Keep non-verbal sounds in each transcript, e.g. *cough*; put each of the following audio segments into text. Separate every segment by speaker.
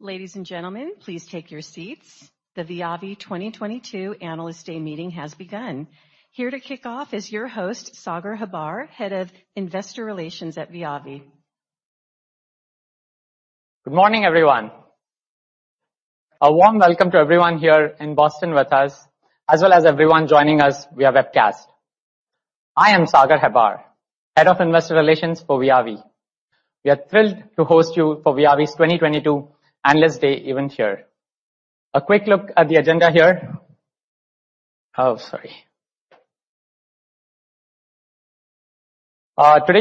Speaker 1: Ladies and gentlemen, please take your seats. The Viavi 2022 Analyst Day meeting has begun. Here to kick off is your host, Sagar Hebbar, Head of Investor Relations at Viavi.
Speaker 2: Good morning, everyone. A warm welcome to everyone here in Boston with us, as well as everyone joining us via webcast. I am Sagar Hebbar, Head of Investor Relations for Viavi. We are thrilled to host you for Viavi's 2022 Analyst Day event here. A quick look at the agenda here. Today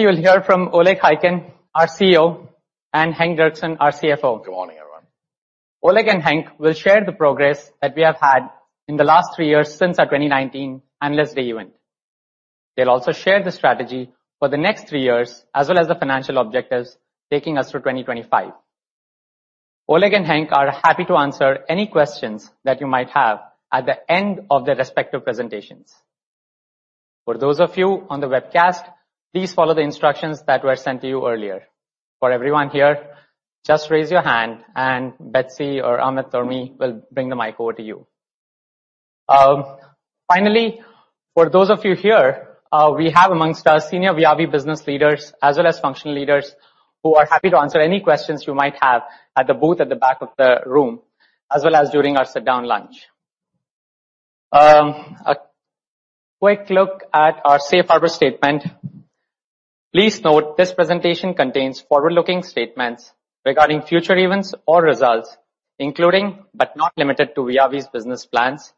Speaker 2: you will hear from Oleg Khaykin, our CEO, and Henk Derksen, our CFO.
Speaker 3: Good morning, everyone.
Speaker 2: Oleg and Henk will share the progress that we have had in the last three years since our 2019 Analyst Day event. They'll also share the strategy for the next three years, as well as the financial objectives taking us through 2025. Oleg and Henk are happy to answer any questions that you might have at the end of their respective presentations. For those of you on the webcast, please follow the instructions that were sent to you earlier. For everyone here, just raise your hand and Betsy or Amit or me will bring the mic over to you. Finally, for those of you here, we have amongst our senior Viavi business leaders, as well as functional leaders, who are happy to answer any questions you might have at the booth at the back of the room, as well as during our sit-down lunch. A quick look at our safe harbor statement. Please note this presentation contains forward-looking statements regarding future events or results, including, but not limited to Viavi's business plans,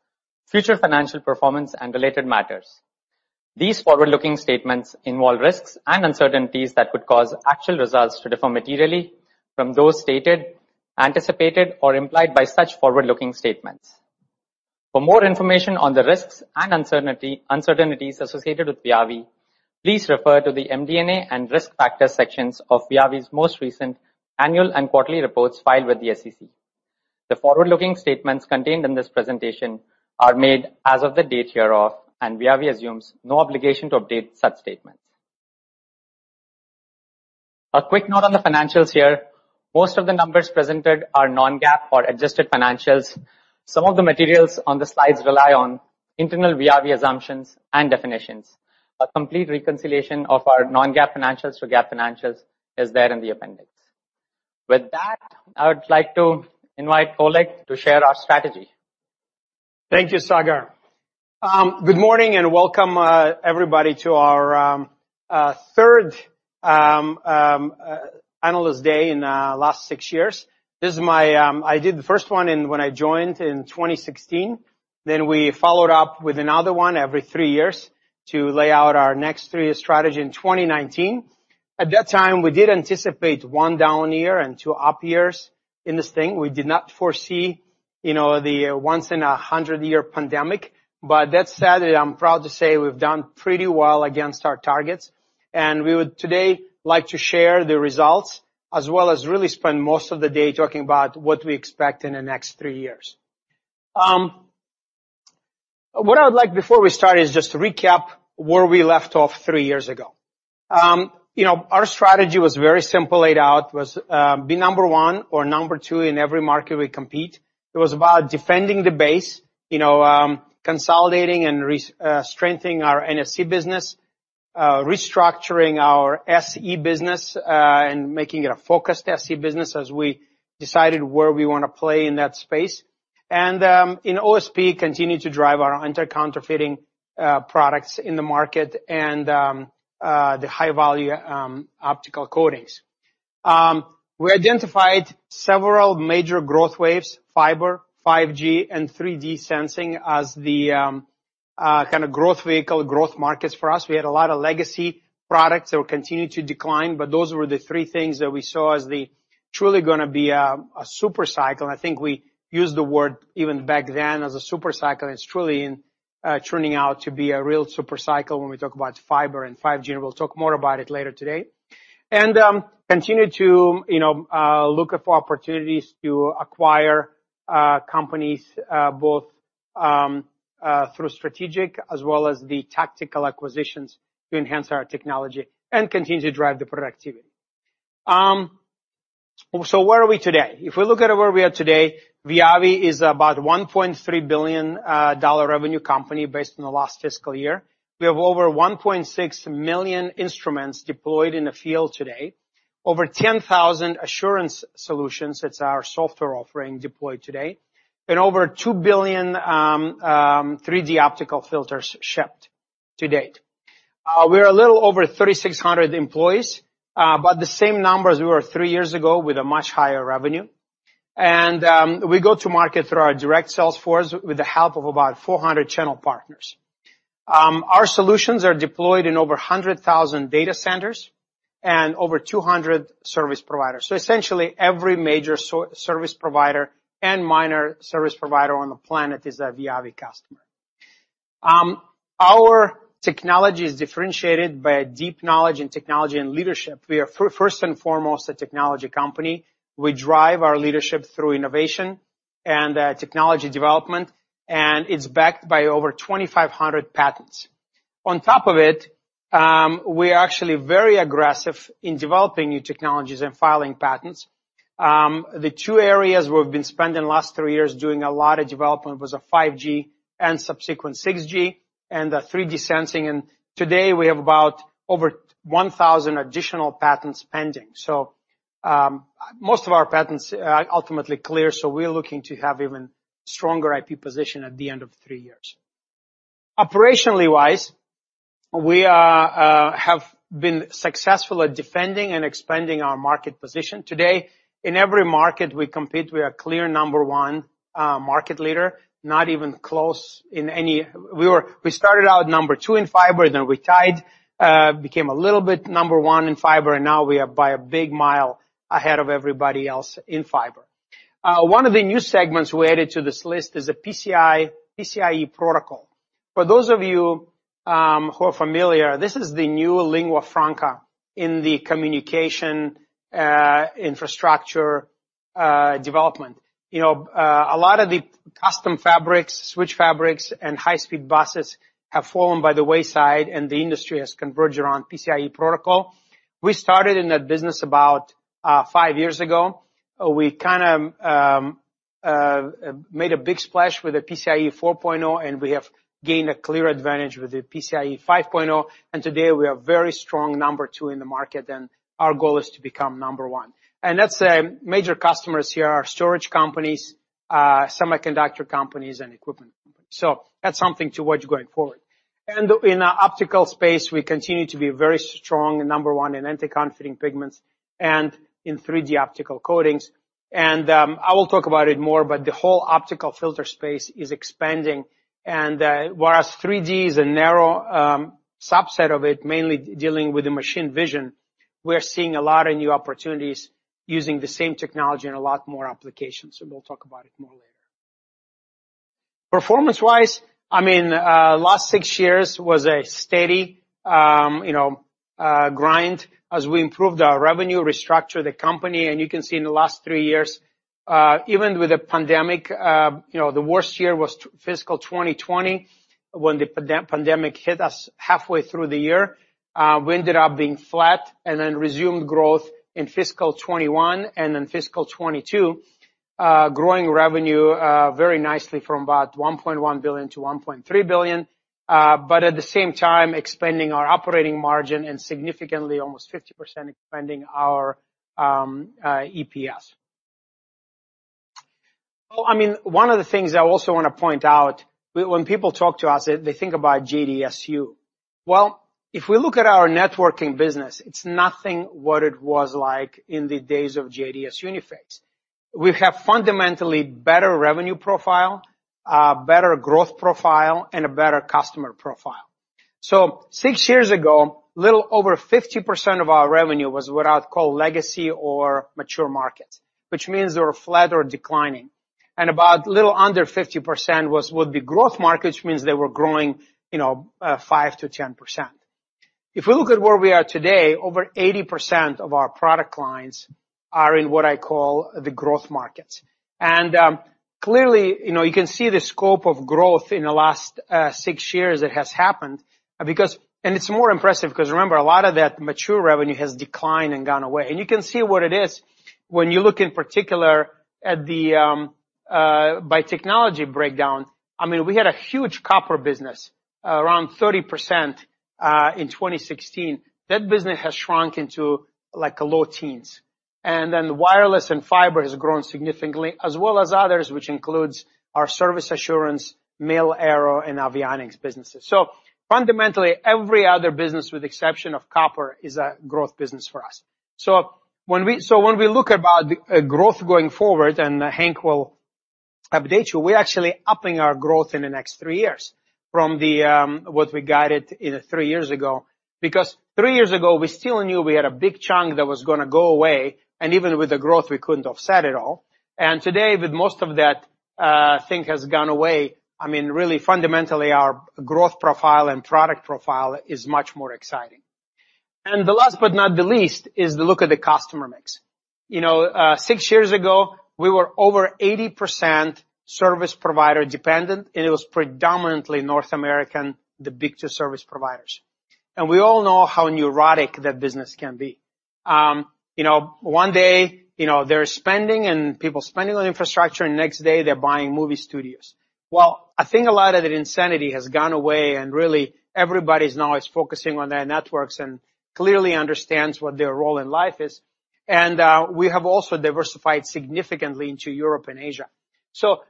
Speaker 2: future financial performance, and related matters. These forward-looking statements involve risks and uncertainties that could cause actual results to differ materially from those stated, anticipated, or implied by such forward-looking statements. For more information on the risks and uncertainties associated with Viavi, please refer to the MD&A and risk factors sections of Viavi's most recent annual and quarterly reports filed with the SEC. The forward-looking statements contained in this presentation are made as of the date hereof, and Viavi assumes no obligation to update such statements. A quick note on the financials here. Most of the numbers presented are non-GAAP or adjusted financials. Some of the materials on the slides rely on internal Viavi assumptions and definitions. A complete reconciliation of our non-GAAP financials to GAAP financials is there in the appendix. With that, I would like to invite Oleg to share our strategy.
Speaker 4: Thank you, Sagar. Good morning and welcome, everybody to our third Analyst Day in last six years. I did the first one when I joined in 2016, then we followed up with another one every three years to lay out our next three years strategy in 2019. At that time, we did anticipate one down year and two up years in this thing. We did not foresee, you know, the once-in-a-hundred-year pandemic. That said, I'm proud to say we've done pretty well against our targets, and we would today like to share the results, as well as really spend most of the day talking about what we expect in the next three years. What I would like before we start is just to recap where we left off three years ago. You know, our strategy was very simple laid out, be number one or number two in every market we compete. It was about defending the base. You know, consolidating and strengthening our NSE business, restructuring our SE business, and making it a focused SE business as we decided where we want to play in that space. In OSP, we continue to drive our anti-counterfeiting products in the market and the high value optical coatings. We identified several major growth waves, fiber, 5G, and 3D sensing as the kind of growth vehicle, growth markets for us. We had a lot of legacy products that would continue to decline, but those were the three things that we saw as the truly gonna be a super cycle. I think we used the word even back then as a super cycle, and it's truly turning out to be a real super cycle when we talk about fiber and 5G, and we'll talk more about it later today. Continue to look for opportunities to acquire companies both through strategic as well as the tactical acquisitions to enhance our technology and continue to drive the productivity. Where are we today? If we look at where we are today, Viavi is about $1.3 billion revenue company based on the last fiscal year. We have over 1.6 million instruments deployed in the field today. Over 10,000 assurance solutions, that's our software offering deployed today. Over 2 billion 3D optical filters shipped to date. We are a little over 3,600 employees, about the same numbers we were three years ago with a much higher revenue. We go to market through our direct sales force with the help of about 400 channel partners. Our solutions are deployed in over 100,000 data centers and over 200 service providers. Essentially every major service provider and minor service provider on the planet is a Viavi customer. Our technology is differentiated by a deep knowledge in technology and leadership. We are first and foremost a technology company. We drive our leadership through innovation and technology development, and it's backed by over 2,500 patents. On top of it, we are actually very aggressive in developing new technologies and filing patents. The two areas we've been spending the last three years doing a lot of development was 5G and subsequent 6G and the 3D sensing. Today we have about over 1,000 additional patents pending. Most of our patents are ultimately clear, so we're looking to have even stronger IP position at the end of three years. Operationally wise, we have been successful at defending and expanding our market position. Today, in every market we compete, we are clear number one market leader, not even close in any. We started out number two in fiber, then we tied, became a little bit number one in fiber, and now we are by a big mile ahead of everybody else in fiber. One of the new segments we added to this list is a PCIe protocol. For those of you who are familiar, this is the new lingua franca in the communication infrastructure development. You know, a lot of the custom fabrics, switch fabrics, and high-speed buses have fallen by the wayside, and the industry has converged around PCIe protocol. We started in that business about five years ago. We kind of made a big splash with the PCIe 4.0, and we have gained a clear advantage with the PCIe 5.0. Today we are very strong number two in the market, and our goal is to become number one. That's major customers here are storage companies, semiconductor companies and equipment. That's something to watch going forward. In optical space, we continue to be very strong and number one in anti-counterfeiting pigments and in 3D optical coatings. I will talk about it more, but the whole optical filter space is expanding. Whereas 3D is a narrow subset of it, mainly dealing with the machine vision, we're seeing a lot of new opportunities using the same technology in a lot more applications, and we'll talk about it more later. Performance-wise, I mean, last six years was a steady, you know, grind as we improved our revenue, restructured the company. You can see in the last three years, even with the pandemic, you know, the worst year was fiscal 2020 when the pandemic hit us halfway through the year. We ended up being flat and then resumed growth in fiscal 2021 and in fiscal 2022, growing revenue very nicely from about $1.1 billion to $1.3 billion. At the same time, expanding our operating margin significantly, almost 50%, expanding our EPS. Well, I mean, one of the things I also wanna point out, when people talk to us, they think about JDSU. If we look at our networking business, it's nothing like what it was like in the days of JDS Uniphase. We have fundamentally better revenue profile, better growth profile, and a better customer profile. Six years ago, a little over 50% of our revenue was what I'd call legacy or mature market, which means they were flat or declining. About a little under 50% would be growth markets, means they were growing, you know, 5%-10%. If we look at where we are today, over 80% of our product lines are in what I call the growth markets. Clearly, you know, you can see the scope of growth in the last six years that has happened because it's more impressive because remember, a lot of that mature revenue has declined and gone away. You can see what it is when you look in particular at by technology breakdown. I mean, we had a huge copper business, around 30%, in 2016. That business has shrunk into like low teens. Then wireless and fiber has grown significantly, as well as others, which includes our service assurance, Mil/Aero, and avionics businesses. Fundamentally, every other business, with exception of copper, is a growth business for us. When we look about growth going forward, and Henk will update you, we're actually upping our growth in the next three years from the, what we guided in three years ago. Because three years ago, we still knew we had a big chunk that was going to go away, and even with the growth, we couldn't offset it all. Today, with most of that, thing has gone away, I mean, really fundamentally, our growth profile and product profile is much more exciting. The last but not the least is the look at the customer mix. You know, six years ago, we were over 80% service provider dependent, and it was predominantly North American, the big two service providers. We all know how neurotic that business can be. You know, one day, you know, they're spending and people spending on infrastructure, and next day they're buying movie studios. Well, I think a lot of that insanity has gone away and really everybody's now focusing on their networks and clearly understands what their role in life is. We have also diversified significantly into Europe and Asia.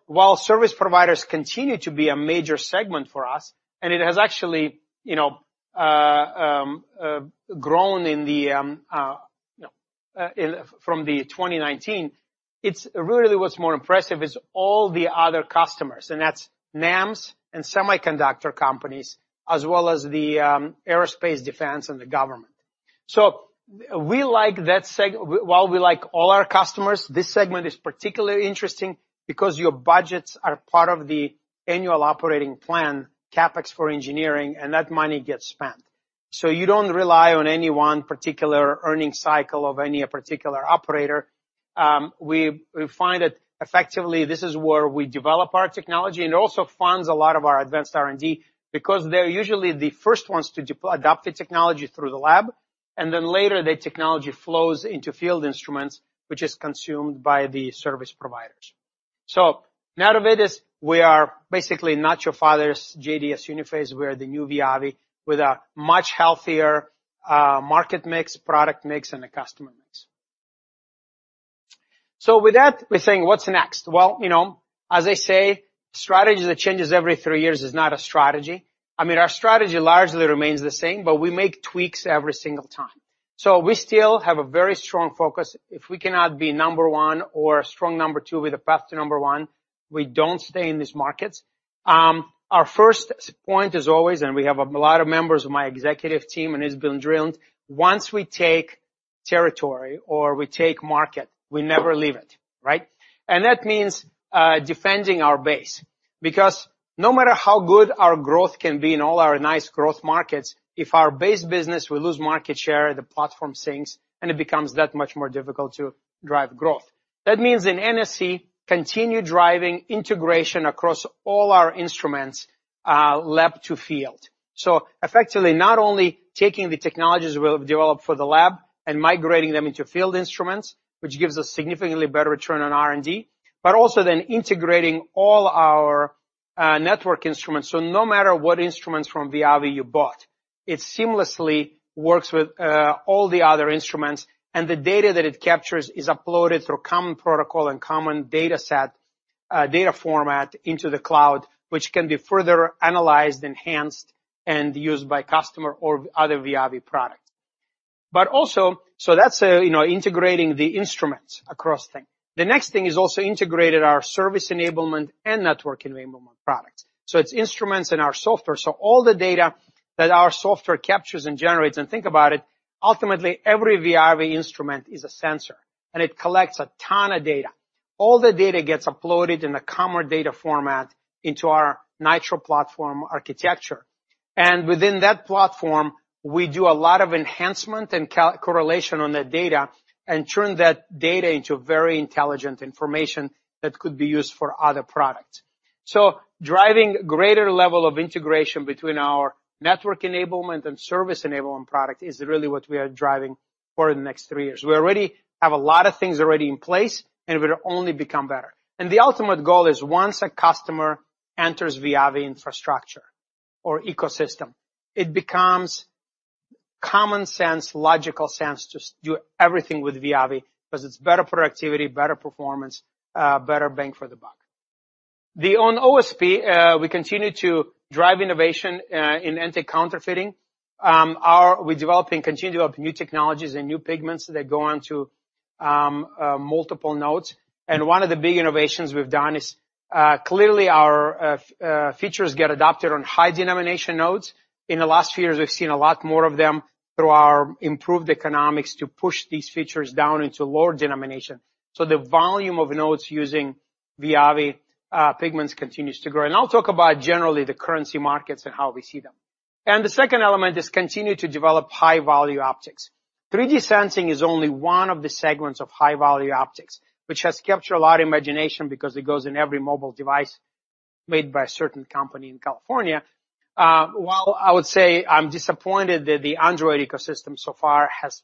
Speaker 4: While service providers continue to be a major segment for us, and it has actually, you know, grown in the, you know, from 2019, it's really what's more impressive is all the other customers, and that's NAMs and semiconductor companies, as well as the aerospace defense and the government. While we like all our customers, this segment is particularly interesting because your budgets are part of the annual operating plan, CapEx for engineering, and that money gets spent. You don't rely on any one particular earning cycle of any particular operator. We find that effectively this is where we develop our technology, and it also funds a lot of our advanced R&D because they're usually the first ones to adopt the technology through the lab, and then later, the technology flows into field instruments, which is consumed by the service providers. Ladies and gentlemen, we are basically not your father's JDS Uniphase. We're the new Viavi with a much healthier market mix, product mix, and a customer mix. With that, we're saying, "What's next?" Well, you know, as they say, strategy that changes every three years is not a strategy. I mean, our strategy largely remains the same, but we make tweaks every single time. We still have a very strong focus. If we cannot be number one or a strong number two with a path to number one, we don't stay in these markets. Our first key point is always, and we have a lot of members of my executive team, and it's been drilled. Once we take territory or we take market, we never leave it, right? That means defending our base because no matter how good our growth can be in all our nice growth markets, if our base business we lose market share, the platform sinks, and it becomes that much more difficult to drive growth. That means in NSE, continue driving integration across all our instruments, lab to field. Effectively, not only taking the technologies we have developed for the lab and migrating them into field instruments, which gives us significantly better return on R&D, but also then integrating all our network instruments. No matter what instruments from Viavi you bought, it seamlessly works with all the other instruments, and the data that it captures is uploaded through common protocol and common dataset, data format into the cloud, which can be further analyzed, enhanced, and used by customer or other Viavi products. That's, you know, integrating the instruments across things. The next thing is also integrated our service enablement and network enablement products. It's instruments and our software. All the data that our software captures and generates, and think about it, ultimately, every Viavi instrument is a sensor, and it collects a ton of data. All the data gets uploaded in a common data format into our NITRO platform architecture. Within that platform, we do a lot of enhancement and correlation on that data and turn that data into very intelligent information that could be used for other products. Driving greater level of integration between our network enablement and service enablement product is really what we are driving for the next three years. We already have a lot of things already in place, and we'll only become better. The ultimate goal is once a customer enters Viavi infrastructure or ecosystem, it becomes common sense, logical sense to do everything with Viavi because it's better productivity, better performance, better bang for the buck. On OSP, we continue to drive innovation in anti-counterfeiting. We're developing, continue to develop new technologies and new pigments that go onto multiple nodes. One of the big innovations we've done is clearly our features get adopted on high denomination notes. In the last few years, we've seen a lot more of them through our improved economics to push these features down into lower denominations. The volume of notes using Viavi pigments continues to grow. I'll talk about generally the currency markets and how we see them. The second element is to continue to develop high-value optics. 3D sensing is only one of the segments of high-value optics, which has captured a lot of imagination because it goes in every mobile device made by a certain company in California. While I would say I'm disappointed that the Android ecosystem so far has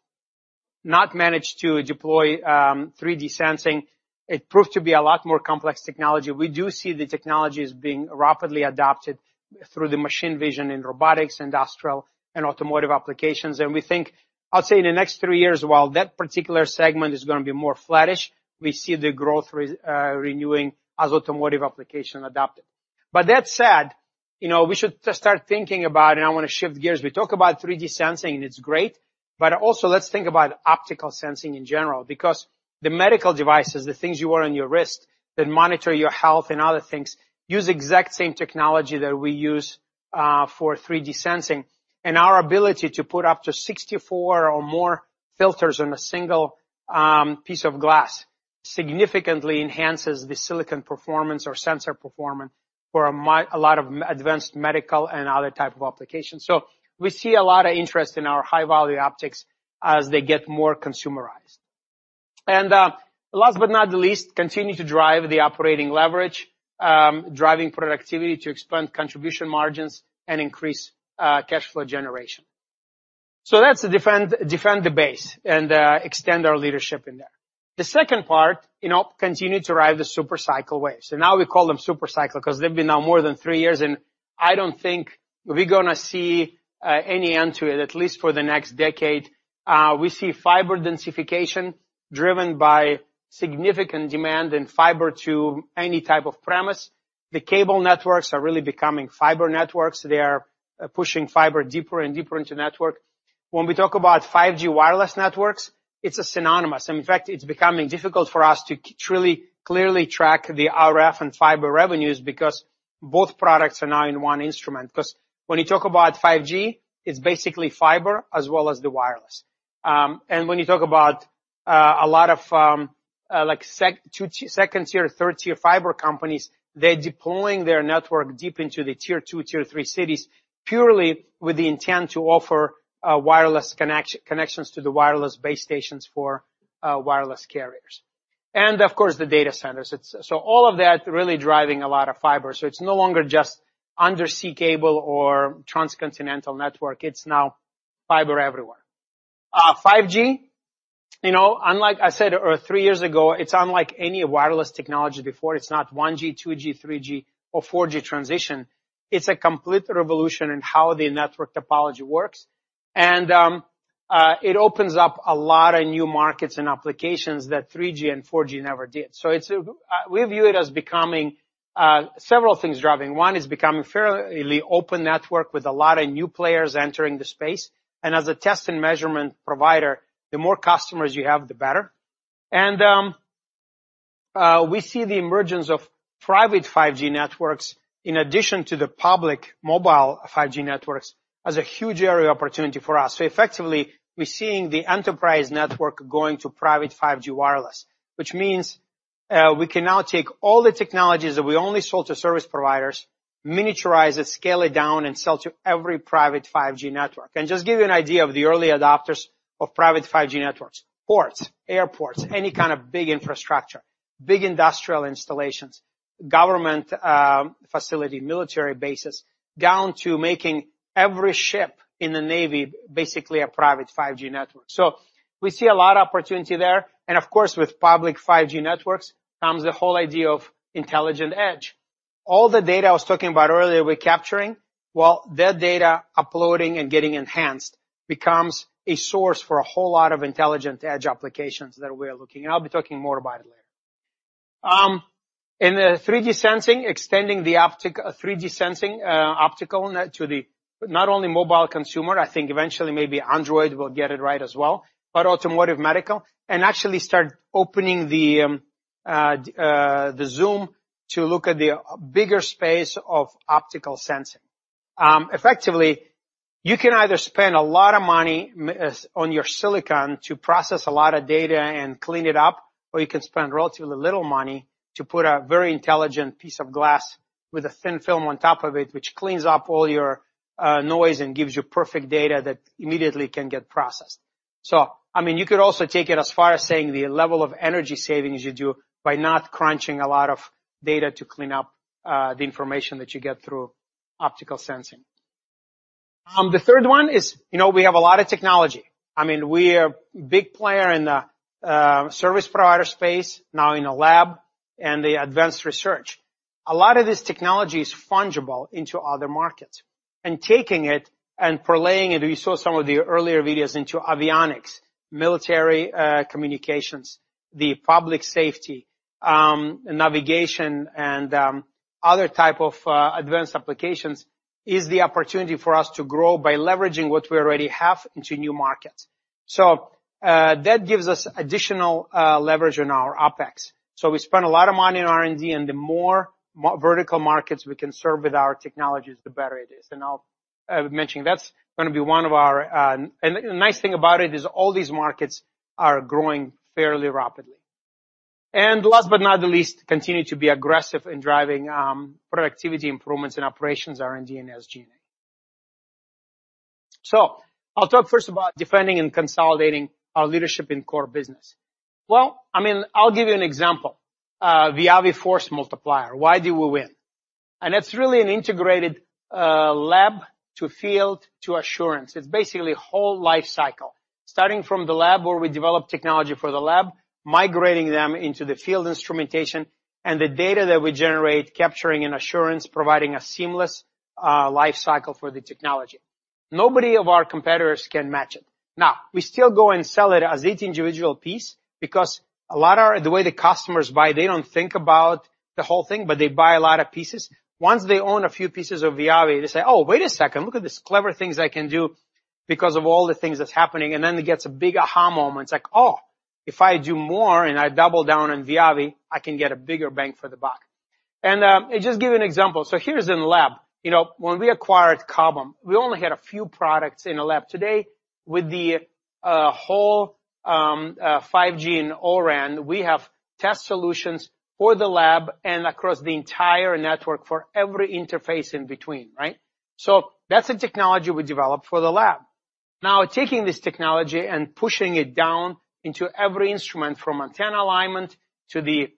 Speaker 4: not managed to deploy 3D sensing, it proved to be a lot more complex technology. We do see the technologies being rapidly adopted through the machine vision in robotics, industrial, and automotive applications. We think, I'll say in the next three years, while that particular segment is gonna be more flattish, we see the growth renewing as automotive application adopt it. That said, you know, we should just start thinking about, and I wanna shift gears. We talk about 3D sensing, and it's great, but also let's think about optical sensing in general because the medical devices, the things you wear on your wrist that monitor your health and other things, use exact same technology that we use, for 3D sensing. Our ability to put up to 64 or more filters on a single piece of glass significantly enhances the silicon performance or sensor performance for a lot of advanced medical and other type of applications. We see a lot of interest in our high-value optics as they get more consumerized. Last but not the least, continue to drive the operating leverage, driving productivity to expand contribution margins and increase cash flow generation. That's defend the base and extend our leadership in there. The second part, you know, continue to ride the super cycle wave. Now we call them super cycle 'cause they've been now more than three years, and I don't think we're gonna see any end to it, at least for the next decade. We see fiber densification driven by significant demand in fiber to any type of premise. The cable networks are really becoming fiber networks. They are pushing fiber deeper and deeper into network. When we talk about 5G wireless networks, it's synonymous. In fact, it's becoming difficult for us to truly clearly track the RF and fiber revenues because both products are now in one instrument. When you talk about 5G, it's basically fiber as well as the wireless. And when you talk about a lot of, like second tier, third tier fiber companies, they're deploying their network deep into the Tier 2, Tier 3 cities, purely with the intent to offer wireless connections to the wireless base stations for wireless carriers. Of course, the data centers. All of that really driving a lot of fiber. It's no longer just undersea cable or transcontinental network. It's now fiber everywhere. 5G, you know, unlike I said or three years ago, it's unlike any wireless technology before. It's not 1G, 2G, 3G, or 4G transition. It's a complete revolution in how the network topology works. It opens up a lot of new markets and applications that 3G and 4G never did. We view it as becoming several things driving. One, it's becoming fairly open network with a lot of new players entering the space. As a test and measurement provider, the more customers you have, the better. We see the emergence of private 5G networks in addition to the public mobile 5G networks as a huge area of opportunity for us. Effectively, we're seeing the enterprise network going to private 5G wireless. Which means, we can now take all the technologies that we only sold to service providers, miniaturize it, scale it down, and sell to every private 5G network. Just give you an idea of the early adopters of private 5G networks. Ports, airports, any kind of big infrastructure, big industrial installations, government, facility, military bases, down to making every ship in the Navy basically a private 5G network. We see a lot of opportunity there. Of course, with public 5G networks comes the whole idea of intelligent edge. All the data I was talking about earlier we're capturing, well, that data uploading and getting enhanced becomes a source for a whole lot of intelligent edge applications that we're looking. I'll be talking more about it later. In the 3D sensing, extending the optical net to not only mobile consumer, I think eventually maybe Android will get it right as well, but automotive, medical, and actually start opening the zoom to look at the bigger space of optical sensing. Effectively, you can either spend a lot of money on your silicon to process a lot of data and clean it up, or you can spend relatively little money to put a very intelligent piece of glass with a thin film on top of it, which cleans up all your noise and gives you perfect data that immediately can get processed. I mean, you could also take it as far as saying the level of energy savings you do by not crunching a lot of data to clean up the information that you get through optical sensing. The third one is, you know, we have a lot of technology. I mean, we are big player in the service provider space, now in a lab, and the advanced research. A lot of this technology is fungible into other markets. Taking it and relaying it, you saw some of the earlier videos into avionics, military, communications, the public safety, navigation and other type of advanced applications, is the opportunity for us to grow by leveraging what we already have into new markets. That gives us additional leverage on our OpEx. We spend a lot of money in R&D, and the more vertical markets we can serve with our technologies, the better it is. The nice thing about it is all these markets are growing fairly rapidly. Last but not least, continue to be aggressive in driving productivity improvements in operations, R&D, and SG&A. I'll talk first about defending and consolidating our leadership in core business. Well, I mean, I'll give you an example. Viavi Force Multiplier. Why do we win? That's really an integrated lab to field to assurance. It's basically whole life cycle, starting from the lab where we develop technology for the lab, migrating them into the field instrumentation, and the data that we generate capturing and assurance, providing a seamless life cycle for the technology. Nobody of our competitors can match it. Now, we still go and sell it as each individual piece because a lot of the way the customers buy, they don't think about the whole thing, but they buy a lot of pieces. Once they own a few pieces of Viavi, they say, "Oh, wait a second. Look at these clever things I can do because of all the things that's happening." Then it gets a big aha moment. It's like, "Oh, if I do more and I double down on Viavi, I can get a bigger bang for the buck." Just give you an example. Here it is in lab. You know, when we acquired Cobham, we only had a few products in the lab. Today, with the whole 5G and O-RAN, we have test solutions for the lab and across the entire network for every interface in between, right? That's the technology we developed for the lab. Now, taking this technology and pushing it down into every instrument from antenna alignment to the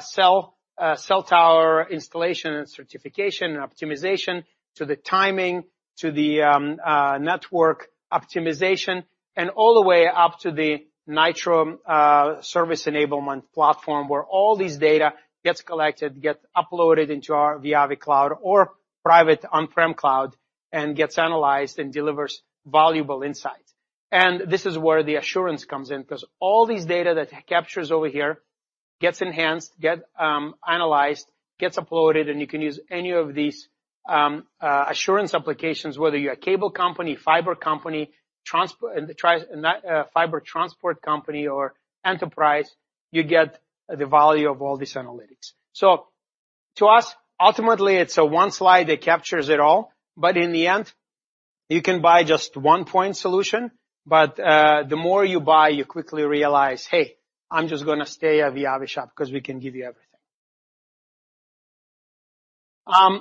Speaker 4: cell tower installation and certification and optimization, to the timing, to the network optimization, and all the way up to the NITRO service enablement platform, where all this data gets collected, gets uploaded into our Viavi cloud or private on-premises cloud, and gets analyzed and delivers valuable insights. This is where the assurance comes in, 'cause all these data that captures over here gets enhanced, analyzed, gets uploaded, and you can use any of these assurance applications, whether you're a cable company, fiber company, fiber transport company or enterprise, you get the value of all these analytics. To us, ultimately, it's a one slide that captures it all, but in the end you can buy just one point solution, but the more you buy, you quickly realize, "Hey, I'm just gonna stay at the Viavi shop" 'cause we can give you everything.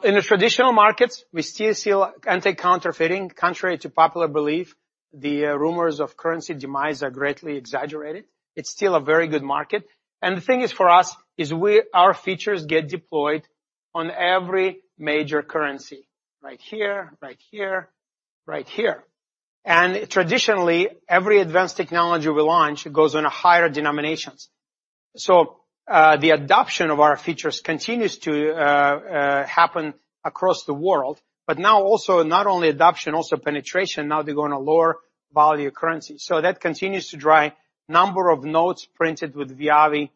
Speaker 4: In the traditional markets, we still see, like, anti-counterfeiting. Contrary to popular belief, the rumors of currency demise are greatly exaggerated. It's still a very good market. The thing is for us, is our features get deployed on every major currency. Right here. Traditionally, every advanced technology we launch goes on higher denominations. The adoption of our features continues to happen across the world. Now also not only adoption, also penetration. Now they're going to lower value currency. That continues to drive number of nodes printed with Viavi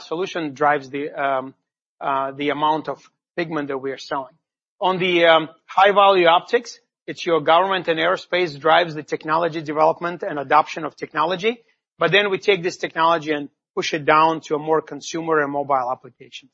Speaker 4: Solution drives the amount of pigment that we are selling. On the high-value optics, it's your government and aerospace that drives the technology development and adoption of technology, but then we take this technology and push it down to a more consumer and mobile applications.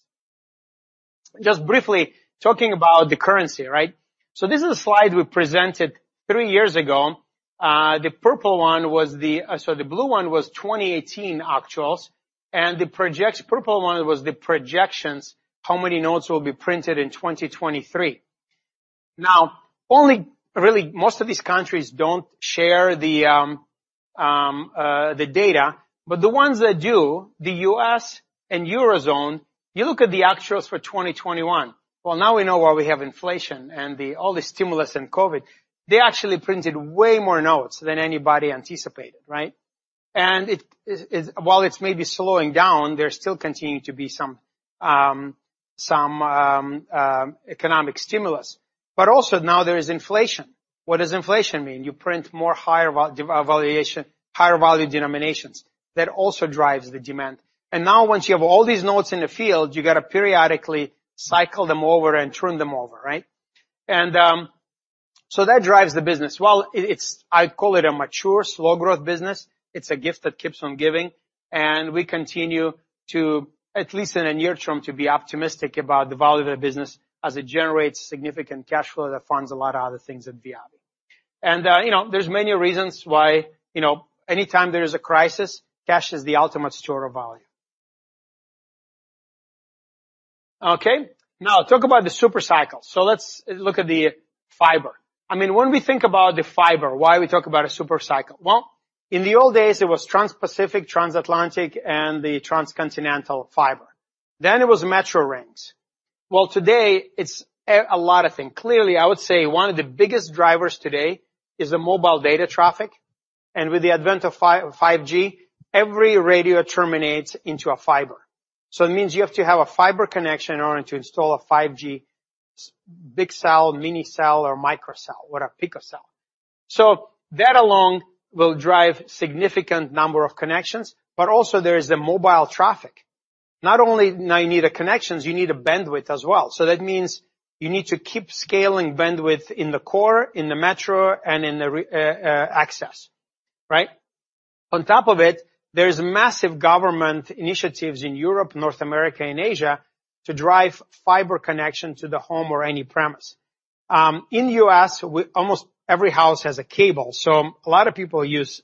Speaker 4: Just briefly talking about the currency, right? This is a slide we presented three years ago. The purple one was the, oh sorry. The blue one was 2018 actuals, and the purple one was the projections, how many notes will be printed in 2023. Now, only really, most of these countries don't share the data, but the ones that do, the US and Eurozone, you look at the actuals for 2021. Well, now we know why we have inflation and all the stimulus in COVID. They actually printed way more notes than anybody anticipated, right? While it's maybe slowing down, there still continue to be some economic stimulus. But also, now there is inflation. What does inflation mean? You print more higher valuation, higher value denominations. That also drives the demand. Now once you have all these notes in the field, you gotta periodically cycle them over and turn them over, right? So that drives the business. Well, it's a mature slow growth business. It's a gift that keeps on giving. We continue to, at least in a near term, to be optimistic about the value of the business as it generates significant cash flow that funds a lot of other things at Viavi. You know, there's many reasons why, you know, anytime there is a crisis, cash is the ultimate store of value. Okay. Now talk about the super cycle. Let's look at the fiber. I mean, when we think about the fiber, why we talk about a super cycle? Well, in the old days, it was Trans-Pacific, Trans-Atlantic, and the Trans-Continental fiber. Then it was Metro Rings. Well, today, it's a lot of things. Clearly, I would say one of the biggest drivers today is the mobile data traffic. With the advent of 5G, every radio terminates into a fiber. It means you have to have a fiber connection in order to install a 5G big cell, mini cell, or microcell or a picocell. That alone will drive significant number of connections. Also there is the mobile traffic. Not only now you need connections, you need bandwidth as well. That means you need to keep scaling bandwidth in the core, in the metro, and in the access. Right? On top of it, there is massive government initiatives in Europe, North America, and Asia to drive fiber connection to the home or any premise. In U.S., almost every house has a cable, so a lot of people use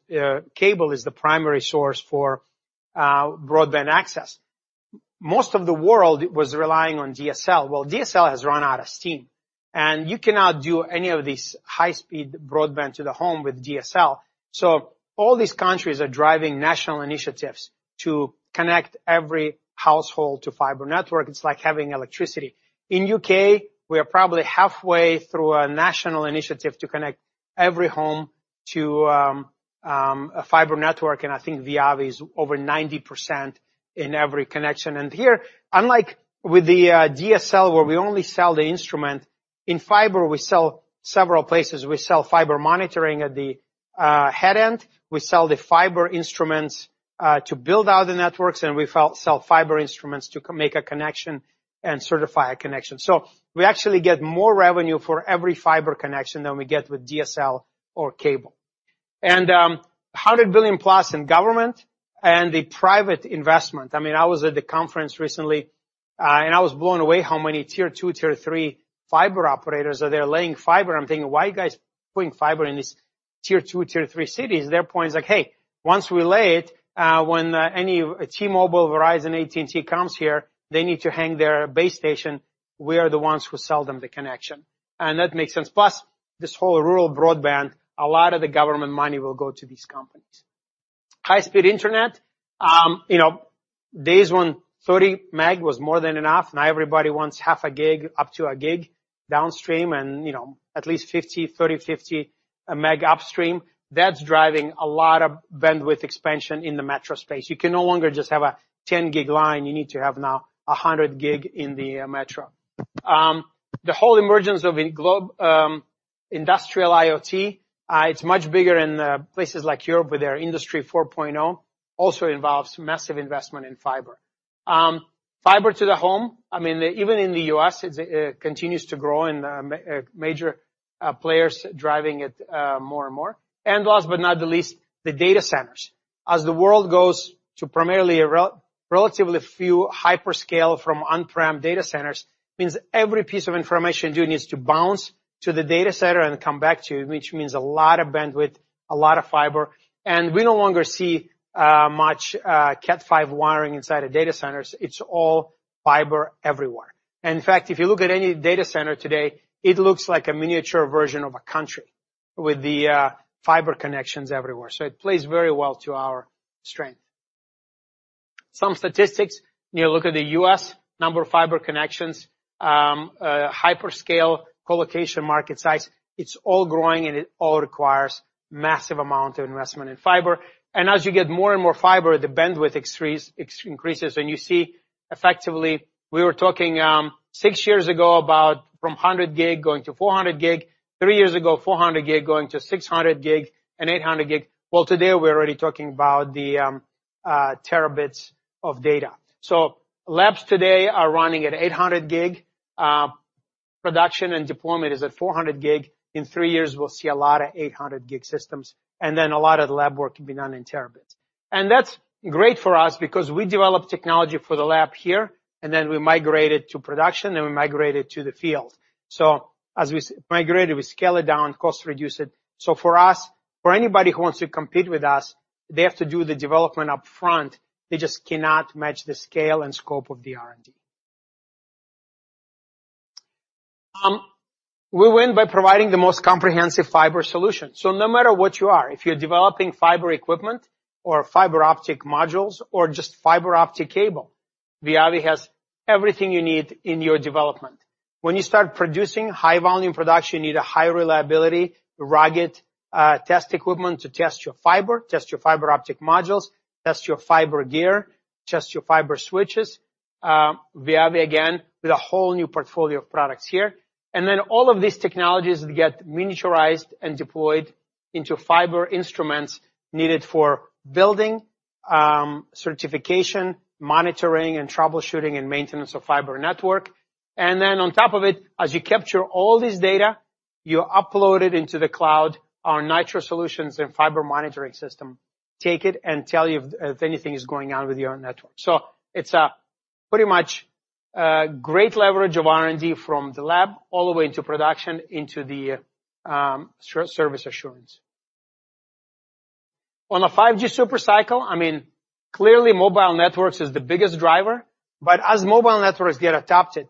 Speaker 4: cable as the primary source for broadband access. Most of the world was relying on DSL. Well, DSL has run out of steam, and you cannot do any of this high-speed broadband to the home with DSL. All these countries are driving national initiatives to connect every household to fiber network. It's like having electricity. In U.K., we are probably halfway through a national initiative to connect every home to a fiber network, and I think Viavi is over 90% in every connection. Here, unlike with the DSL, where we only sell the instrument, in fiber, we sell several places. We sell fiber monitoring at the head end, we sell the fiber instruments to build out the networks, and we sell fiber instruments to make a connection and certify a connection. We actually get more revenue for every fiber connection than we get with DSL or cable. $100 billion+ in government and the private investment. I mean, I was at the conference recently, and I was blown away how many Tier 2, Tier 3 fiber operators are there laying fiber. I'm thinking, "Why are you guys putting fiber in these Tier 2, tier three cities?" Their point is like, "Hey, once we lay it, when any T-Mobile, Verizon, AT&T comes here, they need to hang their base station. We are the ones who sell them the connection." That makes sense. Plus, this whole rural broadband, a lot of the government money will go to these companies. High-speed internet. You know, days when 30 Mbps was more than enough, now everybody wants half a gig up to a gig downstream and, you know, at least 50 Mbps, 30 Mbps, 50 Mbps upstream. That's driving a lot of bandwidth expansion in the metro space. You can no longer just have a 10 Gbps line. You need to have now a 100 Gbps in the metro. The whole emergence of a global industrial IoT, it's much bigger in places like Europe, where their Industry 4.0 also involves massive investment in fiber. Fiber to the home, I mean, even in the US, it's continues to grow and major players driving it, more and more. Last but not the least, the data centers. As the world goes to primarily a relatively few hyperscale from on-prem data centers means every piece of information now needs to bounce to the data center and come back to you, which means a lot of bandwidth, a lot of fiber. We no longer see much Cat 5 wiring inside of data centers. It's all fiber everywhere. In fact, if you look at any data center today, it looks like a miniature version of a country with the fiber connections everywhere. It plays very well to our strength. Some statistics. When you look at the U.S. number of fiber connections, hyperscale collocation market size, it's all growing, and it all requires massive amount of investment in fiber. As you get more and more fiber, the bandwidth increases, and you see effectively we were talking six years ago about from 100 GB going to 400 GB. Three years ago, 400 GB going to 600 GB and 800 GB. Well, today we're already talking about the terabits of data. Labs today are running at 800 GB. Production and deployment is at 400 GB. In three years, we'll see a lot of 800 GB systems, and then a lot of the lab work can be done in terabits. That's great for us because we develop technology for the lab here, and then we migrate it to production, and we migrate it to the field. As we migrate it, we scale it down, cost reduce it. For us, for anybody who wants to compete with us, they have to do the development upfront. They just cannot match the scale and scope of the R&D. We win by providing the most comprehensive fiber solution. No matter what you are, if you're developing fiber equipment or fiber optic modules or just fiber optic cable, Viavi has everything you need in your development. When you start producing high volume production, you need a high reliability, rugged, test equipment to test your fiber, test your fiber optic modules, test your fiber gear, test your fiber switches. Viavi again, with a whole new portfolio of products here. Then all of these technologies get miniaturized and deployed into fiber instruments needed for building, certification, monitoring, and troubleshooting and maintenance of fiber network. Then on top of it, as you capture all this data, you upload it into the cloud. Our NITRO solutions and fiber monitoring system take it and tell you if anything is going on with your network. It's pretty much great leverage of R&D from the lab all the way into production into the service assurance. On a 5G super cycle, I mean, clearly mobile networks is the biggest driver, but as mobile networks get adopted,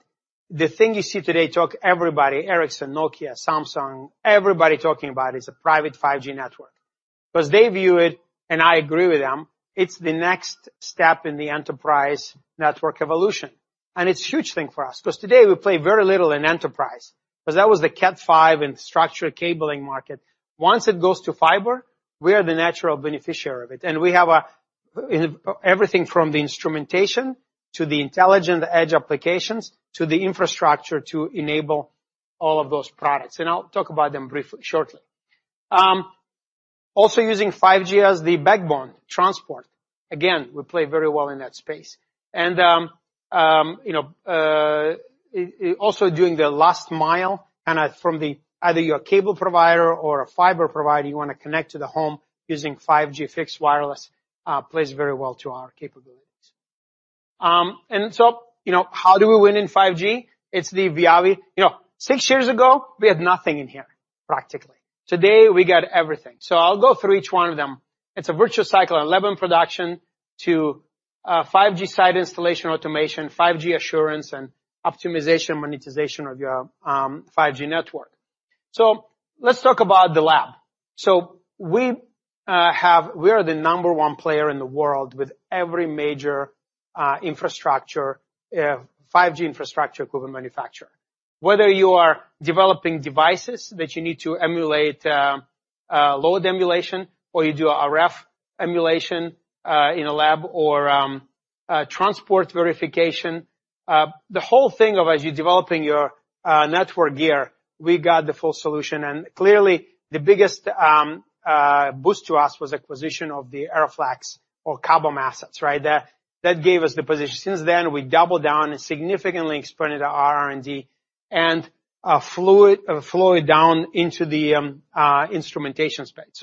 Speaker 4: the thing you see today, everybody talking about, Ericsson, Nokia, Samsung, everybody talking about is a private 5G network. 'Cause they view it, and I agree with them, it's the next step in the enterprise network evolution. It's a huge thing for us 'cause today we play very little in enterprise 'cause that was the Cat 5 and structured cabling market. Once it goes to fiber, we are the natural beneficiary of it, and we have everything from the instrumentation to the intelligent edge applications to the infrastructure to enable all of those products. I'll talk about them shortly. Also using 5G as the backbone transport. Again, we play very well in that space. Also doing the last mile and from either your cable provider or a fiber provider, you wanna connect to the home using 5G fixed wireless plays very well to our capabilities. You know, how do we win in 5G? It's the Viavi. You know, six years ago, we had nothing in here, practically. Today, we got everything. I'll go through each one of them. It's a virtuous cycle, end-to-end production to 5G site installation automation, 5G assurance and optimization, monetization of your 5G network. Let's talk about the lab. We are the number one player in the world with every major infrastructure 5G infrastructure equipment manufacturer. Whether you are developing devices that you need to emulate, load emulation or you do RF emulation in a lab or transport verification, the whole thing of as you're developing your network gear, we got the full solution. Clearly the biggest boost to us was acquisition of the Aeroflex or Cobham assets, right? That gave us the position. Since then, we doubled down and significantly expanded our R&D and flowed down into the instrumentation space.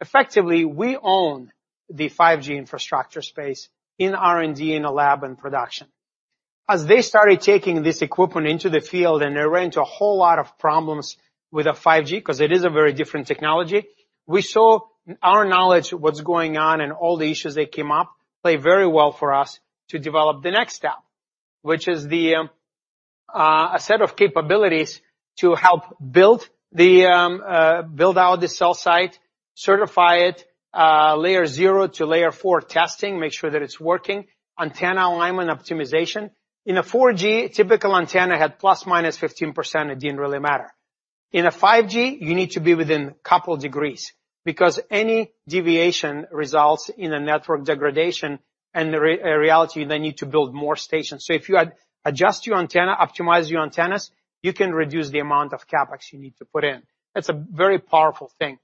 Speaker 4: Effectively, we own the 5G infrastructure space in R&D, in a lab and production. As they started taking this equipment into the field and they ran into a whole lot of problems with the 5G 'cause it is a very different technology, we saw our knowledge of what's going on and all the issues that came up play very well for us to develop the next step, which is a set of capabilities to help build out the cell site, certify it, layer zero to layer four testing, make sure that it's working, antenna alignment optimization. In a 4G, typical antenna had plus or minus 15%, it didn't really matter. In a 5G, you need to be within a couple degrees because any deviation results in a network degradation and a reality they need to build more stations. If you adjust your antenna, optimize your antennas, you can reduce the amount of CapEx you need to put in. That's a very powerful thing.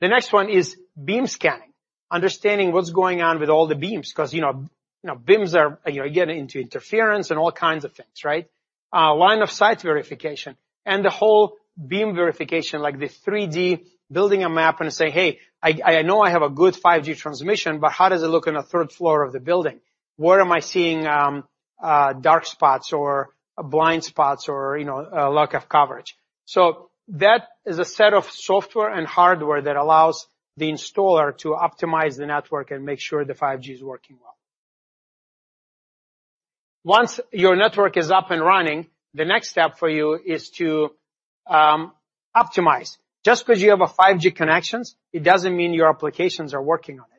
Speaker 4: The next one is beam scanning, understanding what's going on with all the beams because, you know, beams are getting into interference and all kinds of things, right? Line of sight verification and the whole beam verification, like the 3D building a map and say, "Hey, I know I have a good 5G transmission, but how does it look on the third floor of the building? Where am I seeing dark spots or blind spots or, you know, lack of coverage?" That is a set of software and hardware that allows the installer to optimize the network and make sure the 5G is working well. Once your network is up and running, the next step for you is to optimize. Just 'cause you have a 5G connection, it doesn't mean your applications are working on it.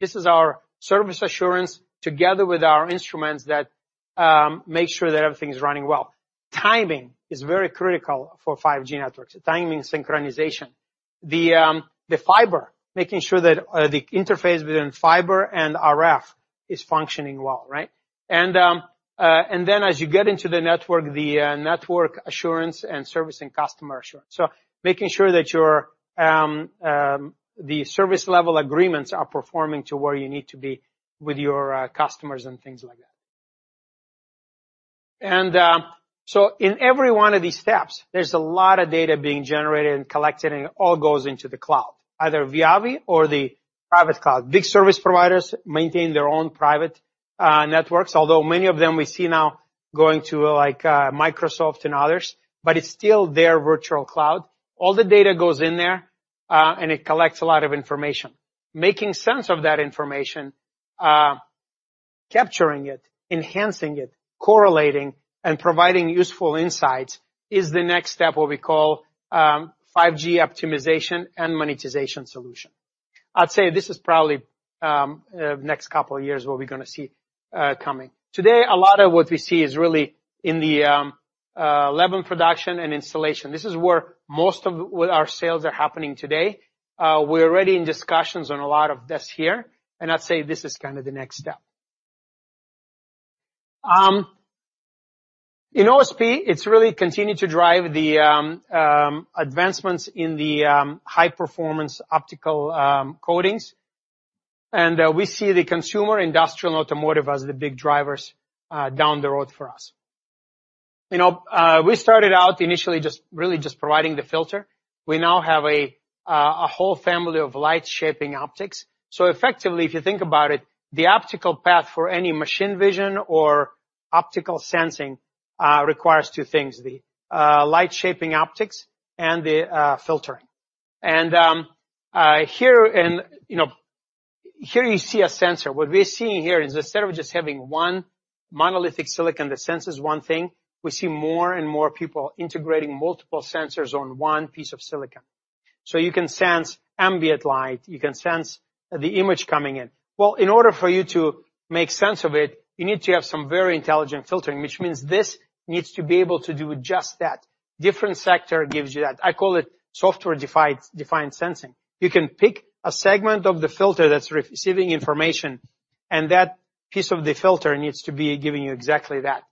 Speaker 4: This is our service assurance together with our instruments that make sure that everything's running well. Timing is very critical for 5G networks. Timing synchronization. The fiber, making sure that the interface within fiber and RF is functioning well, right? Then as you get into the network, the network assurance and service and customer assurance. Making sure that the service level agreements are performing to where you need to be with your customers and things like that. In every one of these steps, there's a lot of data being generated and collected and it all goes into the cloud, either Viavi or the private cloud. Big service providers maintain their own private networks, although many of them we see now going to, like, Microsoft and others, but it's still their virtual cloud. All the data goes in there and it collects a lot of information. Making sense of that information, capturing it, enhancing it, correlating, and providing useful insights is the next step, what we call 5G optimization and monetization solution. I'd say this is probably next couple of years what we're gonna see coming. Today, a lot of what we see is really in the lab and production and installation. This is where most of what our sales are happening today. We're already in discussions on a lot of this here, and I'd say this is kinda the next step. In OSP, it's really continued to drive the advancements in the high performance optical coatings. We see the consumer, industrial, and automotive as the big drivers down the road for us. You know, we started out initially just really providing the filter. We now have a whole family of light-shaping optics. Effectively, if you think about it, the optical path for any machine vision or optical sensing requires two things, the light-shaping optics and the filtering. You know, here you see a sensor. What we're seeing here is instead of just having one monolithic silicon that senses one thing, we see more and more people integrating multiple sensors on one piece of silicon. You can sense ambient light, you can sense the image coming in. Well, in order for you to make sense of it, you need to have some very intelligent filtering, which means this needs to be able to do just that. Different sector gives you that. I call it software-defined sensing. You can pick a segment of the filter that's receiving information, and that piece of the filter needs to be giving you exactly that.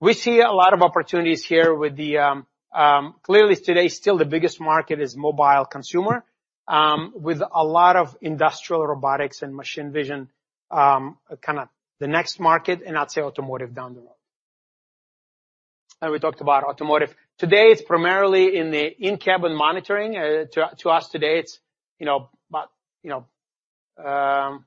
Speaker 4: We see a lot of opportunities here with the. Clearly today, still the biggest market is mobile consumer, with a lot of industrial robotics and machine vision, kinda the next market, and I'd say automotive down the road. We talked about automotive. Today, it's primarily in the in-cabin monitoring. To us today, it's, you know, about, you know,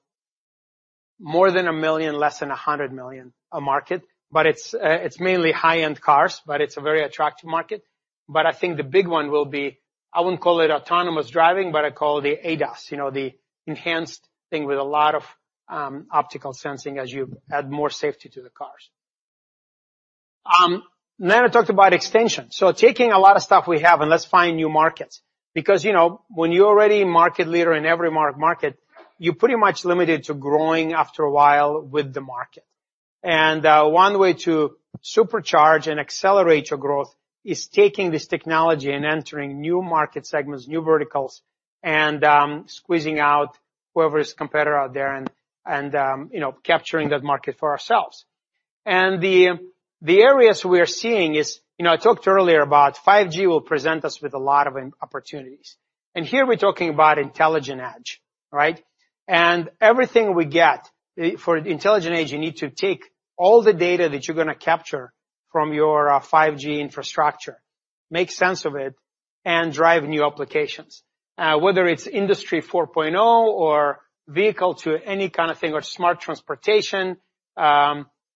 Speaker 4: more than $1 million, less than $100 million a market. It's mainly high-end cars, but it's a very attractive market. I think the big one will be, I wouldn't call it autonomous driving, but I'd call it the ADAS, you know, the enhanced thing with a lot of optical sensing as you add more safety to the cars. Then I talked about extension. Taking a lot of stuff we have and let's find new markets because, you know, when you're already a market leader in every market, you're pretty much limited to growing after a while with the market. One way to supercharge and accelerate your growth is taking this technology and entering new market segments, new verticals, and squeezing out whoever is competitor out there and you know, capturing that market for ourselves. The areas we are seeing is. You know, I talked earlier about 5G will present us with a lot of opportunities. Here we're talking about intelligent edge, right? Everything we get for intelligent edge, you need to take all the data that you're gonna capture from your 5G infrastructure, make sense of it, and drive new applications. Whether it's Industry 4.0 or vehicle to any kind of thing or smart transportation,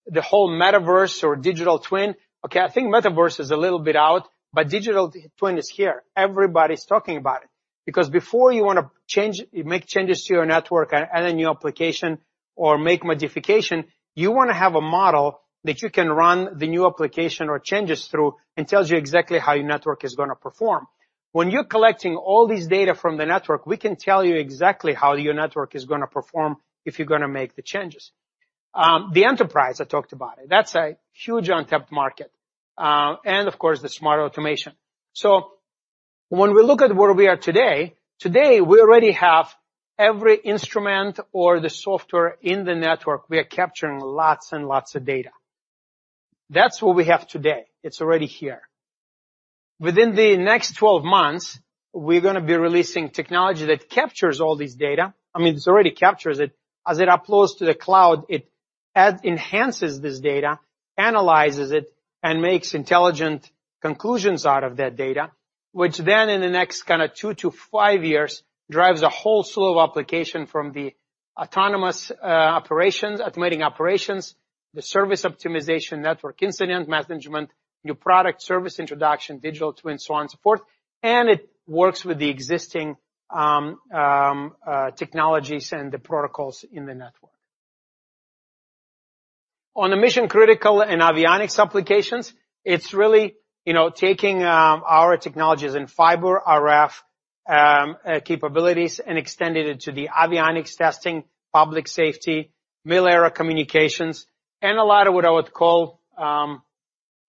Speaker 4: the whole metaverse or digital twin. Okay, I think metaverse is a little bit out, but digital twin is here. Everybody's talking about it. Because before you wanna change, make changes to your network and add a new application or make modification, you wanna have a model that you can run the new application or changes through and tells you exactly how your network is gonna perform. When you're collecting all this data from the network, we can tell you exactly how your network is gonna perform if you're gonna make the changes. The enterprise, I talked about it. That's a huge untapped market. Of course, the smart automation. When we look at where we are today, we already have every instrument or the software in the network. We are capturing lots and lots of data. That's what we have today. It's already here. Within the next 12 months, we're gonna be releasing technology that captures all these data. I mean, it already captures it. As it uploads to the cloud, it enhances this data, analyzes it, and makes intelligent conclusions out of that data, which then in the next kinda two to five years, drives a whole slew of application from the autonomous operations, automating operations, the service optimization network incident management, new product service introduction, digital twin, so on and so forth, and it works with the existing technologies and the protocols in the network. On the mission-critical and avionics applications, it's really, you know, taking our technologies in fiber, RF, capabilities and extending it to the avionics testing, public safety, Mil/Aero communications, and a lot of what I would call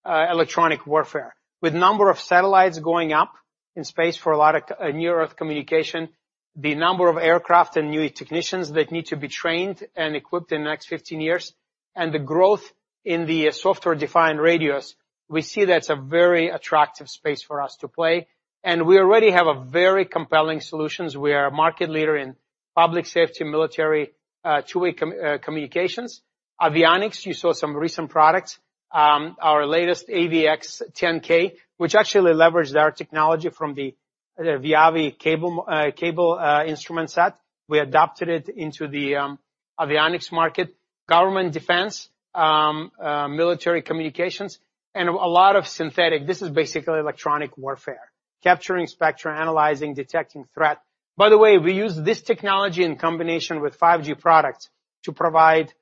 Speaker 4: electronic warfare. With number of satellites going up in space for a lot of near Earth communication, the number of aircraft and new technicians that need to be trained and equipped in the next 15 years, and the growth in the software-defined radios, we see that's a very attractive space for us to play. We already have a very compelling solutions. We are a market leader in public safety, military, two-way com communications. Avionics, you saw some recent products. Our latest AVX-10K, which actually leveraged our technology from the Viavi cable instrument set. We adapted it into the avionics market. Government defense, military communications, and a lot of synthetic. This is basically electronic warfare, capturing spectra, analyzing, detecting threat. By the way, we use this technology in combination with 5G products to provide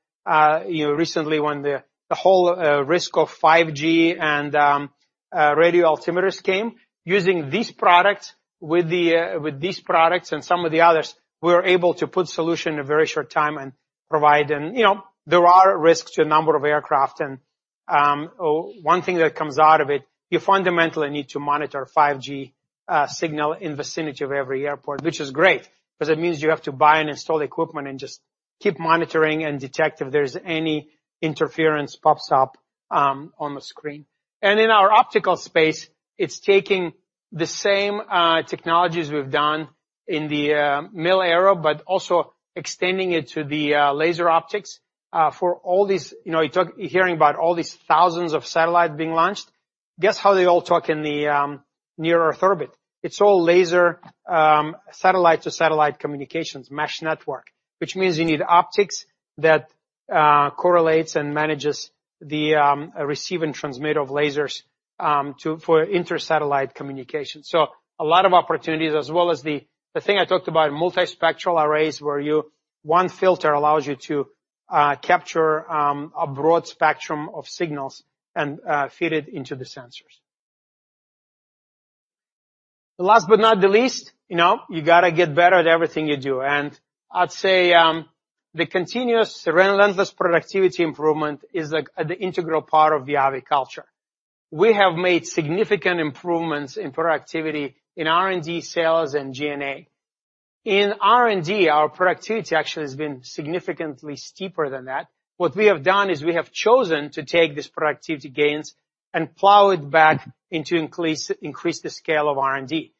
Speaker 4: recently when the whole risk of 5G and radio altimeters came. Using these products with these products and some of the others, we're able to put solution in a very short time and provide. You know, there are risks to a number of aircraft and, one thing that comes out of it, you fundamentally need to monitor 5G signal in vicinity of every airport, which is great 'cause it means you have to buy and install the equipment and just keep monitoring and detect if there's any interference pops up, on the screen. In our optical space, it's taking the same, technologies we've done in the, Mil/Aero, but also extending it to the, laser optics, for all these. You know, you talk, you're hearing about all these thousands of satellites being launched. Guess how they all talk in the, near Earth orbit? It's all laser, satellite-to-satellite communications, mesh network, which means you need optics that correlates and manages the receive and transmit of lasers to for inter-satellite communication. A lot of opportunities, as well as the thing I talked about, multi-spectral arrays, where one filter allows you to capture a broad spectrum of signals and feed it into the sensors. Last but not the least, you know, you gotta get better at everything you do, and I'd say the continuous relentless productivity improvement is like the integral part of Viavi culture. We have made significant improvements in productivity in R&D, sales and G&A. In R&D, our productivity actually has been significantly steeper than that. What we have done is we have chosen to take these productivity gains and plow it back in to increase the scale of R&D.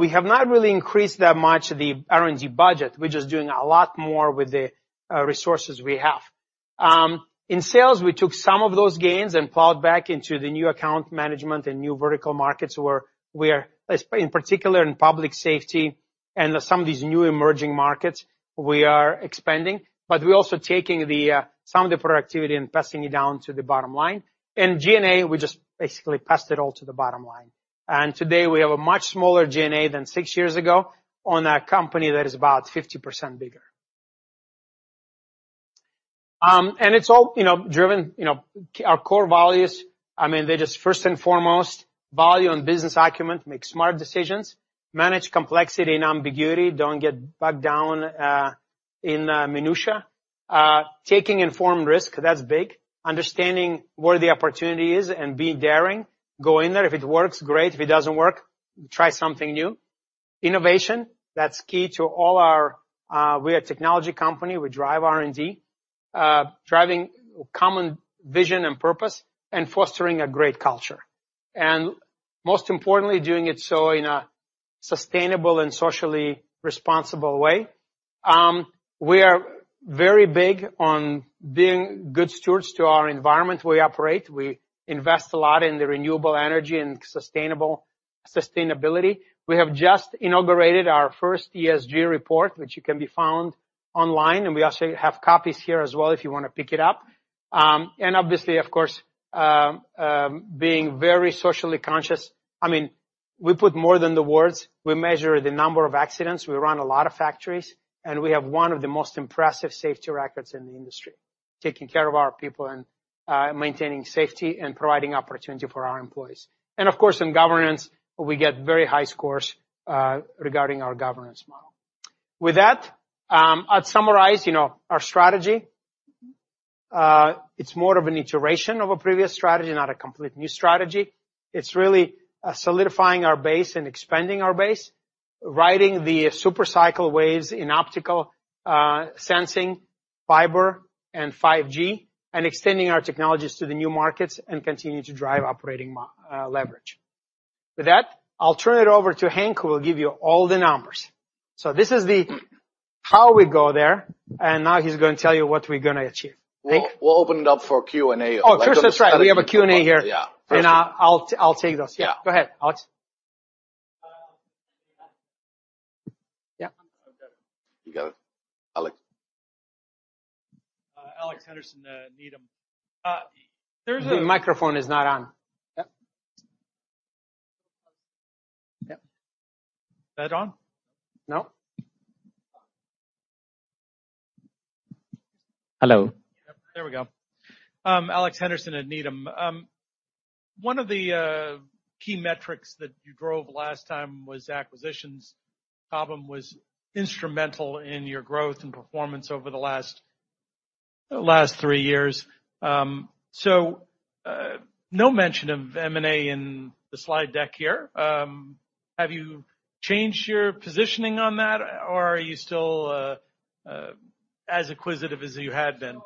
Speaker 4: We have not really increased that much the R&D budget. We're just doing a lot more with the resources we have. In sales, we took some of those gains and plowed back into the new account management and new vertical markets where we are, in particular, in public safety and some of these new emerging markets, we are expanding. But we're also taking some of the productivity and passing it down to the bottom line. In G&A, we just basically passed it all to the bottom line. Today, we have a much smaller G&A than six years ago on a company that is about 50% bigger. It's all, you know, driven, you know, our core values. I mean, they're just first and foremost value and business acumen, make smart decisions, manage complexity and ambiguity, don't get bogged down in minutiae. Taking informed risk, that's big. Understanding where the opportunity is and being daring, go in there. If it works, great. If it doesn't work, try something new. Innovation, that's key to all our, e're a technology company. We drive R&D. Driving common vision and purpose and fostering a great culture. Most importantly, doing it so in a sustainable and socially responsible way. We are very big on being good stewards to our environment we operate. We invest a lot in the renewable energy and sustainable, sustainability. We have just inaugurated our first ESG report, which it can be found online, and we also have copies here as well if you wanna pick it up. Obviously, of course, being very socially conscious. I mean, we put more than the words. We measure the number of accidents. We run a lot of factories, and we have one of the most impressive safety records in the industry, taking care of our people and maintaining safety and providing opportunity for our employees. Of course, in governance, we get very high scores regarding our governance model. With that, I'd summarize, you know, our strategy. It's more of an iteration of a previous strategy, not a complete new strategy. It's really solidifying our base and expanding our base, riding the super cycle waves in optical sensing, fiber and 5G, and extending our technologies to the new markets and continue to drive operating leverage. With that, I'll turn it over to Henk, who will give you all the numbers. This is how we get there, and now he's gonna tell you what we're gonna achieve. Henk.
Speaker 5: We'll open it up for Q&A.
Speaker 4: Oh, first, that's right. We have a Q&A here.
Speaker 5: Yeah.
Speaker 4: I'll take those. Yeah.
Speaker 5: Yeah.
Speaker 4: Go ahead, Alex. Yeah.
Speaker 5: You got it. Alex.
Speaker 6: Alex Henderson, Needham.
Speaker 4: The microphone is not on. Yep. Yep.
Speaker 6: Is that on?
Speaker 4: No. Hello.
Speaker 6: There we go. Alex Henderson at Needham. One of the key metrics that you drove last time was acquisition program instrumental in your growth and performance over the last three years. No mention of M&A in the slide deck here. Have you changed your positioning on that, or are you still as inquisitive as you had been?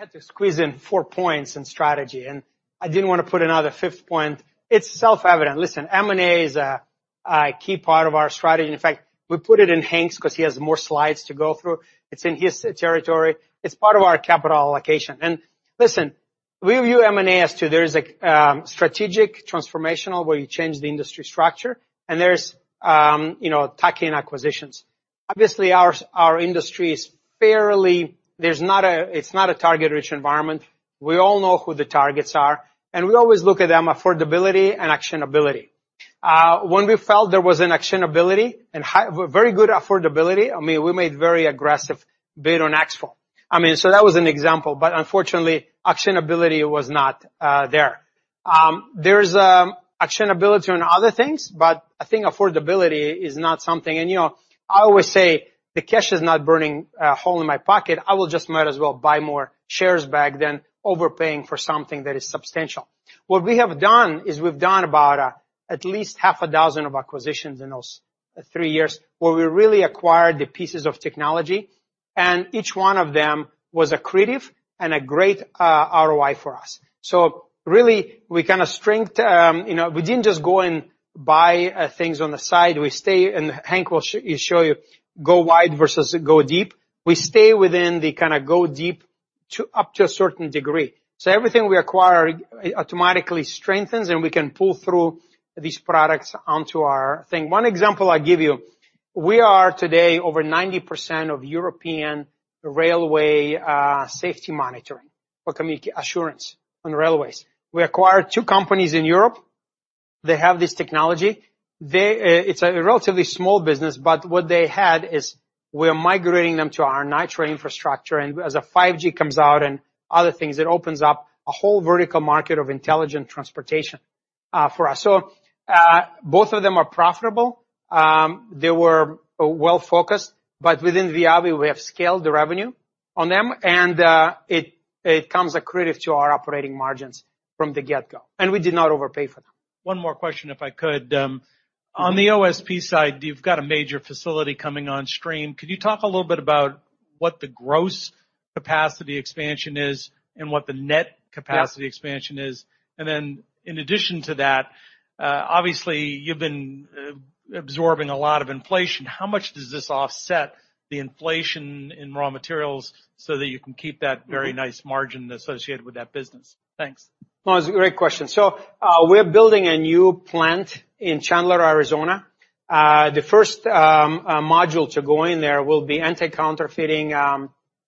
Speaker 4: That's a great question. *audio distortion* I had to squeeze in four points in strategy, and I didn't wanna put another fifth point. It's self-evident. Listen, M&A is a key part of our strategy. In fact, we put it in Henk's 'cause he has more slides to go through. It's in his territory. It's part of our capital allocation. Listen, we view M&A as two. There is a strategic transformational where you change the industry structure, and there's you know, tuck-in acquisitions. Obviously, our industry is fairly. It's not a target-rich environment. We all know who the targets are, and we always look at them affordability and actionability. When we felt there was an actionability and very good affordability, I mean, we made very aggressive bid on EXFO. I mean, so that was an example, but unfortunately, actionability was not there. There's actionability on other things, but I think affordability is not something. You know, I always say the cash is not burning a hole in my pocket. I will just, might as well, buy more shares back than overpaying for something that is substantial. What we have done is we've done about at least half a dozen of acquisitions in those three years where we really acquired the pieces of technology, and each one of them was accretive and a great ROI for us. So really, we kinda strength, you know, we didn't just go and buy things on the side. We stay, and Henk will show you go wide versus go deep. We stay within the kinda go deep to up to a certain degree. Everything we acquire automatically strengthens, and we can pull through these products onto our thing. One example I give you, we are today over 90% of European railway safety monitoring for assurance on railways. We acquired two companies in Europe. They have this technology. It's a relatively small business, but what they had is we're migrating them to our NITRO infrastructure. As 5G comes out and other things, it opens up a whole vertical market of intelligent transportation for us. Both of them are profitable. They were well-focused, but within Viavi, we have scaled the revenue on them, and it comes accretive to our operating margins from the get-go, and we did not overpay for them.
Speaker 6: One more question, if I could. On the OSP side, you've got a major facility coming on stream. Could you talk a little bit about what the gross capacity expansion is and what the net capacity expansion is? In addition to that, obviously you've been absorbing a lot of inflation. How much does this offset the inflation in raw materials so that you can keep that very nice margin associated with that business? Thanks.
Speaker 4: No, it's a great question. We're building a new plant in Chandler, Arizona. The first module to go in there will be anti-counterfeiting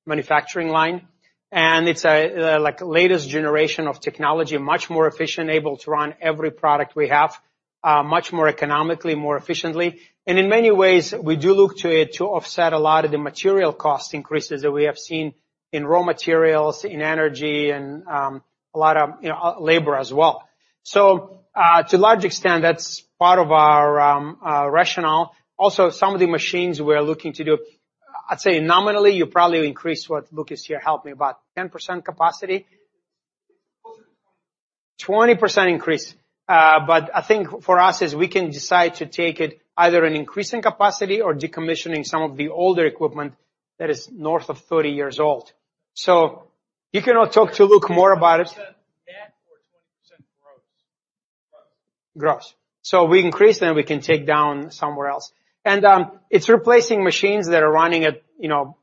Speaker 4: manufacturing line, and it's a, like, latest generation of technology, much more efficient, able to run every product we have, much more economically, more efficiently. In many ways, we do look to it to offset a lot of the material cost increases that we have seen in raw materials, in energy, and a lot of, you know, labor as well. To a large extent, that's part of our rationale. Also, some of the machines we're looking to do, I'd say nominally, you probably increase what Luke is here. Help me, about 10% capacity?
Speaker 5: Closer to 20%
Speaker 4: 20% increase. I think for us is we can decide to take it either in increasing capacity or decommissioning some of the older equipment that is north of 30 years old. You can now talk to Luke more about it.
Speaker 6: Is it 20% net or 20% gross?
Speaker 4: Gross. We increase, then we can take down somewhere else. It's replacing machines that are running at, you know,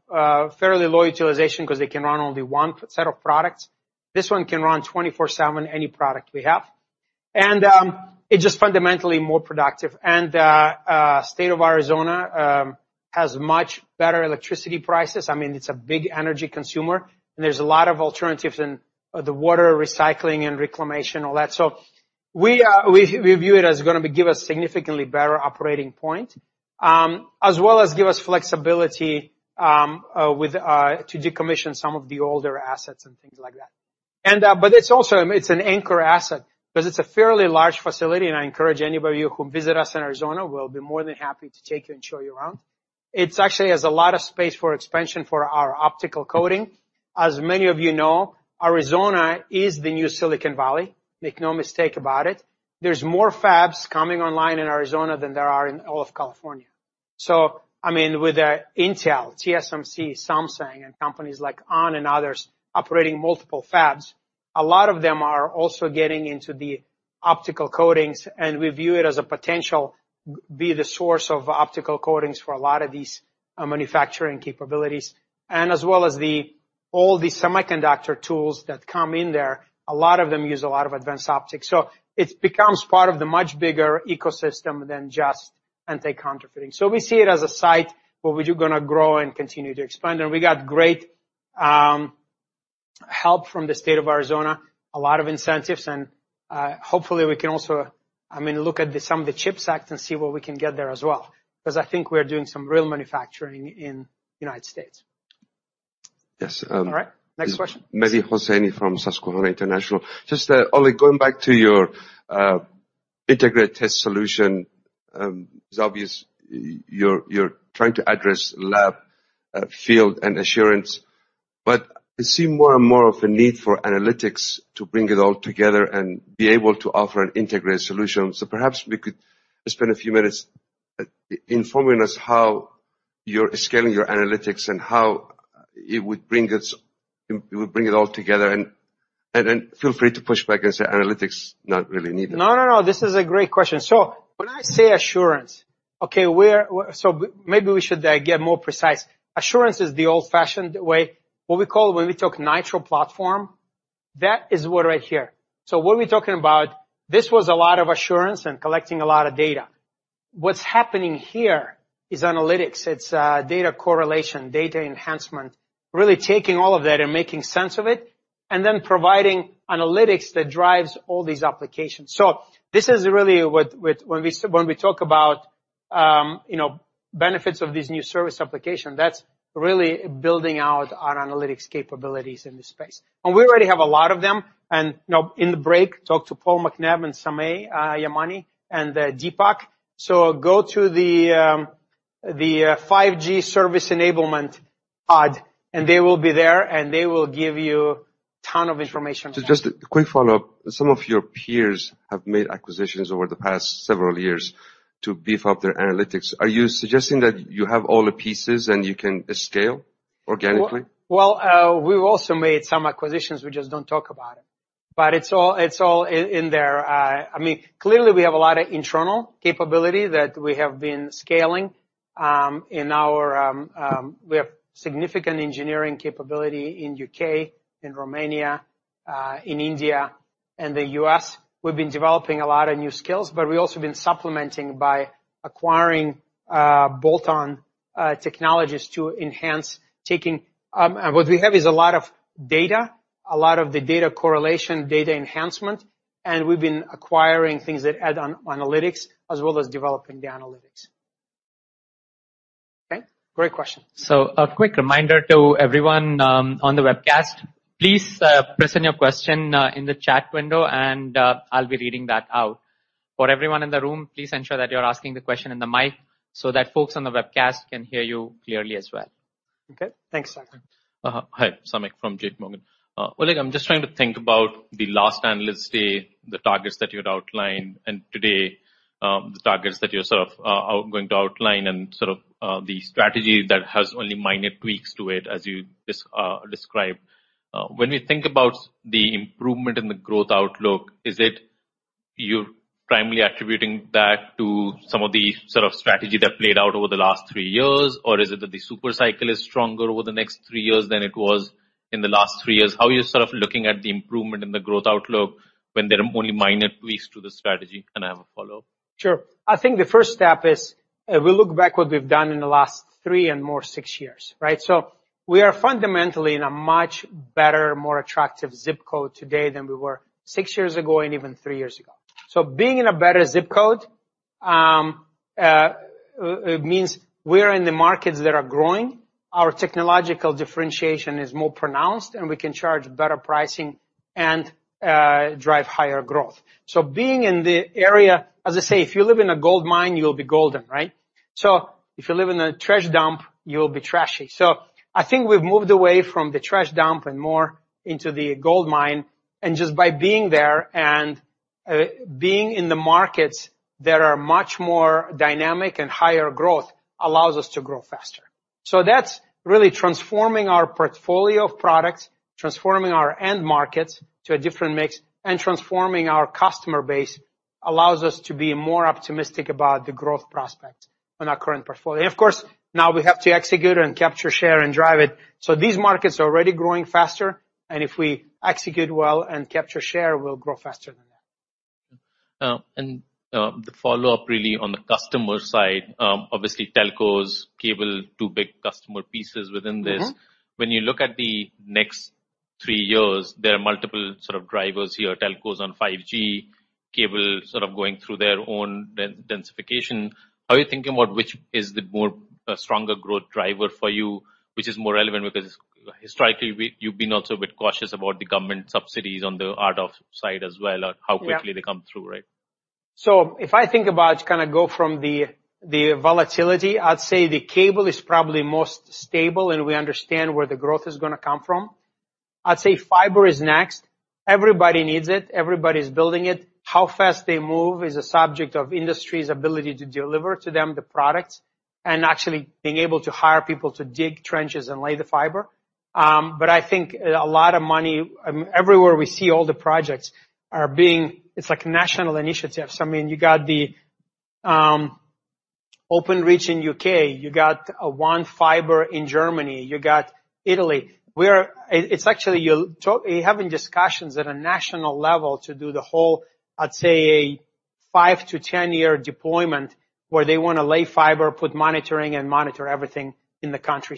Speaker 4: fairly low utilization 'cause they can run only one set of products. This one can run 24/7 any product we have. It's just fundamentally more productive. State of Arizona has much better electricity prices. I mean, it's a big energy consumer, and there's a lot of alternatives in the water recycling and reclamation, all that. We view it as gonna be give us significantly better operating point, as well as give us flexibility to decommission some of the older assets and things like that. It's also an anchor asset 'cause it's a fairly large facility, and I encourage anybody who visit us in Arizona, we'll be more than happy to take you and show you around. It actually has a lot of space for expansion for our optical coating. As many of you know, Arizona is the new Silicon Valley. Make no mistake about it. There's more fabs coming online in Arizona than there are in all of California. I mean, with Intel, TSMC, Samsung, and companies like On and others operating multiple fabs, a lot of them are also getting into the optical coatings, and we view it as a potential to be the source of optical coatings for a lot of these manufacturing capabilities. As well as all the semiconductor tools that come in there, a lot of them use a lot of advanced optics. It becomes part of the much bigger ecosystem than just anti-counterfeiting. We see it as a site where we're gonna grow and continue to expand. We got great help from the state of Arizona, a lot of incentives, and hopefully we can also, I mean, look at some of the CHIPS Act and see what we can get there as well. 'Cause I think we are doing some real manufacturing in United States.
Speaker 7: Yes.
Speaker 4: All right, next question.
Speaker 7: Mehdi Hosseini from Susquehanna International Group. Just, Oleg, going back to your integrated test solution, it's obvious you're trying to address lab, field, and assurance, but I see more and more of a need for analytics to bring it all together and be able to offer an integrated solution. Perhaps we could spend a few minutes informing us how you're scaling your analytics and how it would bring it all together, and then feel free to push back and say, analytics not really needed.
Speaker 4: No, no. This is a great question. When I say assurance, okay, we're. Maybe we should get more precise. Assurance is the old-fashioned way, what we call when we talk NITRO platform, that is what right here. What we're talking about, this was a lot of assurance and collecting a lot of data. What's happening here is analytics. It's data correlation, data enhancement, really taking all of that and making sense of it, and then providing analytics that drives all these applications. This is really what when we talk about, you know, benefits of this new service application, that's really building out our analytics capabilities in this space. We already have a lot of them, and, you know, in the break, talk to Paul McNab and Sameh Yamany, and Deepak. Go to the 5G Service Enablement pod, and they will be there, and they will give you ton of information.
Speaker 7: Just a quick follow-up. Some of your peers have made acquisitions over the past several years to beef up their analytics. Are you suggesting that you have all the pieces and you can scale organically?
Speaker 4: Well, we've also made some acquisitions, we just don't talk about it. It's all in there. I mean, clearly, we have a lot of internal capability that we have been scaling. We have significant engineering capability in U.K., in Romania, in India, and the U.S. We've been developing a lot of new skills, but we've also been supplementing by acquiring bolt-on technologies to enhance taking. What we have is a lot of data, a lot of the data correlation, data enhancement, and we've been acquiring things that add analytics as well as developing the analytics. Okay? Great question.
Speaker 2: A quick reminder to everyone on the webcast. Please present your question in the chat window, and I'll be reading that out. For everyone in the room, please ensure that you're asking the question in the mic so that folks on the webcast can hear you clearly as well.
Speaker 4: Okay. Thanks, Sagar.
Speaker 8: Hi. Samik from JPMorgan. Oleg, I'm just trying to think about the last Analyst Day, the targets that you had outlined, and today, the targets that you're sort of going to outline and sort of the strategy that has only minor tweaks to it, as you described. When we think about the improvement in the growth outlook, is it you're primarily attributing that to some of the sort of strategy that played out over the last three years, or is it that the super cycle is stronger over the next three years than it was in the last three years? How are you sort of looking at the improvement in the growth outlook when there are only minor tweaks to the strategy? I have a follow-up.
Speaker 4: Sure. I think the first step is, we look back what we've done in the last three and more six years, right? We are fundamentally in a much better, more attractive ZIP code today than we were six years ago and even three years ago. Being in a better ZIP code means we're in the markets that are growing, our technological differentiation is more pronounced, and we can charge better pricing and drive higher growth. Being in the area. As I say, if you live in a gold mine, you'll be golden, right? If you live in a trash dump, you'll be trashy. I think we've moved away from the trash dump and more into the gold mine, and just by being there and being in the markets that are much more dynamic and higher growth allows us to grow faster. That's really transforming our portfolio of products, transforming our end markets to a different mix, and transforming our customer base allows us to be more optimistic about the growth prospect on our current portfolio. Of course, now we have to execute and capture share, and drive it. These markets are already growing faster, and if we execute well and capture share, we'll grow faster than that.
Speaker 8: The follow-up really on the customer side, obviously telcos, cable, two big customer pieces within this.
Speaker 4: Mm-hmm.
Speaker 8: When you look at the next three years, there are multiple sort of drivers here, telcos on 5G, cable sort of going through their own densification. How are you thinking about which is the more stronger growth driver for you, which is more relevant? Because historically, you've been also a bit cautious about the government subsidies on the R&D side as well, or how.
Speaker 4: Yeah.
Speaker 8: Quickly they come through. Right?
Speaker 4: If I think about kind of going from the volatility, I'd say the cable is probably most stable, and we understand where the growth is gonna come from. I'd say fiber is next. Everybody needs it. Everybody's building it. How fast they move is a subject of industry's ability to deliver to them the products and actually being able to hire people to dig trenches and lay the fiber. But I think a lot of money everywhere we see all the projects are being. It's like national initiatives. I mean, you got the Openreach in the U.K. You got OneFiber in Germany, you got Italy, where you're having discussions at a national level to do the whole, I'd say five to 10-year deployment where they wanna lay fiber, put monitoring and monitor everything in the country.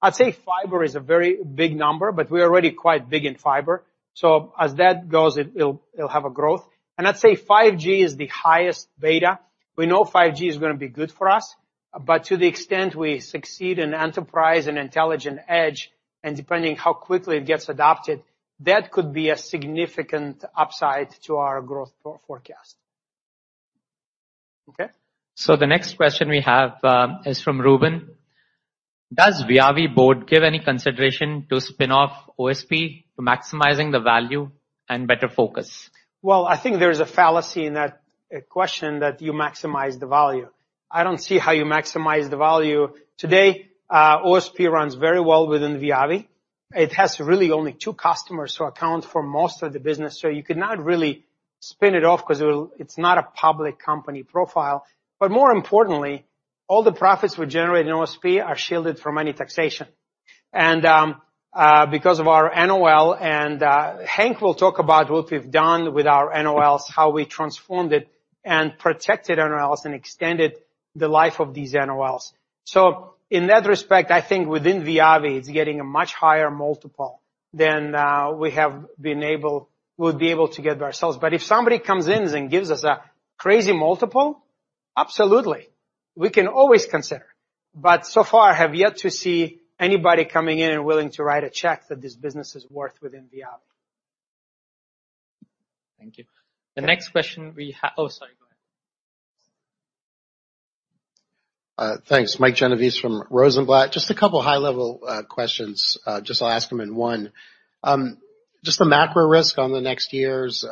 Speaker 4: I'd say fiber is a very big number, but we're already quite big in fiber, so as that goes, it'll have a growth. I'd say 5G is the highest beta. We know 5G is gonna be good for us, but to the extent we succeed in enterprise and intelligent edge, and depending how quickly it gets adopted, that could be a significant upside to our growth forecast. Okay.
Speaker 2: The next question we have is from Ruben. Does Viavi board give any consideration to spin-off OSP for maximizing the value and better focus?
Speaker 4: Well, I think there's a fallacy in that question that you maximize the value. I don't see how you maximize the value. Today, OSP runs very well within Viavi. It has really only two customers who account for most of the business. You could not really spin it off 'cause it will. It's not a public company profile. More importantly, all the profits we generate in OSP are shielded from any taxation. Because of our NOL and Henk will talk about what we've done with our NOLs, how we transformed it and protected NOLs and extended the life of these NOLs. In that respect, I think within Viavi, it's getting a much higher multiple than we would be able to get by ourselves. If somebody comes in and gives us a crazy multiple, absolutely, we can always consider. So far, I have yet to see anybody coming in and willing to write a check that this business is worth within Viavi.
Speaker 2: Thank you. The next question. Oh, sorry, go ahead.
Speaker 9: Thanks. Mike Genovese from Rosenblatt. Just a couple of high-level questions. Just, I'll ask them in one. Just the macro risk on the next year's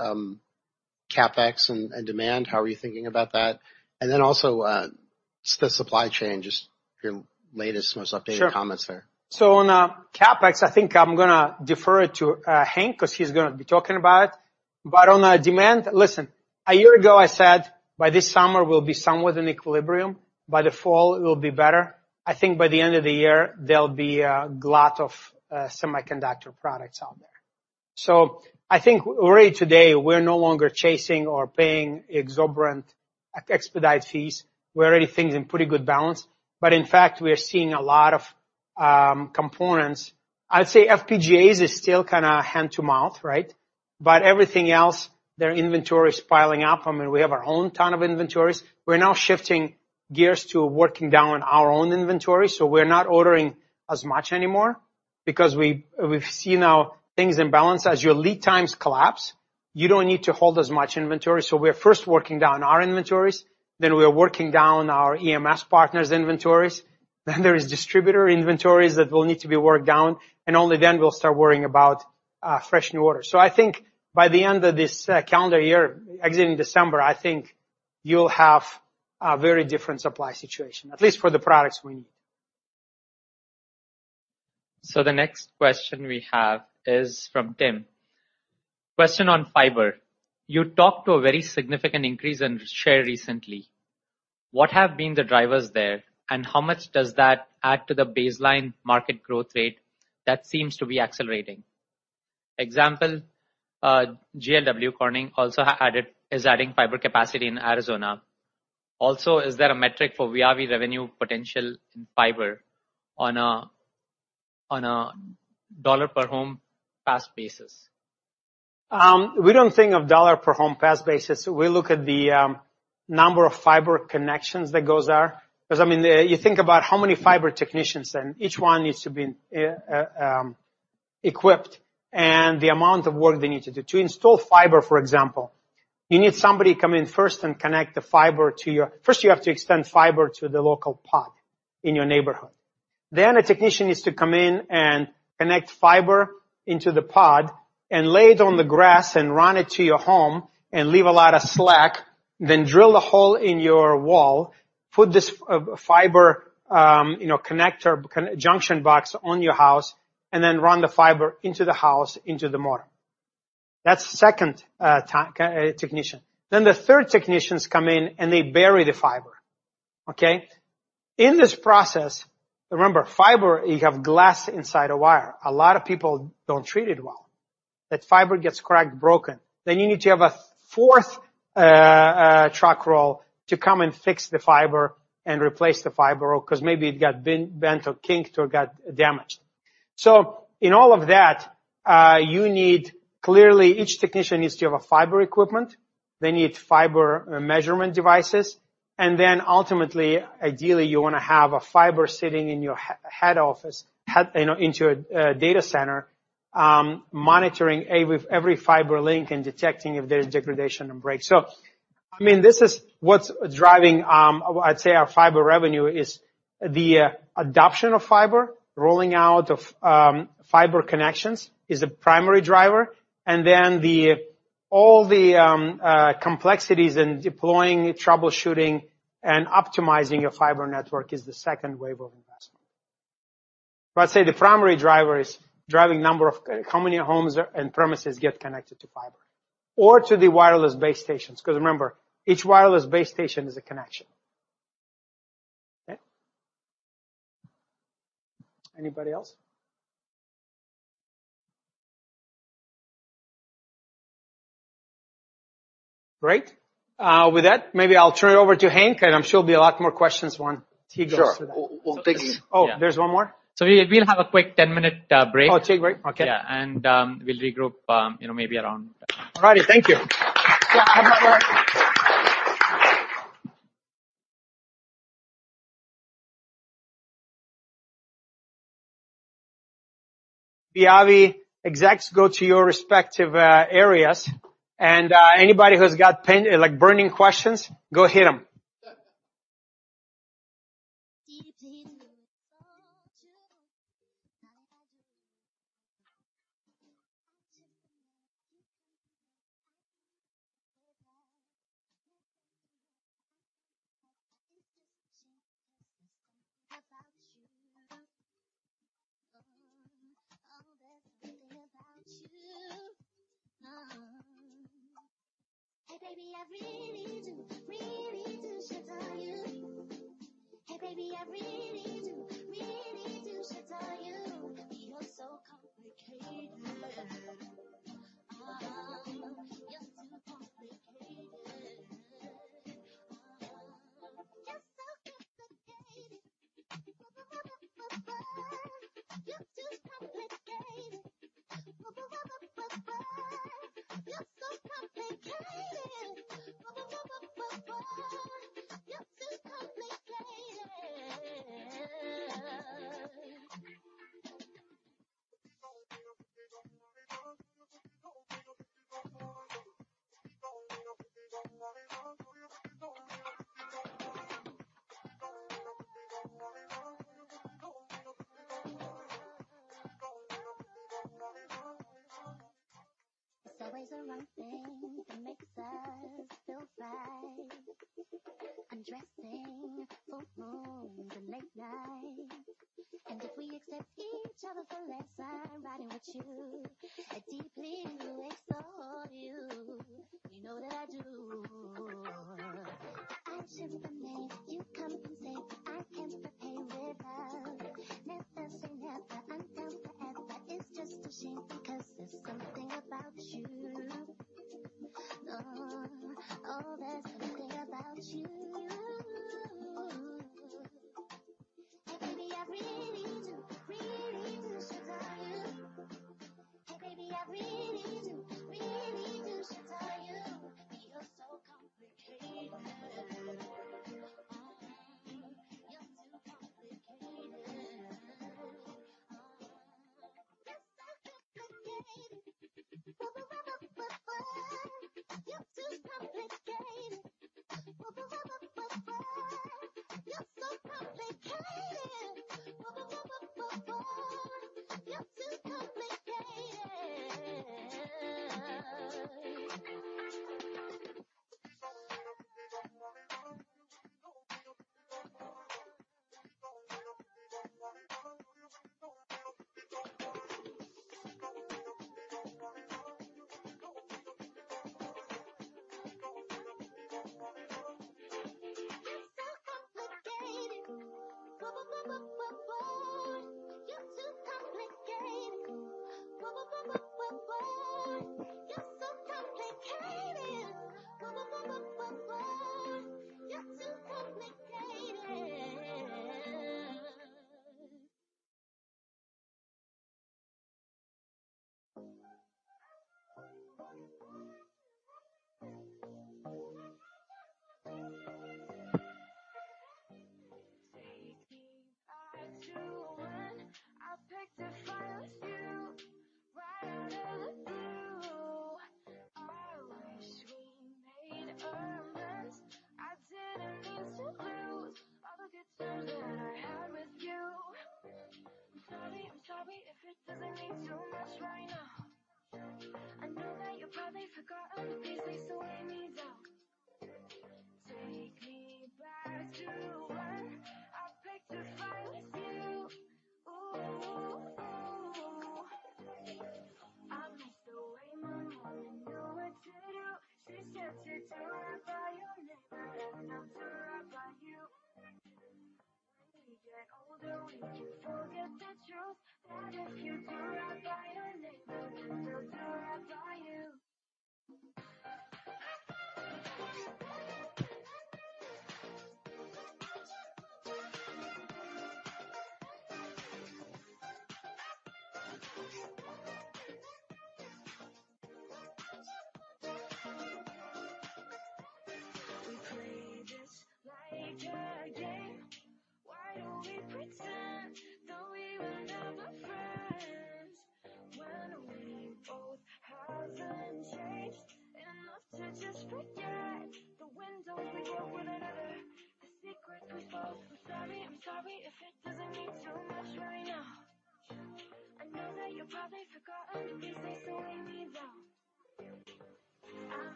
Speaker 9: CapEx and demand, how are you thinking about that? Then also, the supply chain, just your latest, most updated comments there.
Speaker 4: Sure. On CapEx, I think I'm gonna defer to Henk 'cause he's gonna be talking about it. On demand, listen, a year ago, I said, by this summer we'll be somewhat in equilibrium, by the fall, it will be better. I think by the end of the year, there'll be a glut of semiconductor products out there. I think already today, we're no longer chasing or paying exuberant expedite fees. We're already thinking in pretty good balance. In fact, we are seeing a lot of components. I'd say FPGAs is still kinda hand-to-mouth, right? Everything else, their inventory is piling up. I mean, we have our own ton of inventories. We're now shifting gears to working down our own inventory, so we're not ordering as much anymore because we've seen now things in balance. As your lead times collapse, you don't need to hold as much inventory. We're first working down our inventories, then we are working down our EMS partners' inventories, then there is distributor inventories that will need to be worked down, and only then we'll start worrying about fresh new orders. I think by the end of this calendar year, exiting December, I think you'll have a very different supply situation, at least for the products we need.
Speaker 2: The next question we have is from Tim. Question on fiber. You talked about a very significant increase in share recently. What have been the drivers there, and how much does that add to the baseline market growth rate that seems to be accelerating? Example, GLW, Corning also is adding fiber capacity in Arizona. Also, is there a metric for Viavi revenue potential in fiber on a dollar per home passed basis?
Speaker 4: We don't think of dollar per home passed basis. We look at the number of fiber connections that goes there. 'Cause I mean, you think about how many fiber technicians, and each one needs to be equipped, and the amount of work they need to do. To install fiber, for example, first, you have to extend fiber to the local pod in your neighborhood. Then a technician needs to come in and connect fiber into the pod and lay it on the grass and run it to your home and leave a lot of slack, then drill a hole in your wall, put this fiber, you know, connector junction box on your house, and then run the fiber into the house, into the modem. That's second technician. The third technicians come in and they bury the fiber. Okay? In this process, remember, fiber, you have glass inside a wire. A lot of people don't treat it well. That fiber gets cracked, broken. You need to have a fourth truck roll to come and fix the fiber and replace the fiber 'cause maybe it got bent or kinked or got damaged. In all of that, you need clearly, each technician needs to have fiber equipment. They need fiber measurement devices. Ultimately, ideally, you wanna have a fiber sitting in your head office, you know, into a data center, monitoring with every fiber link and detecting if there's degradation and breaks. I mean, this is what's driving our fiber revenue is the adoption of fiber. Rolling out of fiber connections is the primary driver, and then all the complexities in deploying, troubleshooting, and optimizing a fiber network is the second wave of investment. I'd say the primary driver is driving number of how many homes and premises get connected to fiber or to the wireless base stations, 'cause remember, each wireless base station is a connection. Okay? Anybody else? Great. With that, maybe I'll turn it over to Henk, and I'm sure there'll be a lot more questions when he goes to that.
Speaker 2: Sure. We'll take-
Speaker 4: Oh, there's one more?
Speaker 2: We'll have a quick 10-minute break.
Speaker 4: Oh, take a break. Okay.
Speaker 2: Yeah. We'll regroup, you know, maybe around.
Speaker 4: All righty. Thank you. Viavi execs, go to your respective areas, and anybody who's got pain points like burning questions, go hit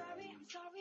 Speaker 4: 'em.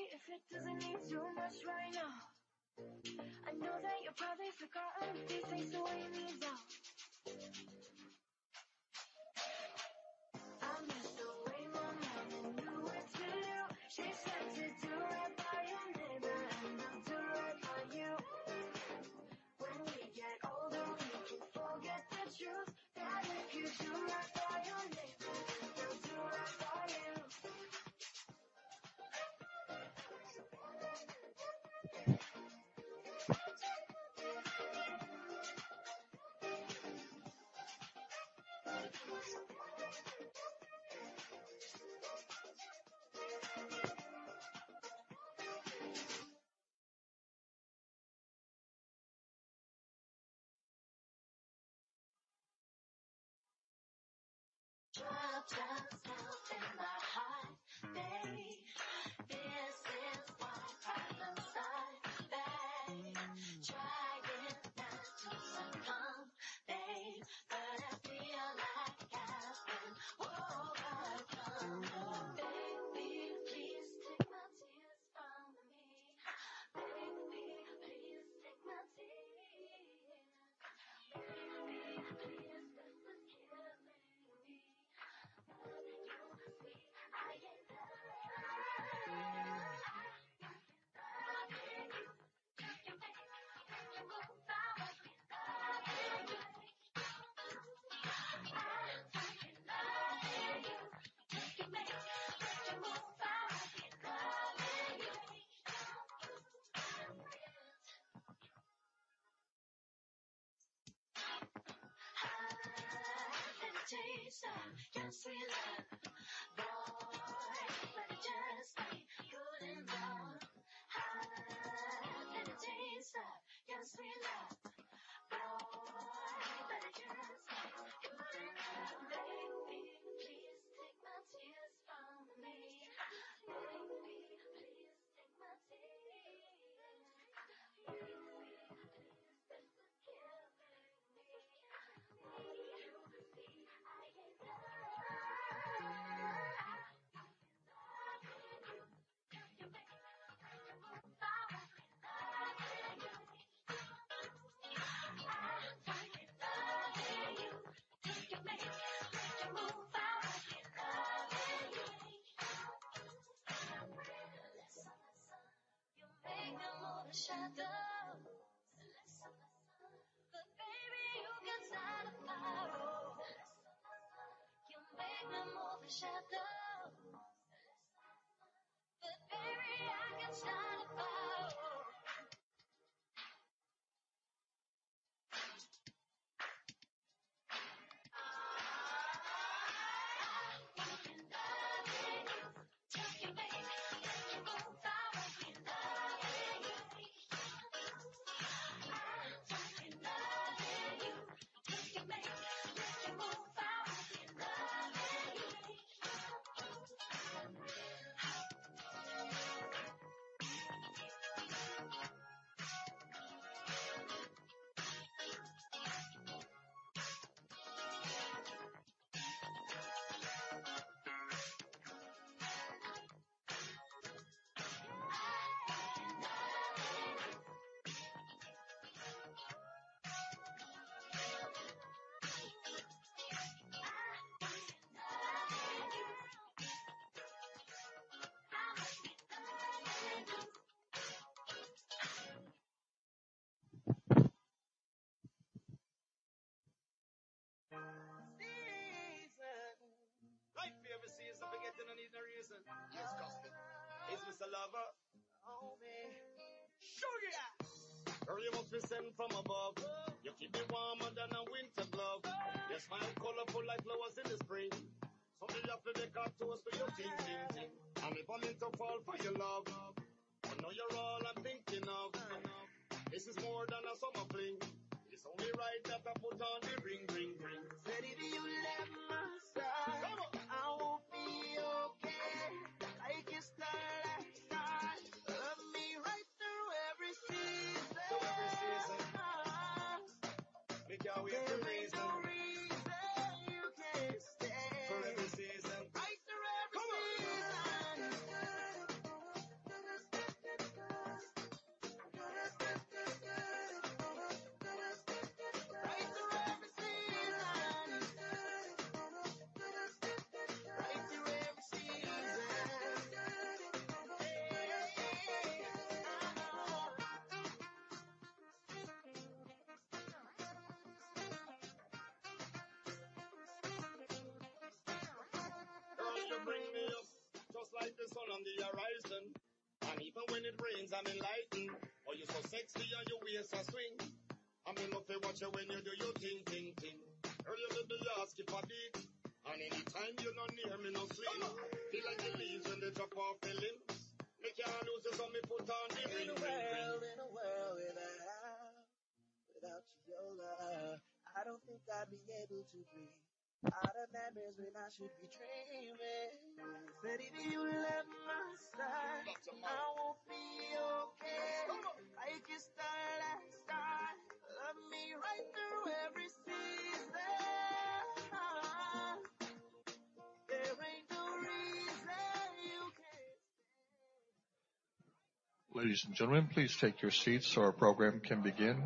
Speaker 1: Ladies and gentlemen, please take your seats so our program can begin.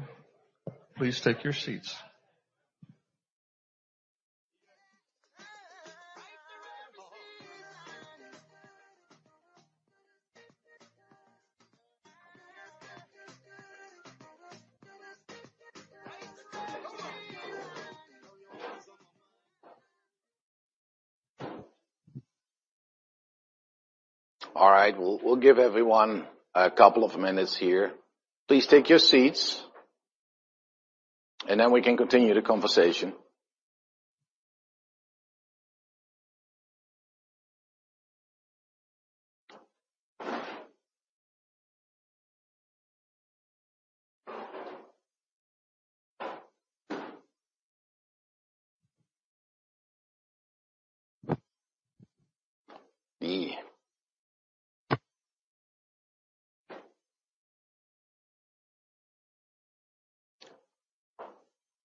Speaker 3: All right, we'll give everyone a couple of minutes here. Please take your seats, and then we can continue the conversation.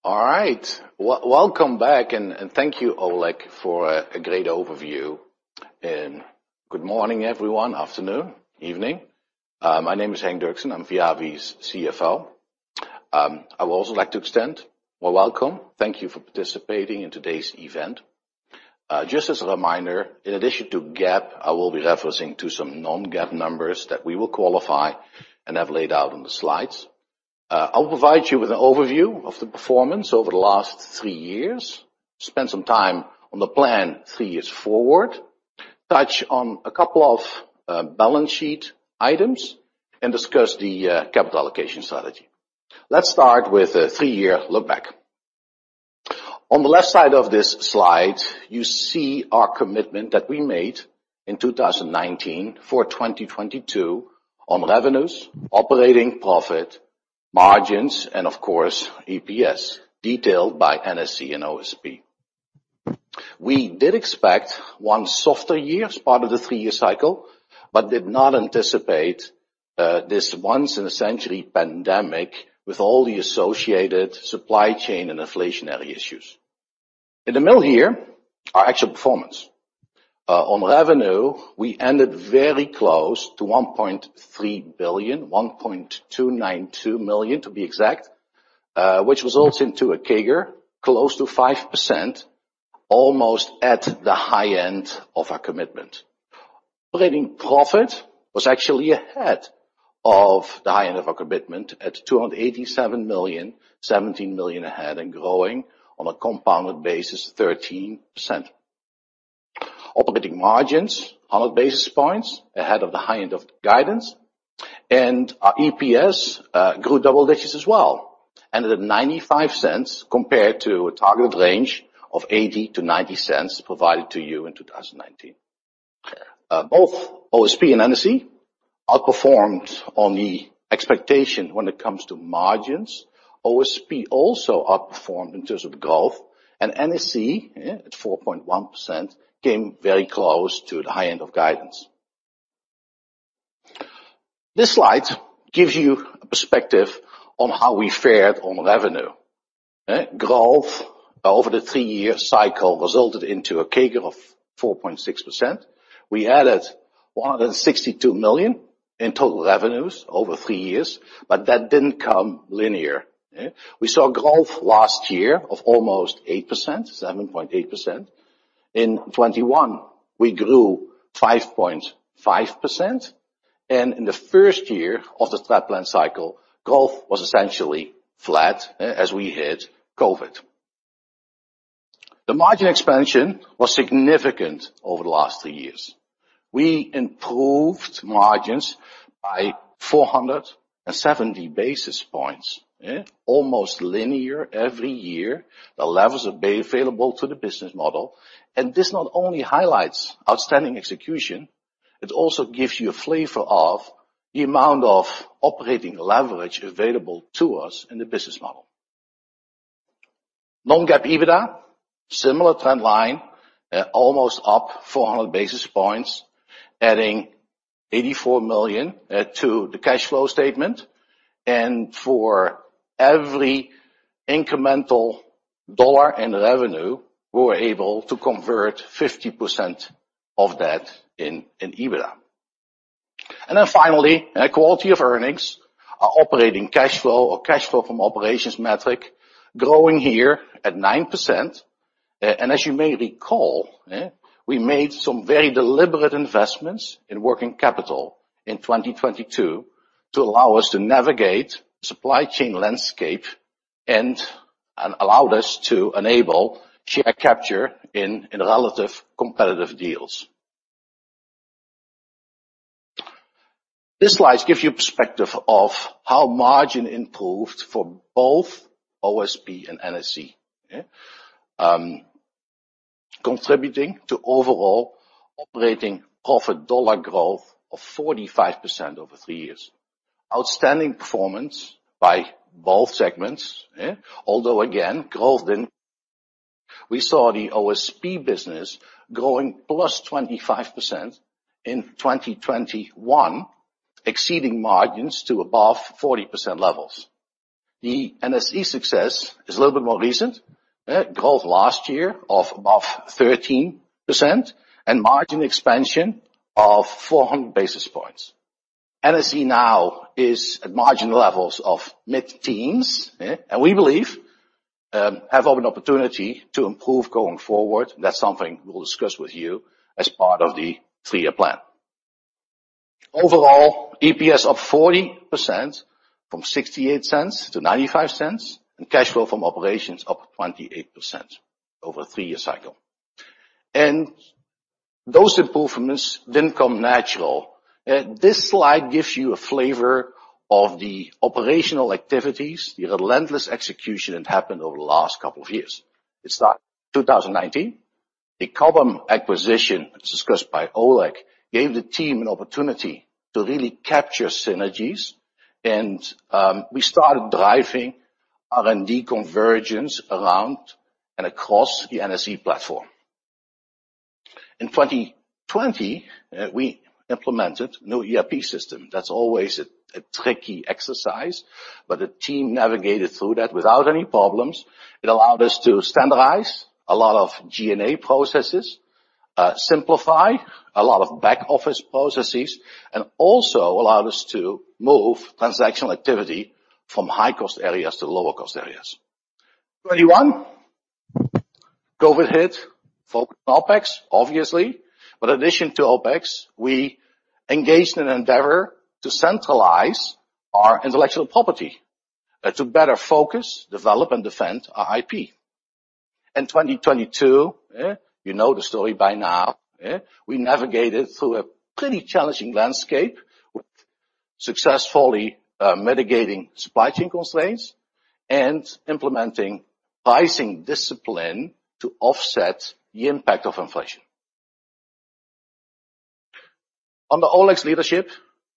Speaker 3: All right. Welcome back, and thank you, Oleg, for a great overview. Good morning everyone, afternoon, evening. My name is Henk Derksen. I'm Viavi's CFO. I would also like to extend a welcome. Thank you for participating in today's event. Just as a reminder, in addition to GAAP, I will be referencing to some non-GAAP numbers that we will qualify and have laid out in the slides. I'll provide you with an overview of the performance over the last three years. Spend some time on the plan three years forward. Touch on a couple of balance sheet items and discuss the capital allocation strategy. Let's start with a three-year look back. On the left side of this slide, you see our commitment that we made in 2019 for 2022 on revenues, operating profit, margins, and of course, EPS, detailed by NSE and OSP. We did expect one softer year as part of the three-year cycle, but did not anticipate, this once in a century pandemic with all the associated supply chain and inflationary issues. In the middle here, our actual performance. On revenue, we ended very close to $1.3 billion, $1.292 billion to be exact. Which results into a CAGR close to 5%, almost at the high end of our commitment. Operating profit was actually ahead of the high end of our commitment at $287 million, $17 million ahead and growing on a compounded basis 13%. Operating margins, 100 basis points ahead of the high end of guidance. Our EPS grew double digits as well, ended at $0.95 compared to a target range of $0.80-$0.90 provided to you in 2019. Both OSP and NSE outperformed on the expectation when it comes to margins. OSP also outperformed in terms of growth. NSE, at 4.1%, came very close to the high end of guidance. This slide gives you a perspective on how we fared on revenue. Growth over the three-year cycle resulted into a CAGR of 4.6%. We added $162 million in total revenues over three years, but that didn't come linear. We saw growth last year of almost 8%, 7.8%. In 2021, we grew 5.5%. In the first year of the strat plan cycle, growth was essentially flat as we hit COVID. The margin expansion was significant over the last three years. We improved margins by 470 basis points. Almost linear every year. The levels available to the business model. This not only highlights outstanding execution, it also gives you a flavor of the amount of operating leverage available to us in the business model. Non-GAAP EBITDA, similar trend line, almost up 400 basis points, adding $84 million to the cash flow statement. For every incremental dollar in revenue, we were able to convert 50% of that in EBITDA. Then finally, quality of earnings, our operating cash flow or cash flow from operations metric growing here at 9%. As you may recall, we made some very deliberate investments in working capital in 2022 to allow us to navigate supply chain landscape and allowed us to enable share capture in relative competitive deals. This slide gives you perspective of how margin improved for both OSP and NSE. Contributing to overall operating profit dollar growth of 45% over three years. Outstanding performance by both segments. Although again, we saw the OSP business growing +25% in 2021, exceeding margins to above 40% levels. The NSE success is a little bit more recent. Growth last year of above 13% and margin expansion of 400 basis points. NSE now is at margin levels of mid-teens, and we believe have an opportunity to improve going forward. That's something we'll discuss with you as part of the three-year plan. Overall, EPS up 40% from $0.68 to $0.95, and cash flow from operations up 28% over a three-year cycle. Those improvements didn't come natural. This slide gives you a flavor of the operational activities, the relentless execution that happened over the last couple of years. It started in 2019. The Cobham acquisition, as discussed by Oleg, gave the team an opportunity to really capture synergies and we started driving R&D convergence around and across the NSE platform. In 2020, we implemented new ERP system. That's always a tricky exercise, but the team navigated through that without any problems. It allowed us to standardize a lot of G&A processes, simplify a lot of back-office processes, and also allowed us to move transactional activity from high-cost areas to lower-cost areas. 2021, COVID hit. *audio distortion* OpEx, obviously. In addition to OpEx, we engaged in an endeavor to centralize our intellectual property to better focus, develop, and defend our IP. In 2022, you know the story by now, we navigated through a pretty challenging landscape, successfully mitigating supply chain constraints and implementing pricing discipline to offset the impact of inflation. Under Oleg's leadership,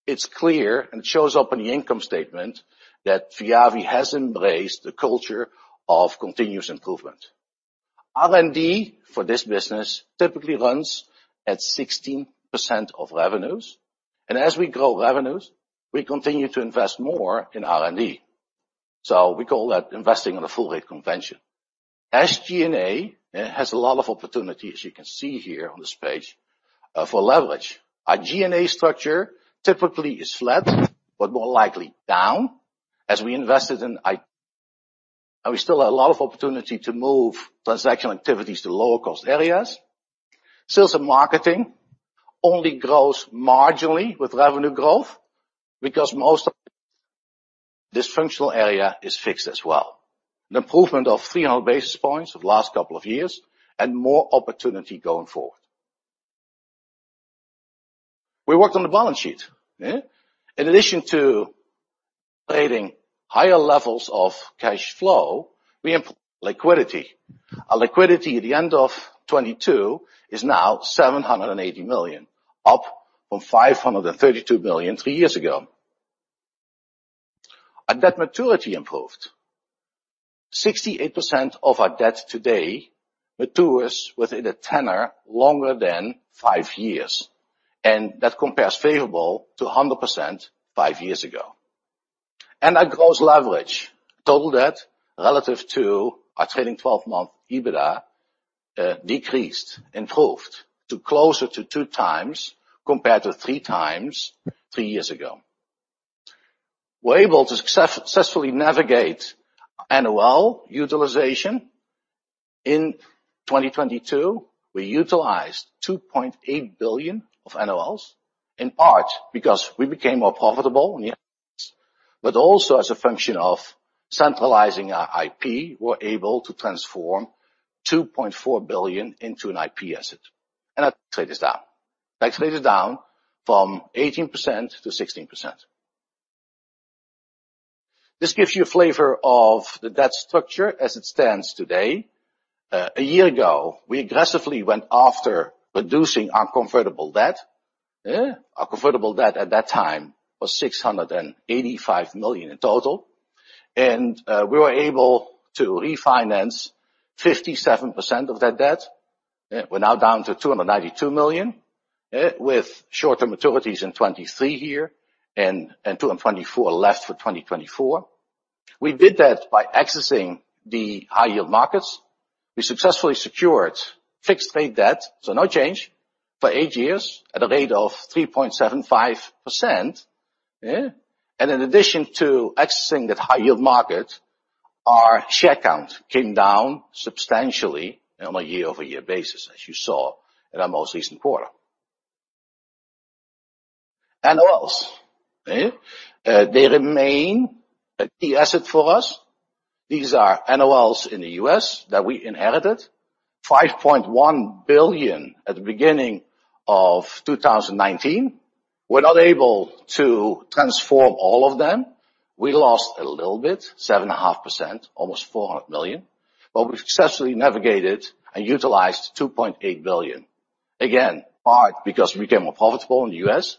Speaker 3: it's clear, and it shows up in the income statement, that Viavi has embraced the culture of continuous improvement. R&D for this business typically runs at 16% of revenues, and as we grow revenues, we continue to invest more in R&D. We call that investing on a full rate convention. SG&A has a lot of opportunity, as you can see here on this page, for leverage. Our G&A structure typically is flat, but more likely down as we invested in IT. We still have a lot of opportunity to move transactional activities to lower-cost areas. Sales and marketing only grows marginally with revenue growth because most of this functional area is fixed as well. An improvement of 300 basis points over the last couple of years and more opportunity going forward. We worked on the balance sheet. In addition to creating higher levels of cash flow, we improved liquidity. Our liquidity at the end of 2022 is now $780 million, up from $532 million three years ago. Our debt maturity improved. 68% of our debt today matures within a tenor longer than 5 years, and that compares favorably to 100% 5 years ago. Our gross leverage, total debt relative to our trailing 12-month EBITDA, decreased, improved to closer to 2x compared to 3x three years ago. We were able to successfully navigate NOL utilization. In 2022, we utilized $2.8 billion of NOLs, in part because we became more profitable. We did that by accessing the high-yield markets. We successfully secured fixed-rate debt, so no change, for eight years at a rate of 3.75%, yeah. In addition to accessing that high-yield market, our share count came down substantially on a year-over-year basis, as you saw in our most recent quarter. NOLs. They remain a key asset for us. These are NOLs in the U.S. that we inherited. $5.1 billion at the beginning of 2019. We're not able to transform all of them. We lost a little bit, 7.5%, almost $400 million. But we've successfully navigated and utilized $2.8 billion, again, in part because we became more profitable in the U.S.,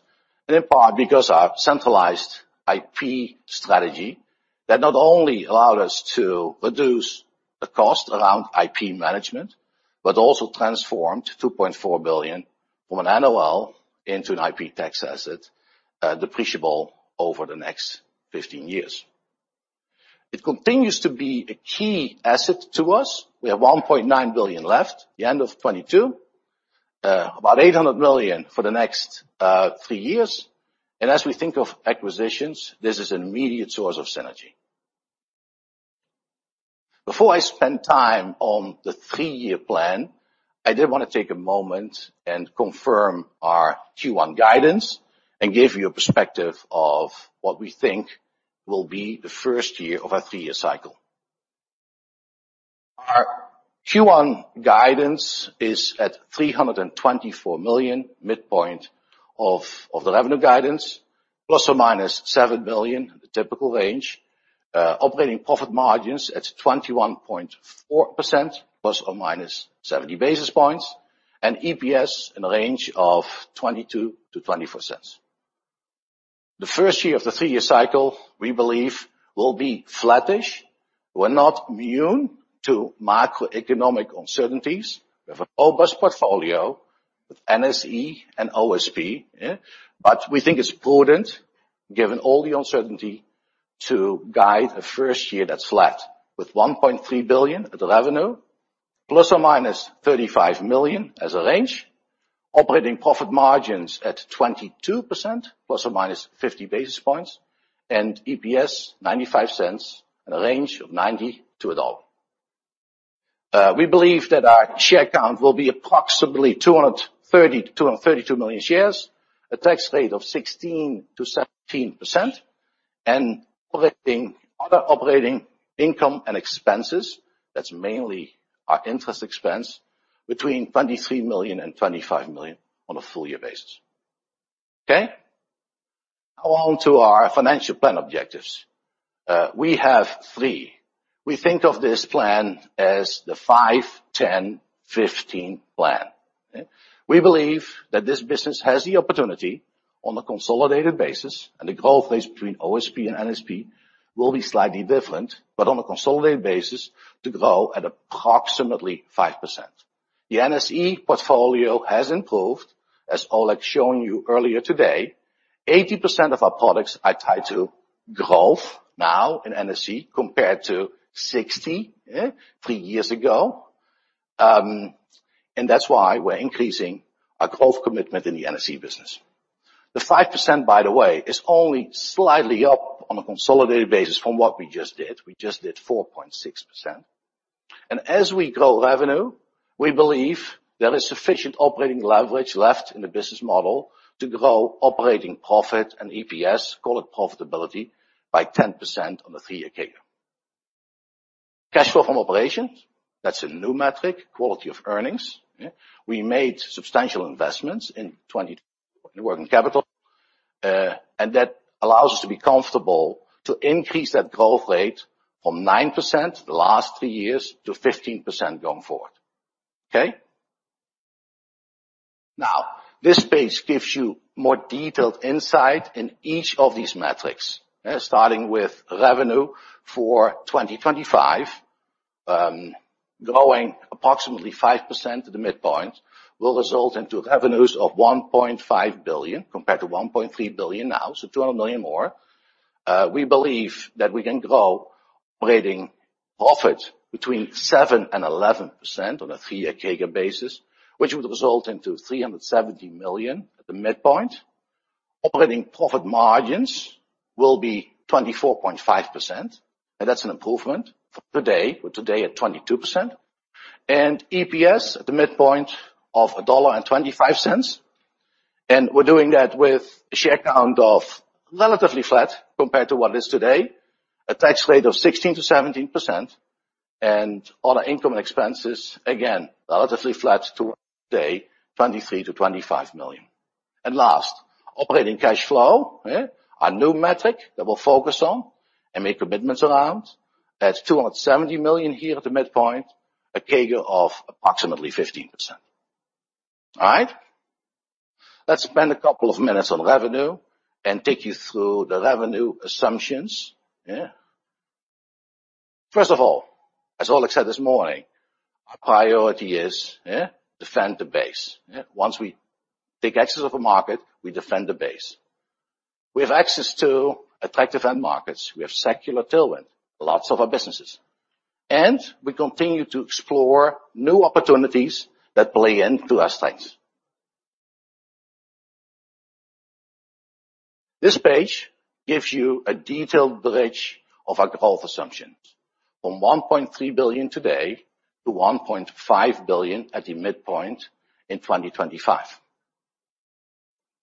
Speaker 3: and in part because our centralized IP strategy that not only allowed us to reduce the cost around IP management, but also transformed $2.4 billion from an NOL into an IP tax asset, depreciable over the next 15 years. It continues to be a key asset to us. We have $1.9 billion left, the end of 2022. About $800 million for the next three years. As we think of acquisitions, this is an immediate source of synergy. Before I spend time on the three-year plan, I did want to take a moment and confirm our Q1 guidance and give you a perspective of what we think will be the first year of our three-year cycle. Our Q1 guidance is at $324 million, midpoint of the revenue guidance, ± $7 million, the typical range. Operating profit margins at 21.4%, ± 70 basis points. EPS in a range of $0.22-$0.24. The first year of the three-year cycle, we believe, will be flattish. We're not immune to macroeconomic uncertainties. We have a robust portfolio with NSE and OSP, yeah. We think it's prudent, given all the uncertainty, to guide a first year that's flat, with $1.3 billion of revenue, ± $35 million as a range. Operating profit margins at 22%, ±50 basis points. EPS $0.95 in a range of $0.90-$1.00. We believe that our share count will be approximately 232 million shares, a tax rate of 16%-17%, and predicting other operating income and expenses. That's mainly our interest expense between $23 million and $25 million on a full-year basis. Okay? Now on to our financial plan objectives. We have three. We think of this plan as the 5-10-15 plan. We believe that this business has the opportunity on a consolidated basis, and the growth rates between OSP and NSE will be slightly different, but on a consolidated basis, to grow at approximately 5%. The NSE portfolio has improved. As Oleg shown you earlier today, 80% of our products are tied to growth now in NSE, compared to 60%, three years ago. That's why we're increasing our growth commitment in the NSE business. The 5%, by the way, is only slightly up on a consolidated basis from what we just did. We just did 4.6%. As we grow revenue, we believe there is sufficient operating leverage left in the business model to grow operating profit and EPS, call it profitability, by 10% on a three-year CAGR. Cash flow from operations, that's a new metric, quality of earnings. We made substantial investments in working capital, and that allows us to be comfortable to increase that growth rate from 9% the last three years to 15% going forward. Okay? Now, this page gives you more detailed insight in each of these metrics. Starting with revenue for 2025, growing approximately 5% at the midpoint will result into revenues of $1.5 billion, compared to $1.3 billion now, so $200 million more. We believe that we can grow operating profit between 7% and 11% on a three-year CAGR basis, which would result into $370 million at the midpoint. Operating profit margins will be 24.5%, and that's an improvement from today. We're today at 22%. EPS at the midpoint of $1.25. We're doing that with a share count of relatively flat compared to what it is today, a tax rate of 16%-17%, and all our income expenses, again, relatively flat to today, $23 million-$25 million. Last, operating cash flow, our new metric that we'll focus on and make commitments around. That's $270 million here at the midpoint, a CAGR of approximately 15%. All right? Let's spend a couple of minutes on revenue and take you through the revenue assumptions. First of all, as Oleg said this morning, our priority is, defend the base. Once we take access of a market, we defend the base. We have access to attractive end markets. We have secular tailwind, lots of our businesses. We continue to explore new opportunities that play into our strengths. This page gives you a detailed bridge of our growth assumptions, from $1.3 billion today to $1.5 billion at the midpoint in 2025.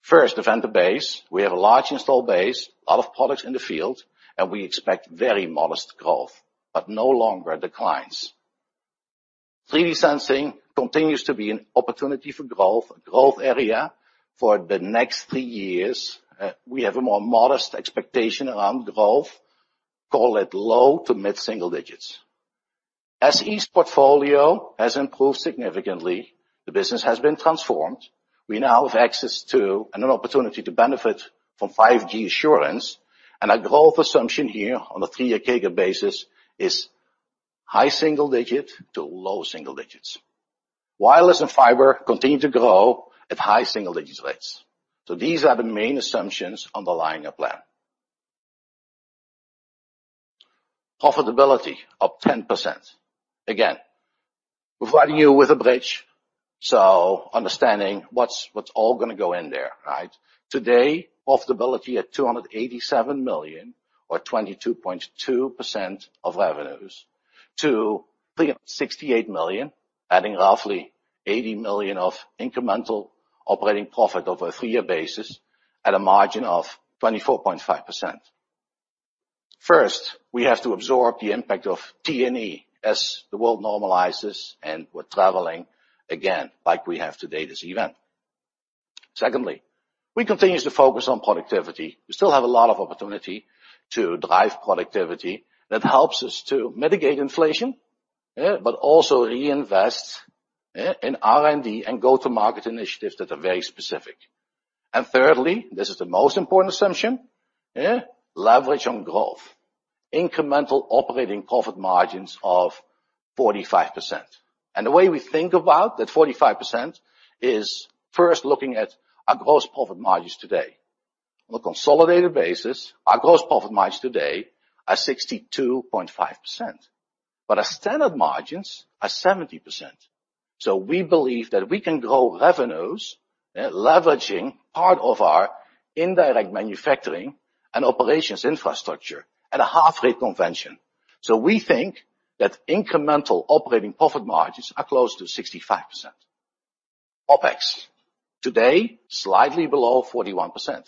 Speaker 3: First, defend the base. We have a large install base, a lot of products in the field, and we expect very modest growth, but no longer declines. 3D sensing continues to be an opportunity for growth, a growth area for the next three years. We have a more modest expectation around growth, call it low- to mid-single digits. SE's portfolio has improved significantly. The business has been transformed. We now have access to and an opportunity to benefit from 5G assurance. Our growth assumption here on a three-year CAGR basis is high single digit to low single digits. Wireless and fiber continue to grow at high single-digit rates. These are the main assumptions underlying our plan. Profitability of 10%. Again, providing you with a bridge, so understanding what's all gonna go in there, right? Today, profitability at $27 million or 22.2% of revenues to $368 million, adding roughly $80 million of incremental operating profit over a three-year basis at a margin of 24.5%. First, we have to absorb the impact of T&E as the world normalizes and we're traveling again, like we have today this event. Secondly, we continue to focus on productivity. We still have a lot of opportunity to drive productivity that helps us to mitigate inflation, but also reinvest in R&D and go-to-market initiatives that are very specific. Thirdly, this is the most important assumption, leverage on growth. Incremental operating profit margins of 45%. The way we think about that 45% is first looking at our gross profit margins today. On a consolidated basis, our gross profit margins today are 62.5%, but our standard margins are 70%. We believe that we can grow revenues, leveraging part of our indirect manufacturing and operations infrastructure at a half-rate convention. We think that incremental operating profit margins are close to 65%. OpEx today, slightly below 41%.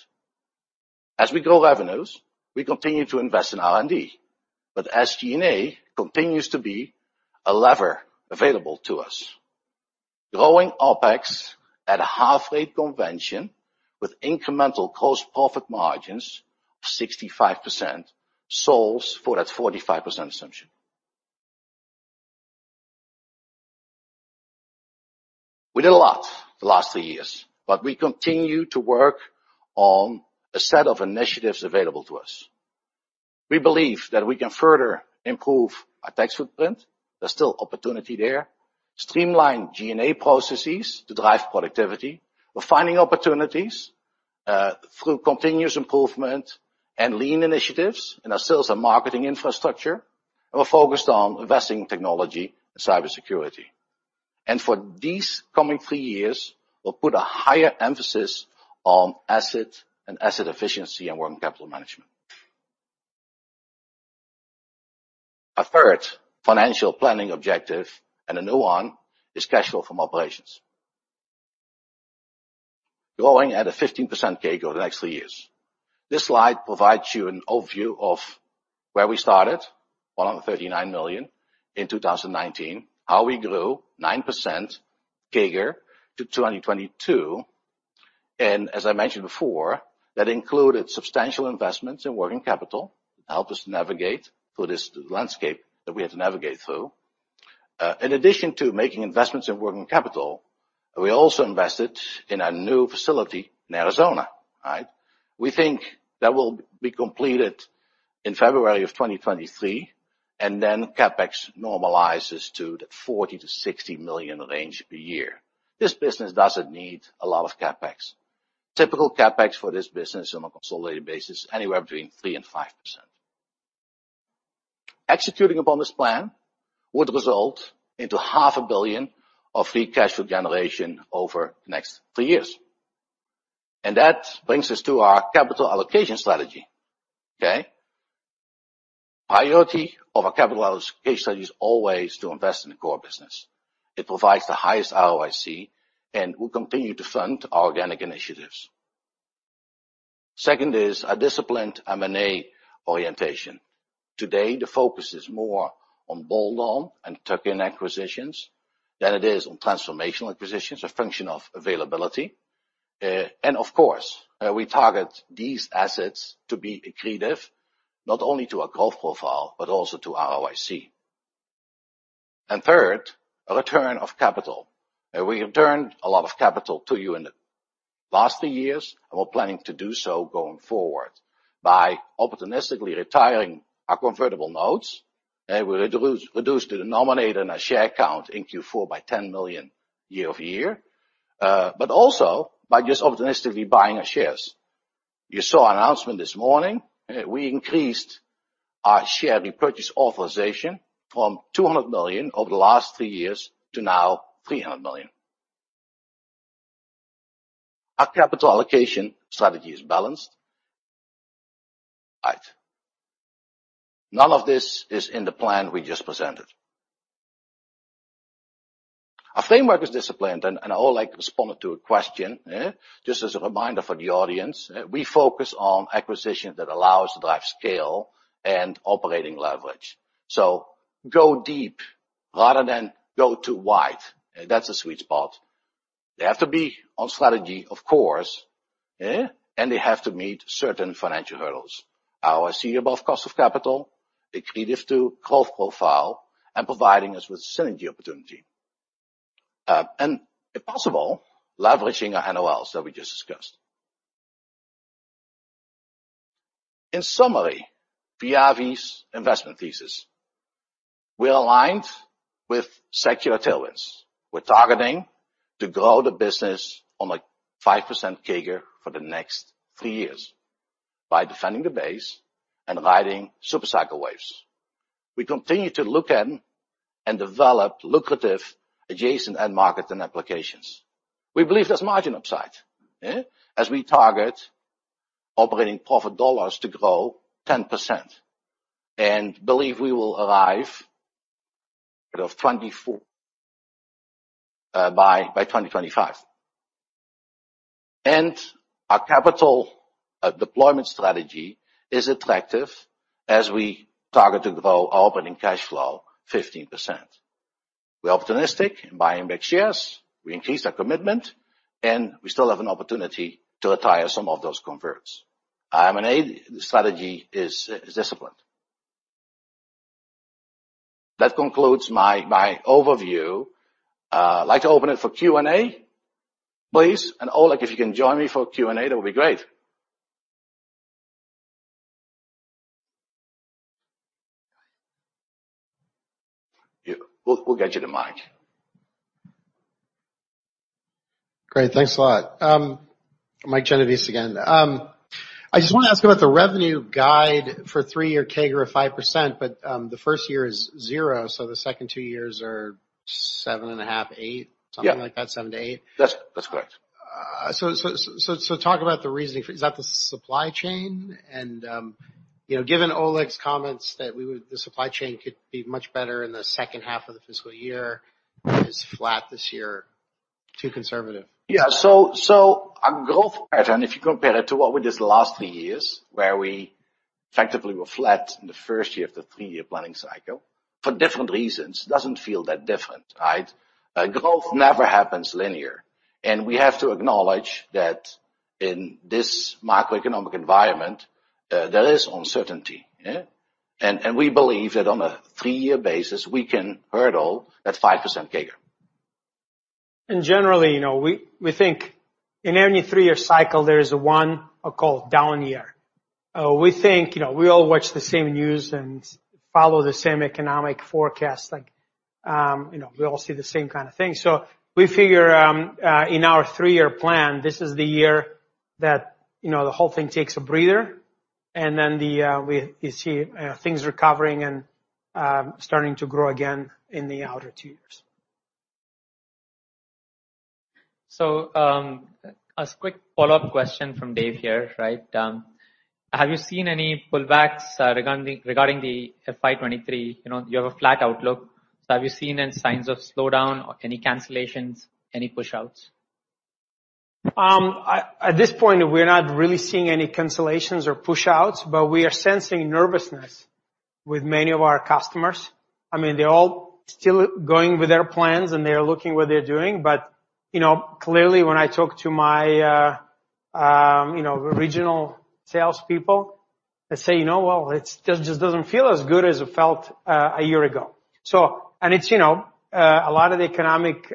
Speaker 3: As we grow revenues, we continue to invest in R&D, but SG&A continues to be a lever available to us. Growing OpEx at a half-rate convention with incremental gross profit margins of 65% solves for that 45% assumption. We did a lot the last three years, but we continue to work on a set of initiatives available to us. We believe that we can further improve our tax footprint. There's still opportunity there. Streamline G&A processes to drive productivity. We're finding opportunities through continuous improvement and lean initiatives in our sales and marketing infrastructure. We're focused on investing in technology and cybersecurity. For these coming three years, we'll put a higher emphasis on asset efficiency and working capital management. A third financial planning objective, and a new one, is cash flow from operations. Growing at a 15% CAGR the next three years. This slide provides you an overview of where we started, $139 million in 2019, how we grew 9% CAGR to 2022. As I mentioned before, that included substantial investments in working capital to help us navigate through this landscape that we had to navigate through. In addition to making investments in working capital, we also invested in a new facility in Arizona, right? We think that will be completed in February of 2023, and then CapEx normalizes to the $40 million-$60 million range per year. This business doesn't need a lot of CapEx. Typical CapEx for this business on a consolidated basis, anywhere between 3%-5%. Executing upon this plan would result in $500 million of free cash flow generation over the next three years. That brings us to our capital allocation strategy, okay? Priority of our capital allocation strategy is always to invest in the core business. It provides the highest ROIC, and we'll continue to fund our organic initiatives. Second is a disciplined M&A orientation. Today, the focus is more on bolt-on and tuck-in acquisitions than it is on transformational acquisitions, a function of availability. Of course, we target these assets to be accretive, not only to our growth profile, but also to ROIC. Third, a return of capital. We returned a lot of capital to you in the last three years. We're planning to do so going forward by opportunistically retiring our convertible notes. We reduced the denominator in our share count in Q4 by 10 million year-over-year. But also by just opportunistically buying our shares. You saw our announcement this morning, we increased our share repurchase authorization from $200 million over the last three years to now $300 million. Our capital allocation strategy is balanced. Right. None of this is in the plan we just presented. Our framework is disciplined, and Oleg responded to a question. Just as a reminder for the audience, we focus on acquisitions that allow to drive scale and operating leverage. Go deep rather than go too wide. That's the sweet spot. They have to be on strategy, of course, and they have to meet certain financial hurdles. above cost of capital, accretive to growth profile, and providing us with synergy opportunity. and if possible, leveraging our NOLs that we just discussed. In summary, Viavi's investment thesis. We're aligned with secular tailwinds. We're targeting to grow the business at like 5% CAGR for the next three years by defending the base and riding super cycle waves. We continue to look into and develop lucrative adjacent end markets and applications. We believe there's margin upside as we target operating profit dollars to grow 10%, and believe we will arrive at 24% by 2025. Our capital deployment strategy is attractive as we target to grow our operating cash flow 15%. We're opportunistic in buying back shares, we increased our commitment, and we still have an opportunity to retire some of those converts. M&A strategy is disciplined. That concludes my overview. I'd like to open it for Q&A, please. Oleg, if you can join me for Q&A, that would be great. We'll get you the mic.
Speaker 9: Great. Thanks a lot. Mike Genovese again. I just want to ask about the revenue guide for three-year CAGR of 5%, but the first year is 0%, so the second two years are 7.5%, 8%
Speaker 3: Yeah.
Speaker 9: Something like that, 7%-8%
Speaker 3: That's correct.
Speaker 9: Talk about the reasoning. Is that the supply chain? You know, given Oleg's comments that the supply chain could be much better in the second half of the fiscal year, is flat this year too conservative?
Speaker 3: Yeah. Our growth pattern, if you compare it to what we did the last three years, where we effectively were flat in the first year of the three-year planning cycle for different reasons, doesn't feel that different, right? Growth never happens linear. We have to acknowledge that in this macroeconomic environment, there is uncertainty, yeah? We believe that on a three-year basis, we can hurdle that 5% CAGR.
Speaker 4: Generally, you know, we think in any three-year cycle, there is one I'll call down year. We think, you know, we all watch the same news and follow the same economic forecast. Like, you know, we all see the same kind of thing. We figure in our three-year plan, this is the year that, you know, the whole thing takes a breather. Then you see things recovering and starting to grow again in the outer two years.
Speaker 2: A quick follow-up question from Dave here, right? Have you seen any pullbacks regarding the FY 2023? You know, you have a flat outlook. Have you seen any signs of slowdown or any cancellations, any push-outs?
Speaker 4: At this point, we're not really seeing any cancellations or push-outs, but we are sensing nervousness with many of our customers. I mean, they're all still going with their plans, and they're looking at what they're doing. You know, clearly when I talk to my you know, regional salespeople, they say, "You know what? It's just doesn't feel as good as it felt a year ago." It's you know a lot of the economic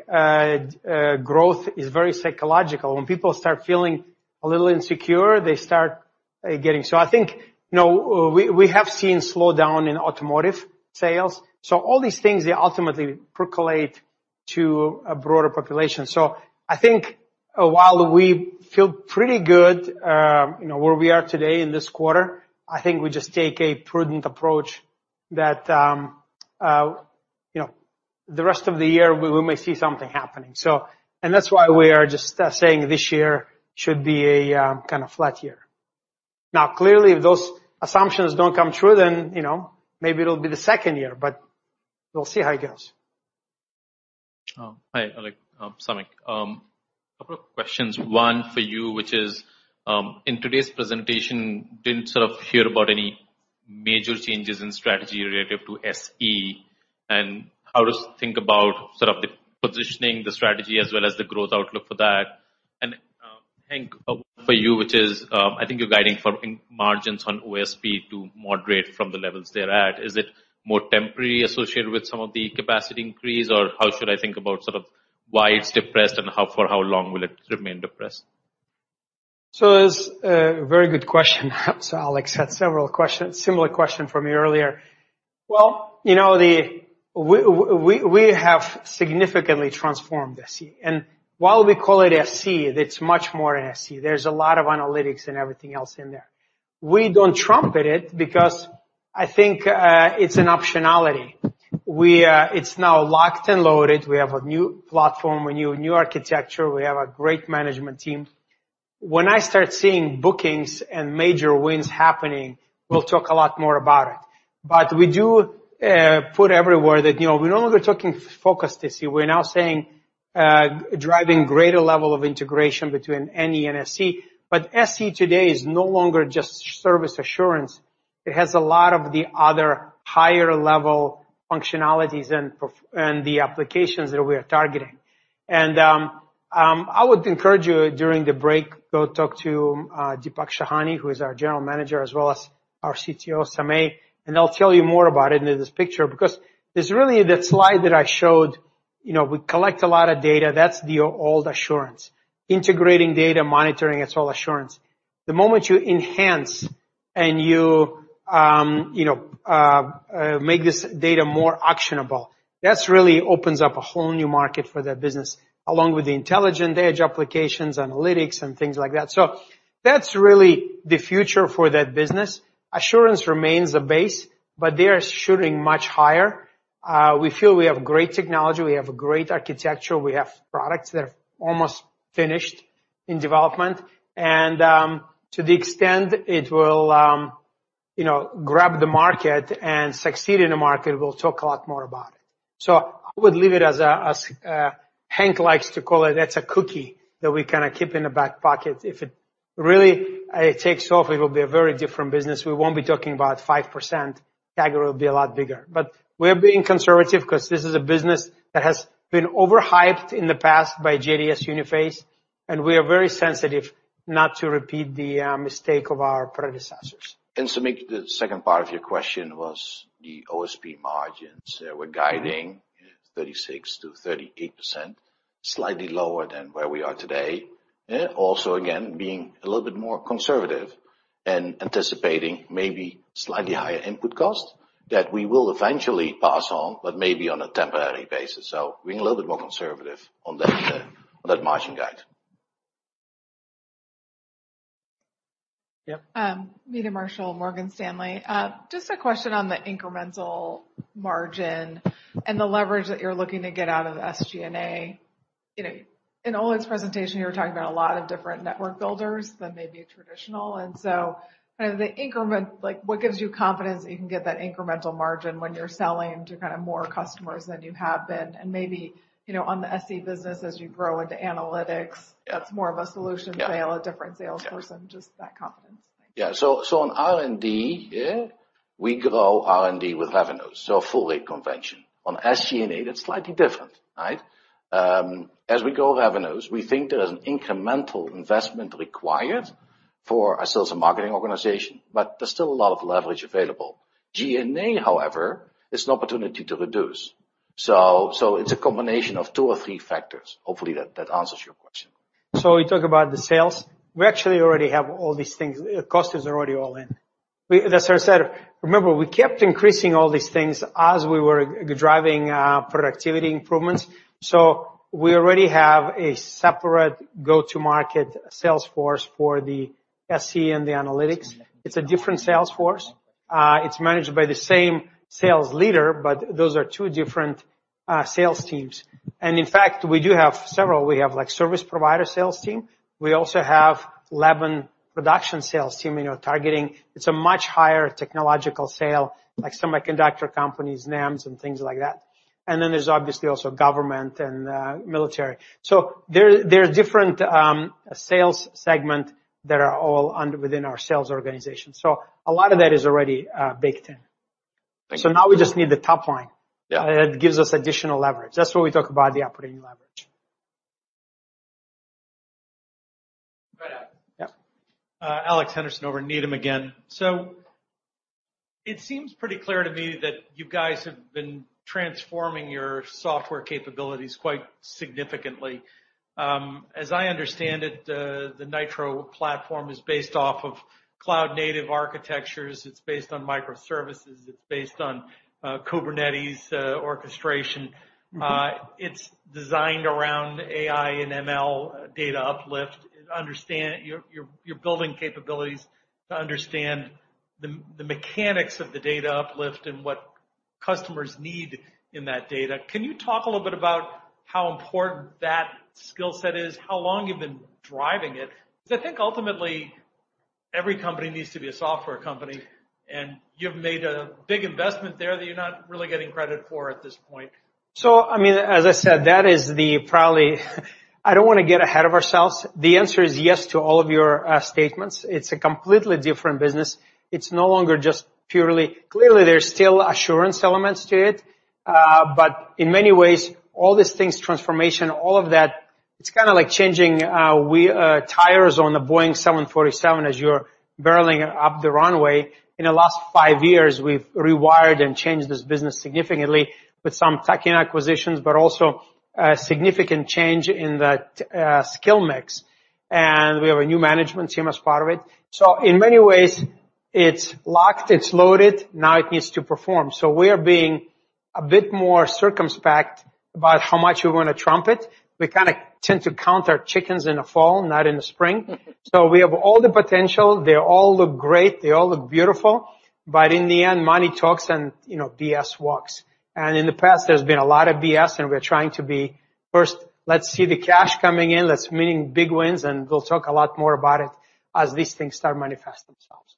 Speaker 4: growth is very psychological. When people start feeling a little insecure, they start getting. I think, you know, we have seen slowdown in automotive sales. All these things, they ultimately percolate to a broader population. I think while we feel pretty good, you know, where we are today in this quarter, I think we just take a prudent approach that, you know, the rest of the year, we may see something happening. That's why we are just saying this year should be a kind of flat year. Now, clearly, if those assumptions don't come true, then, you know, maybe it'll be the second year, but we'll see how it goes.
Speaker 8: Oh, hi, Oleg. Samik. A couple of questions. One for you, which is, in today's presentation, didn't sort of hear about any major changes in strategy related to SE, and how to think about sort of the positioning, the strategy, as well as the growth outlook for that. Henk, for you, which is, I think you're guiding for margins on OSP to moderate from the levels they're at. Is it more temporary associated with some of the capacity increase, or how should I think about sort of why it's depressed and how for how long will it remain depressed?
Speaker 4: It's a very good question. Alex had several questions, similar question for me earlier. We have significantly transformed SE. While we call it SE, it's much more than SE. There's a lot of analytics and everything else in there. We don't trumpet it because I think it's an optionality. It's now locked and loaded. We have a new platform, a new architecture. We have a great management team. When I start seeing bookings and major wins happening, we'll talk a lot more about it. We do put everywhere that we're no longer talking focused SE. We're now saying driving greater level of integration between NE and SE. SE today is no longer just service assurance. It has a lot of the other higher level functionalities and the applications that we are targeting. I would encourage you during the break, go talk to Deepak Shahane, who is our general manager, as well as our CTO, Sameh Yamany, and they'll tell you more about it in this picture, because there's really that slide that I showed. You know, we collect a lot of data. That's the old assurance. Integrating data, monitoring, it's all assurance. The moment you enhance and you know make this data more actionable, that's really opens up a whole new market for that business, along with the intelligent edge applications, analytics and things like that. That's really the future for that business. Assurance remains a base, but they are shooting much higher. We feel we have great technology. We have great architecture. We have products that are almost finished in development. To the extent it will, you know, grab the market and succeed in the market, we'll talk a lot more about it. I would leave it as Henk likes to call it, that's a cookie that we kinda keep in the back pocket. If it really takes off, it will be a very different business. We won't be talking about 5%, that will be a lot bigger. We're being conservative 'cause this is a business that has been overhyped in the past by JDS Uniphase, and we are very sensitive not to repeat the mistake of our predecessors.
Speaker 3: Sameh, the second part of your question was the OSP margins. We're guiding 36%-38%, slightly lower than where we are today. Also again, being a little bit more conservative and anticipating maybe slightly higher input costs that we will eventually pass on, but maybe on a temporary basis. Being a little bit more conservative on that margin guide.
Speaker 4: Yeah.
Speaker 10: Meta Marshall, Morgan Stanley. Just a question on the incremental margin and the leverage that you're looking to get out of the SG&A. You know, in Oleg's presentation, you were talking about a lot of different network builders than maybe a traditional. Kind of the increment, like what gives you confidence that you can get that incremental margin when you're selling to kind of more customers than you have been? Maybe, you know, on the SE business as you grow into analytics. That's more of a solution sale.
Speaker 3: Yeah.
Speaker 10: A different salesperson, just that confidence. Thanks.
Speaker 3: Yeah. On R&D, we grow R&D with revenues, so a full rate convention. On SG&A, that's slightly different, right? As we grow revenues, we think there's an incremental investment required for our sales and marketing organization, but there's still a lot of leverage available. G&A, however, is an opportunity to reduce. It's a combination of two or three factors. Hopefully that answers your question.
Speaker 4: We talk about the sales. We actually already have all these things. Cost is already all in. That's why I said, remember, we kept increasing all these things as we were driving productivity improvements. We already have a separate go-to-market sales force for the SE and the analytics. It's a different sales force. It's managed by the same sales leader, but those are two different sales teams. In fact, we do have several. We have, like, service provider sales team. We also have lab and production sales team, you know, targeting. It's a much higher technological sale, like semiconductor companies, NAMs, and things like that. Then there's obviously also government and military. There are different sales segments that are all under our sales organization. A lot of that is already baked in.
Speaker 10: Thank you.
Speaker 4: Now we just need the top line.
Speaker 3: Yeah.
Speaker 4: It gives us additional leverage. That's why we talk about the operating leverage.
Speaker 5: Go ahead.
Speaker 4: Yeah.
Speaker 6: Alex Henderson over Needham again. It seems pretty clear to me that you guys have been transforming your software capabilities quite significantly. As I understand it, the NITRO platform is based off of cloud-native architectures. It's based on microservices. It's based on Kubernetes orchestration. It's designed around AI and ML data uplift. Understand you're building capabilities to understand the mechanics of the data uplift and what customers need in that data. Can you talk a little bit about how important that skill set is, how long you've been driving it? 'Cause I think ultimately, every company needs to be a software company, and you've made a big investment there that you're not really getting credit for at this point.
Speaker 4: I mean, as I said, that is probably. I don't wanna get ahead of ourselves. The answer is yes to all of your statements. It's a completely different business. It's no longer just purely. Clearly, there's still assurance elements to it. But in many ways, all these things, transformation, all of that, it's kinda like changing tires on a Boeing 747 as you're barreling up the runway. In the last five years, we've rewired and changed this business significantly with some tech acquisitions, but also a significant change in that skill mix. And we have a new management team as part of it. In many ways, it's locked, it's loaded, now it needs to perform. We are being a bit more circumspect about how much we wanna trumpet it. We kinda tend to count our chickens in the fall, not in the spring. We have all the potential. They all look great. They all look beautiful. In the end, money talks and, you know, BS walks. In the past, there's been a lot of BS, and we're trying to be, first, let's see the cash coming in, let's meaning big wins, and we'll talk a lot more about it as these things start to manifest themselves.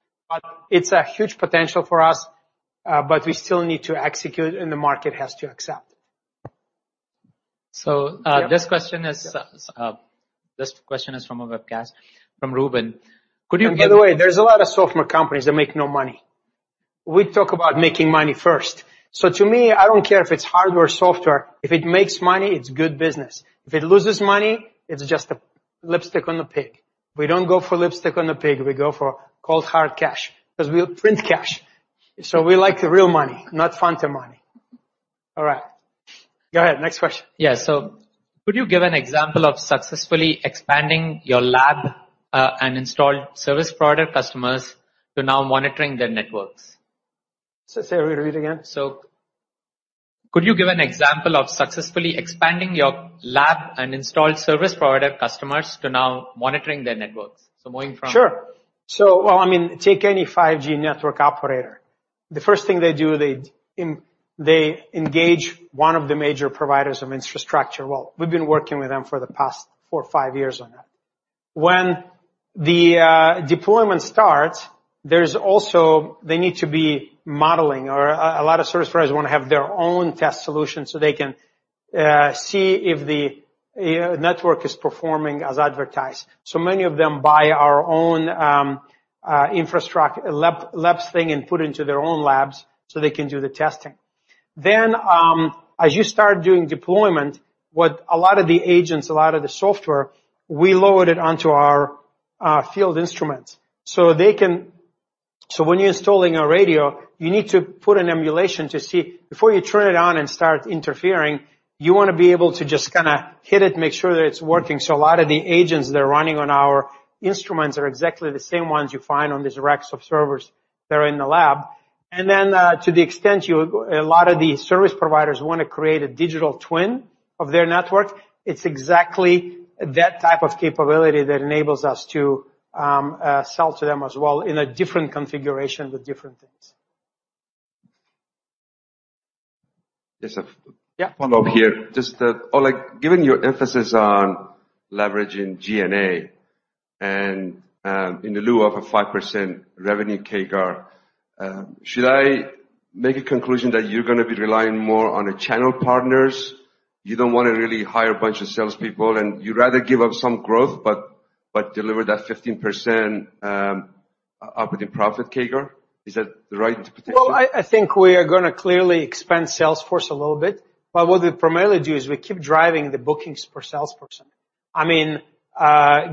Speaker 4: It's a huge potential for us, but we still need to execute, and the market has to accept.
Speaker 2: So, uh-
Speaker 4: Yeah.
Speaker 2: This question is from a webcast from Ruben. Could you give-
Speaker 4: By the way, there's a lot of software companies that make no money. We talk about making money first. To me, I don't care if it's hardware or software, if it makes money, it's good business. If it loses money, it's just a lipstick on the pig. We don't go for lipstick on the pig, we go for cold, hard cash because we print cash. We like the real money, not funny money. All right. Go ahead, next question.
Speaker 2: Yeah. Could you give an example of successfully expanding your lab and installed service product customers to now monitoring their networks?
Speaker 4: Say that to me again.
Speaker 2: Could you give an example of successfully expanding your lab and installed service provider customers to now monitoring their networks? Moving from-
Speaker 4: Sure. Well, I mean, take any 5G network operator. The first thing they do, they engage one of the major providers of infrastructure. Well, we've been working with them for the past four or five years on that. When the deployment starts, there is also they need to be modeling or a lot of service providers wanna have their own test solution so they can see if the network is performing as advertised. Many of them buy our own lab labs thing and put into their own labs so they can do the testing. As you start doing deployment, what a lot of the agents, a lot of the software, we load it onto our field instruments so they can when you're installing a radio, you need to put an emulation to see. Before you turn it on and start interfering, you wanna be able to just kinda hit it, make sure that it's working. A lot of the agents that are running on our instruments are exactly the same ones you find on these racks of servers that are in the lab. To the extent a lot of these service providers wanna create a digital twin of their network, it's exactly that type of capability that enables us to sell to them as well in a different configuration with different things.
Speaker 7: Yes.
Speaker 4: Yeah.
Speaker 7: Follow-up here. Just Oleg, given your emphasis on leveraging G&A and in lieu of a 5% revenue CAGR, should I make a conclusion that you're gonna be relying more on the channel partners? You don't wanna really hire a bunch of salespeople, and you'd rather give up some growth, but deliver that 15% operating profit CAGR? Is that the right interpretation?
Speaker 4: I think we are gonna clearly expand sales force a little bit, but what we primarily do is we keep driving the bookings per salesperson. I mean,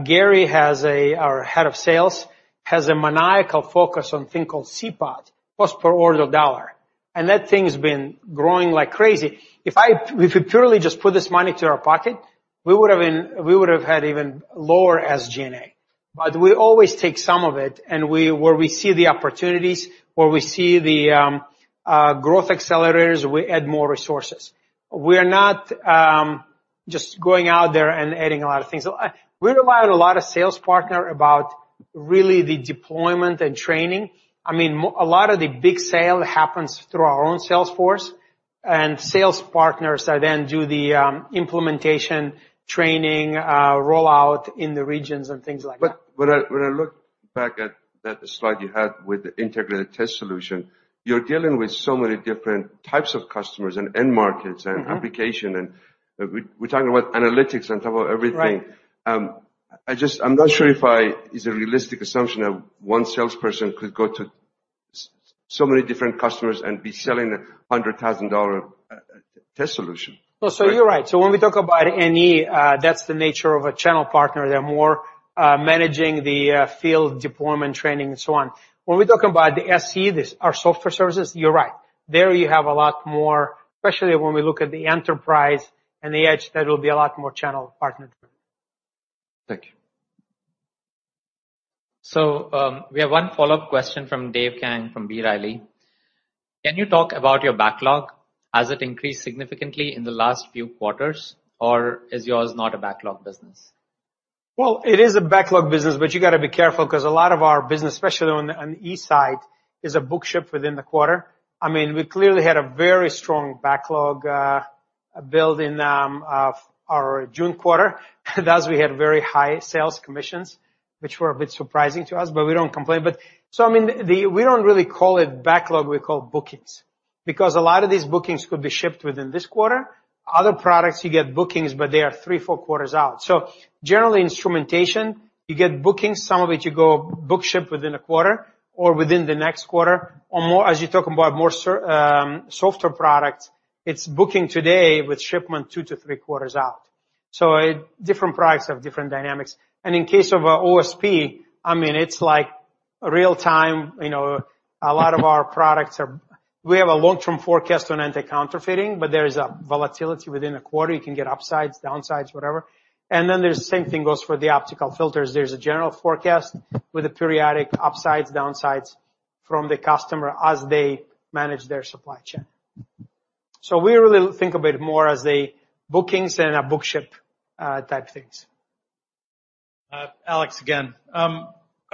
Speaker 4: Gary, our head of sales, has a maniacal focus on a thing called CPAT, cost per order dollar. That thing's been growing like crazy. If we purely just put this money to our pocket, we would've had even lower SG&A. But we always take some of it, and where we see the opportunities, where we see the growth accelerators, we add more resources. We are not just going out there and adding a lot of things. We rely on a lot of sales partners about really the deployment and training. I mean, a lot of the big sale happens through our own sales force and sales partners that then do the implementation, training, rollout in the regions and things like that.
Speaker 7: When I look back at that slide you had with the integrated test solution, you're dealing with so many different types of customers and end markets.
Speaker 4: Mm-hmm.
Speaker 7: Application, and we're talking about analytics on top of everything.
Speaker 4: Right.
Speaker 7: I'm not sure if it's a realistic assumption that one salesperson could go to so many different customers and be selling a $100,000 test solution.
Speaker 4: No. You're right. When we talk about NE, that's the nature of a channel partner. They're more managing the field deployment training and so on. When we talk about the SE, this is our software services, you're right. There, you have a lot more, especially when we look at the enterprise and the edge, there will be a lot more channel partner.
Speaker 7: Thank you.
Speaker 2: We have one follow-up question from Dave Kang from B. Riley. Can you talk about your backlog? Has it increased significantly in the last few quarters, or is yours not a backlog business?
Speaker 4: Well, it is a backlog business, but you gotta be careful 'cause a lot of our business, especially on the SE side, is a book ship within the quarter. I mean, we clearly had a very strong backlog build in our June quarter. Thus, we had very high sales commissions, which were a bit surprising to us, but we don't complain. I mean, we don't really call it backlog, we call bookings. Because a lot of these bookings could be shipped within this quarter. Other products, you get bookings, but they are three, four quarters out. Generally, instrumentation, you get bookings, some of it you go book ship within a quarter or within the next quarter. More, as you talk about more software products, it's booking today with shipment two to three quarters out. Different products have different dynamics. In case of OSP, I mean, it's like real time, you know, a lot of our products are. We have a long-term forecast on anti-counterfeiting, but there is a volatility within the quarter. You can get upsides, downsides, whatever. Then there's same thing goes for the optical filters. There's a general forecast with the periodic upsides, downsides from the customer as they manage their supply chain. So we really think of it more as a bookings than a book-to-ship type things.
Speaker 6: Alex again. I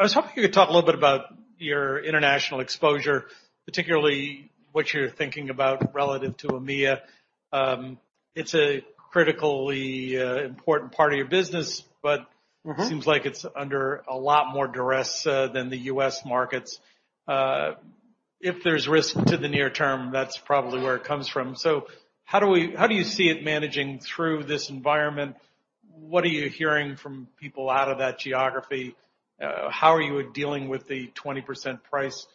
Speaker 6: was hoping you could talk a little bit about your international exposure, particularly what you're thinking about relative to EMEA. It's a critically important part of your business, but-
Speaker 4: Mm-hmm.
Speaker 6: It seems like it's under a lot more duress than the US markets. If there's risk to the near term, that's probably where it comes from. How do you see it managing through this environment? What are you hearing from people out of that geography? How are you dealing with the 20% price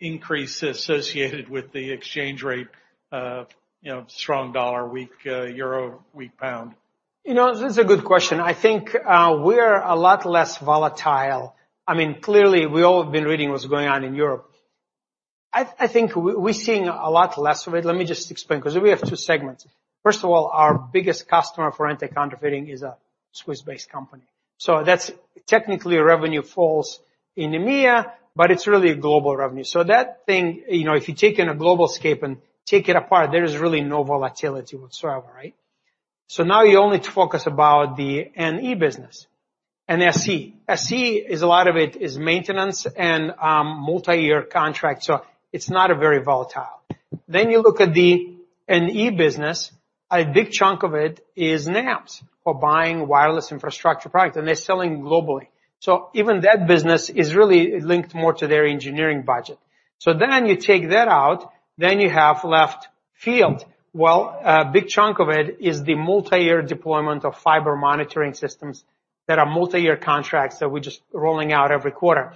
Speaker 6: increase associated with the exchange rate of, you know, strong dollar, weak euro, weak pound?
Speaker 4: You know, this is a good question. I think we're a lot less volatile. I mean, clearly, we all have been reading what's going on in Europe. I think we're seeing a lot less of it. Let me just explain, 'cause we have two segments. First of all, our biggest customer for anti-counterfeiting is a Swiss-based company. That's technically revenue falls in EMEA, but it's really a global revenue. That thing, you know, if you take in a global scope and take it apart, there is really no volatility whatsoever, right? Now you only focus on the NE business and SE. SE is a lot of it is maintenance and multi-year contracts, so it's not very volatile. You look at the NE business, a big chunk of it is NAPs or buying wireless infrastructure products, and they're selling globally. Even that business is really linked more to their engineering budget. You take that out, then you have left field. Well, a big chunk of it is the multi-year deployment of fiber monitoring systems that are multi-year contracts that we're just rolling out every quarter.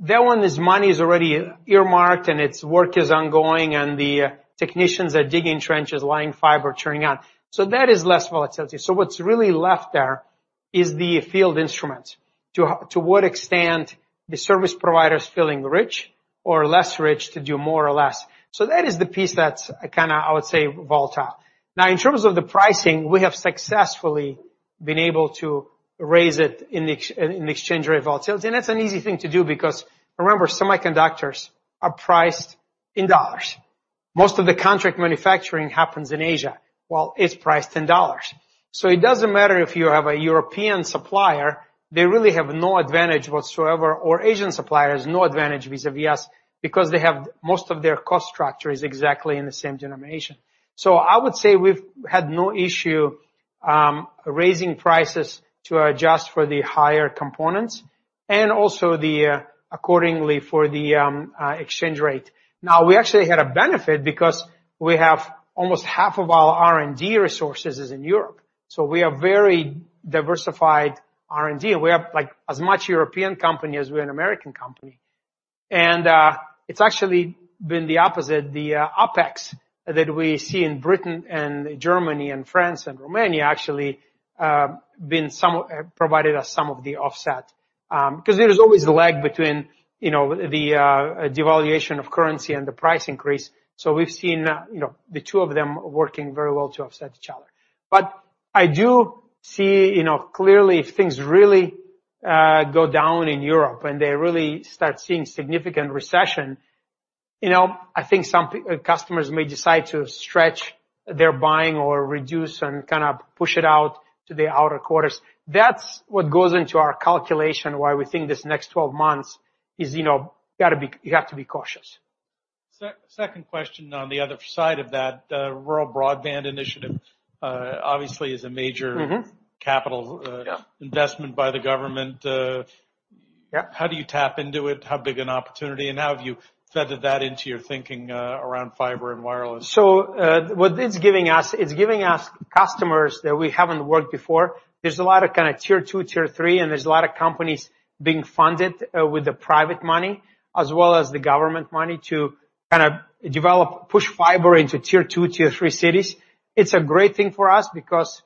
Speaker 4: That one, the money is already earmarked and its work is ongoing, and the technicians are digging trenches, laying fiber, churning out. That is less volatility. What's really left there is the field instruments. To what extent the service provider is feeling rich or less rich to do more or less. That is the piece that's kinda, I would say, volatile. Now, in terms of the pricing, we have successfully been able to raise it in excess of exchange rate volatility. That's an easy thing to do because remember, semiconductors are priced in dollars. Most of the contract manufacturing happens in Asia, while it's priced in dollars. It doesn't matter if you have a European supplier, they really have no advantage whatsoever, or Asian suppliers, no advantage vis-a-vis U.S. Because they have most of their cost structure is exactly in the same denomination. I would say we've had no issue raising prices to adjust for the higher components and also the accordingly for the exchange rate. We actually had a benefit because we have almost half of our R&D resources is in Europe. We are very diversified R&D. We have like as much European company as we are an American company. It's actually been the opposite. The OpEx that we see in Britain and Germany and France and Romania actually provided us some of the offset. 'Cause there is always a lag between, you know, the devaluation of currency and the price increase. We've seen, you know, the two of them working very well to offset each other. I do see, you know, clearly if things really go down in Europe and they really start seeing significant recession, you know, I think some customers may decide to stretch their buying or reduce and kind of push it out to the outer quarters. That's what goes into our calculation, why we think this next 12 months is, you know, you have to be cautious.
Speaker 6: Second question on the other side of that. Rural Broadband Initiative obviously is a major
Speaker 4: Mm-hmm.
Speaker 6: capital investment by the government
Speaker 4: Yeah.
Speaker 6: How do you tap into it? How big an opportunity, and how have you threaded that into your thinking, around fiber and wireless?
Speaker 4: What it's giving us customers that we haven't worked before. There's a lot of kinda Tier 2, Tier 3, and there's a lot of companies being funded with the private money as well as the government money to kinda develop, push fiber into Tier 2, Tier 3 cities. It's a great thing for us because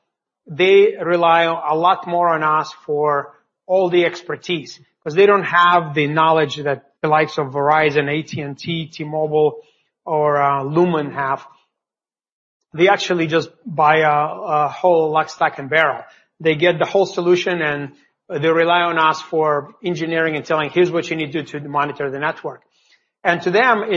Speaker 4: they rely a lot more on us for all the expertise 'cause they don't have the knowledge that the likes of Verizon, AT&T, T-Mobile or Lumen have. They actually just buy a whole lock, stock, and barrel. They get the whole solution, and they rely on us for engineering and telling, "Here's what you need to monitor the network. It's kinda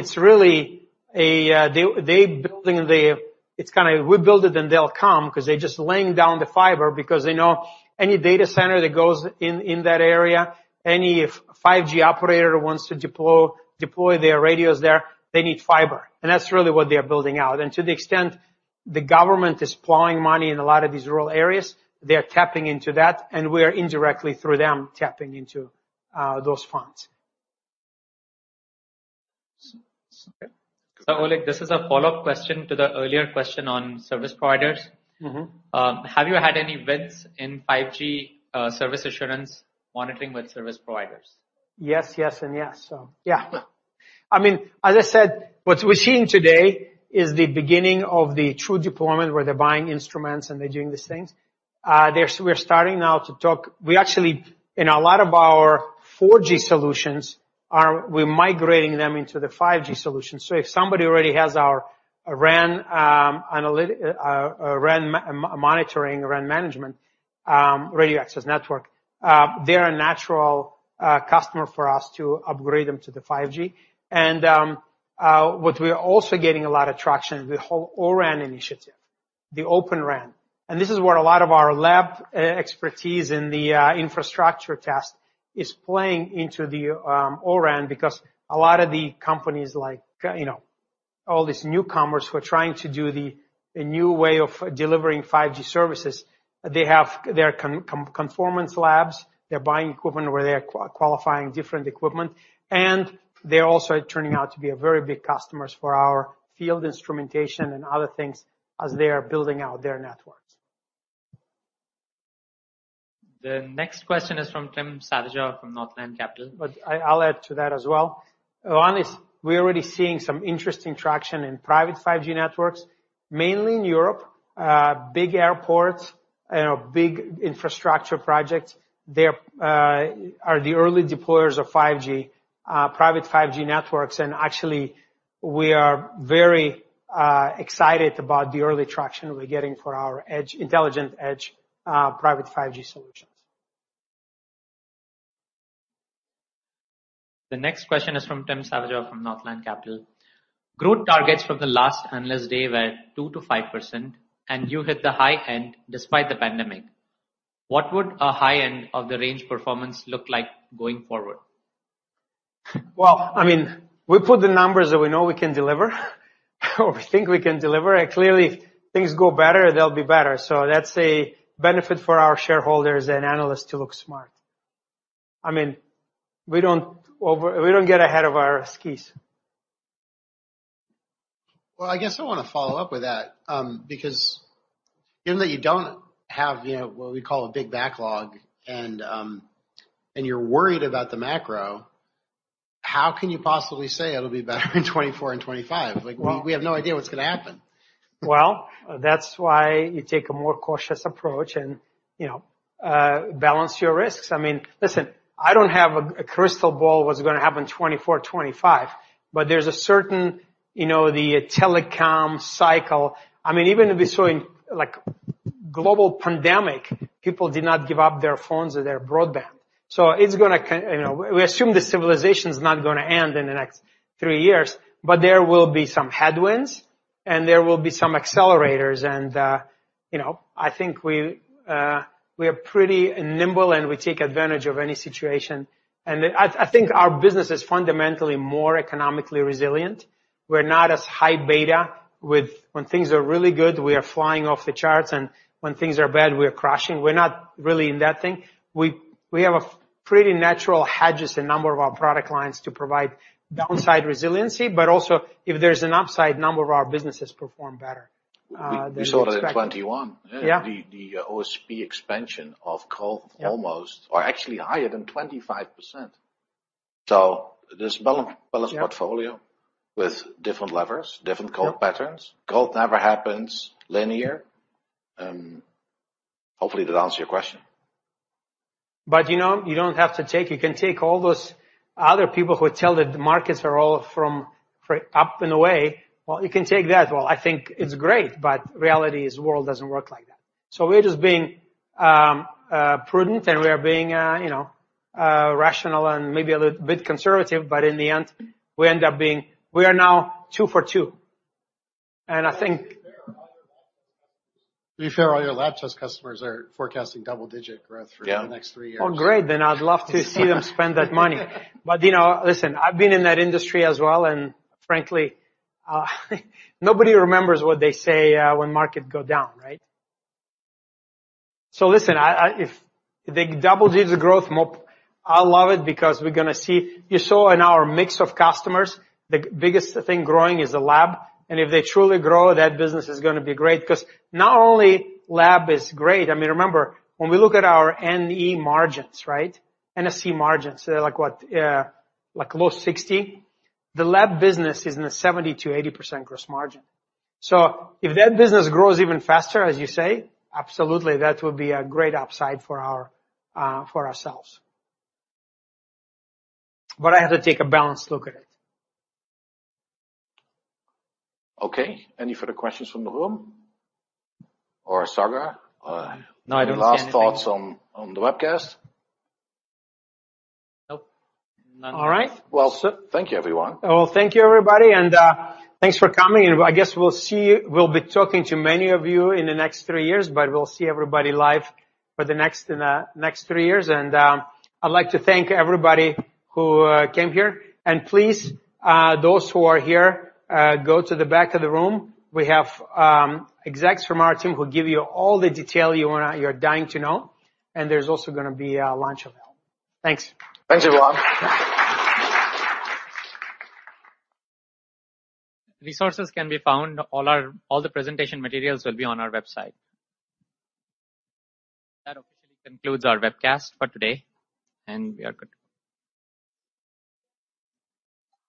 Speaker 4: we build it and they'll come 'cause they're just laying down the fiber because they know any data center that goes in that area, any 5G operator wants to deploy their radios there, they need fiber. That's really what they are building out. To the extent the government is plowing money in a lot of these rural areas, they are tapping into that, and we are indirectly, through them, tapping into those funds.
Speaker 6: Okay.
Speaker 2: Oleg, this is a follow-up question to the earlier question on service providers.
Speaker 4: Mm-hmm.
Speaker 2: Have you had any wins in 5G, service assurance monitoring with service providers?
Speaker 4: Yes, yes, and yes. I mean, as I said, what we're seeing today is the beginning of the true deployment where they're buying instruments, and they're doing these things. We're starting now to talk. We actually, in a lot of our 4G solutions, we're migrating them into the 5G solution. If somebody already has our RAN monitoring or RAN management, radio access network, they're a natural customer for us to upgrade them to the 5G. What we're also getting a lot of traction, the whole O-RAN initiative, the Open RAN. This is where a lot of our lab expertise in the infrastructure test is playing into the O-RAN because a lot of the companies like, you know, all these newcomers who are trying to do a new way of delivering 5G services, they have their conformance labs. They're buying equipment where they are qualifying different equipment, and they're also turning out to be a very big customers for our field instrumentation and other things as they are building out their networks.
Speaker 2: The next question is from Tim Savageaux from Northland Capital Markets.
Speaker 4: I'll add to that as well. One is we're already seeing some interesting traction in private 5G networks, mainly in Europe, big airports, you know, big infrastructure projects. They are the early deployers of 5G private 5G networks, and actually we are very excited about the early traction we're getting for our edge, intelligent edge, private 5G solutions.
Speaker 2: The next question is from Tim Savageaux from Northland Capital Markets. Growth targets for the last analyst day were 2%-5%, and you hit the high end despite the pandemic. What would a high end of the range performance look like going forward?
Speaker 4: Well, I mean, we put the numbers that we know we can deliver or we think we can deliver. Clearly, if things go better, they'll be better. That's a benefit for our shareholders and analysts to look smart. I mean, we don't get ahead of our skis.
Speaker 9: Well, I guess I want to follow up with that, because even though you don't have, you know, what we call a big backlog and you're worried about the macro, how can you possibly say it'll be better in 2024 and 2025? Like we have no idea what's gonna happen.
Speaker 4: Well, that's why you take a more cautious approach and, you know, balance your risks. I mean, listen, I don't have a crystal ball what's gonna happen 2024, 2025, but there's a certain, you know, the telecom cycle. I mean, even if it's something like global pandemic, people did not give up their phones or their broadband. It's gonna, you know, we assume the civilization's not gonna end in the next three years, but there will be some headwinds, and there will be some accelerators and, you know, I think we are pretty nimble, and we take advantage of any situation. I think our business is fundamentally more economically resilient. We're not as high beta with when things are really good, we are flying off the charts, and when things are bad, we are crashing. We're not really in that thing. We have a pretty natural hedges in a number of our product lines to provide downside resiliency, but also if there's an upside, a number of our businesses perform better than expected.
Speaker 3: We saw that in 2021.
Speaker 4: Yeah.
Speaker 3: The OSP expansion of co-
Speaker 4: Yeah.
Speaker 3: -almost or actually higher than 25%. There's balance-
Speaker 4: Yeah.
Speaker 3: Balance portfolio with different levers, different growth patterns. Growth never happens linear. Hopefully that answers your question.
Speaker 4: You know, you don't have to take. You can take all those other people who tell that the markets are all up and away. Well, you can take that. Well, I think it's great, but reality is the world doesn't work like that. We're just being prudent, and we are being, you know, rational and maybe a little bit conservative, but in the end, we end up being. We are now two for two. I think-
Speaker 9: To be fair, all your lab test customers are forecasting double-digit growth for.
Speaker 3: Yeah.
Speaker 9: The next three years.
Speaker 4: Oh, great. I'd love to see them spend that money. You know, listen, I've been in that industry as well, and frankly, nobody remembers what they say, when markets go down, right? Listen, if the double-digit growth, I love it because we're gonna see. You saw in our mix of customers, the biggest thing growing is the lab. If they truly grow, that business is gonna be great because not only lab is great. I mean, remember when we look at our NSE margins, right? NSE margins, they're like, what? Like low 60%. The lab business is in the 70%-80% gross margin. If that business grows even faster, as you say, absolutely, that would be a great upside for our, for ourselves. I have to take a balanced look at it.
Speaker 3: Okay. Any further questions from the room or Sagar?
Speaker 2: No, I don't see anything.
Speaker 3: Any last thoughts on the webcast?
Speaker 2: Nope. None.
Speaker 4: All right.
Speaker 3: Well, thank you, everyone.
Speaker 4: Well, thank you, everybody, and thanks for coming. I guess we'll see you. We'll be talking to many of you in the next three years, but we'll see everybody live for the next three years. I'd like to thank everybody who came here. Please, those who are here, go to the back of the room. We have execs from our team who give you all the detail you're dying to know. There's also gonna be a lunch available. Thanks.
Speaker 3: Thanks, everyone.
Speaker 2: Resources can be found. All the presentation materials will be on our website. That officially concludes our webcast for today, and we are good.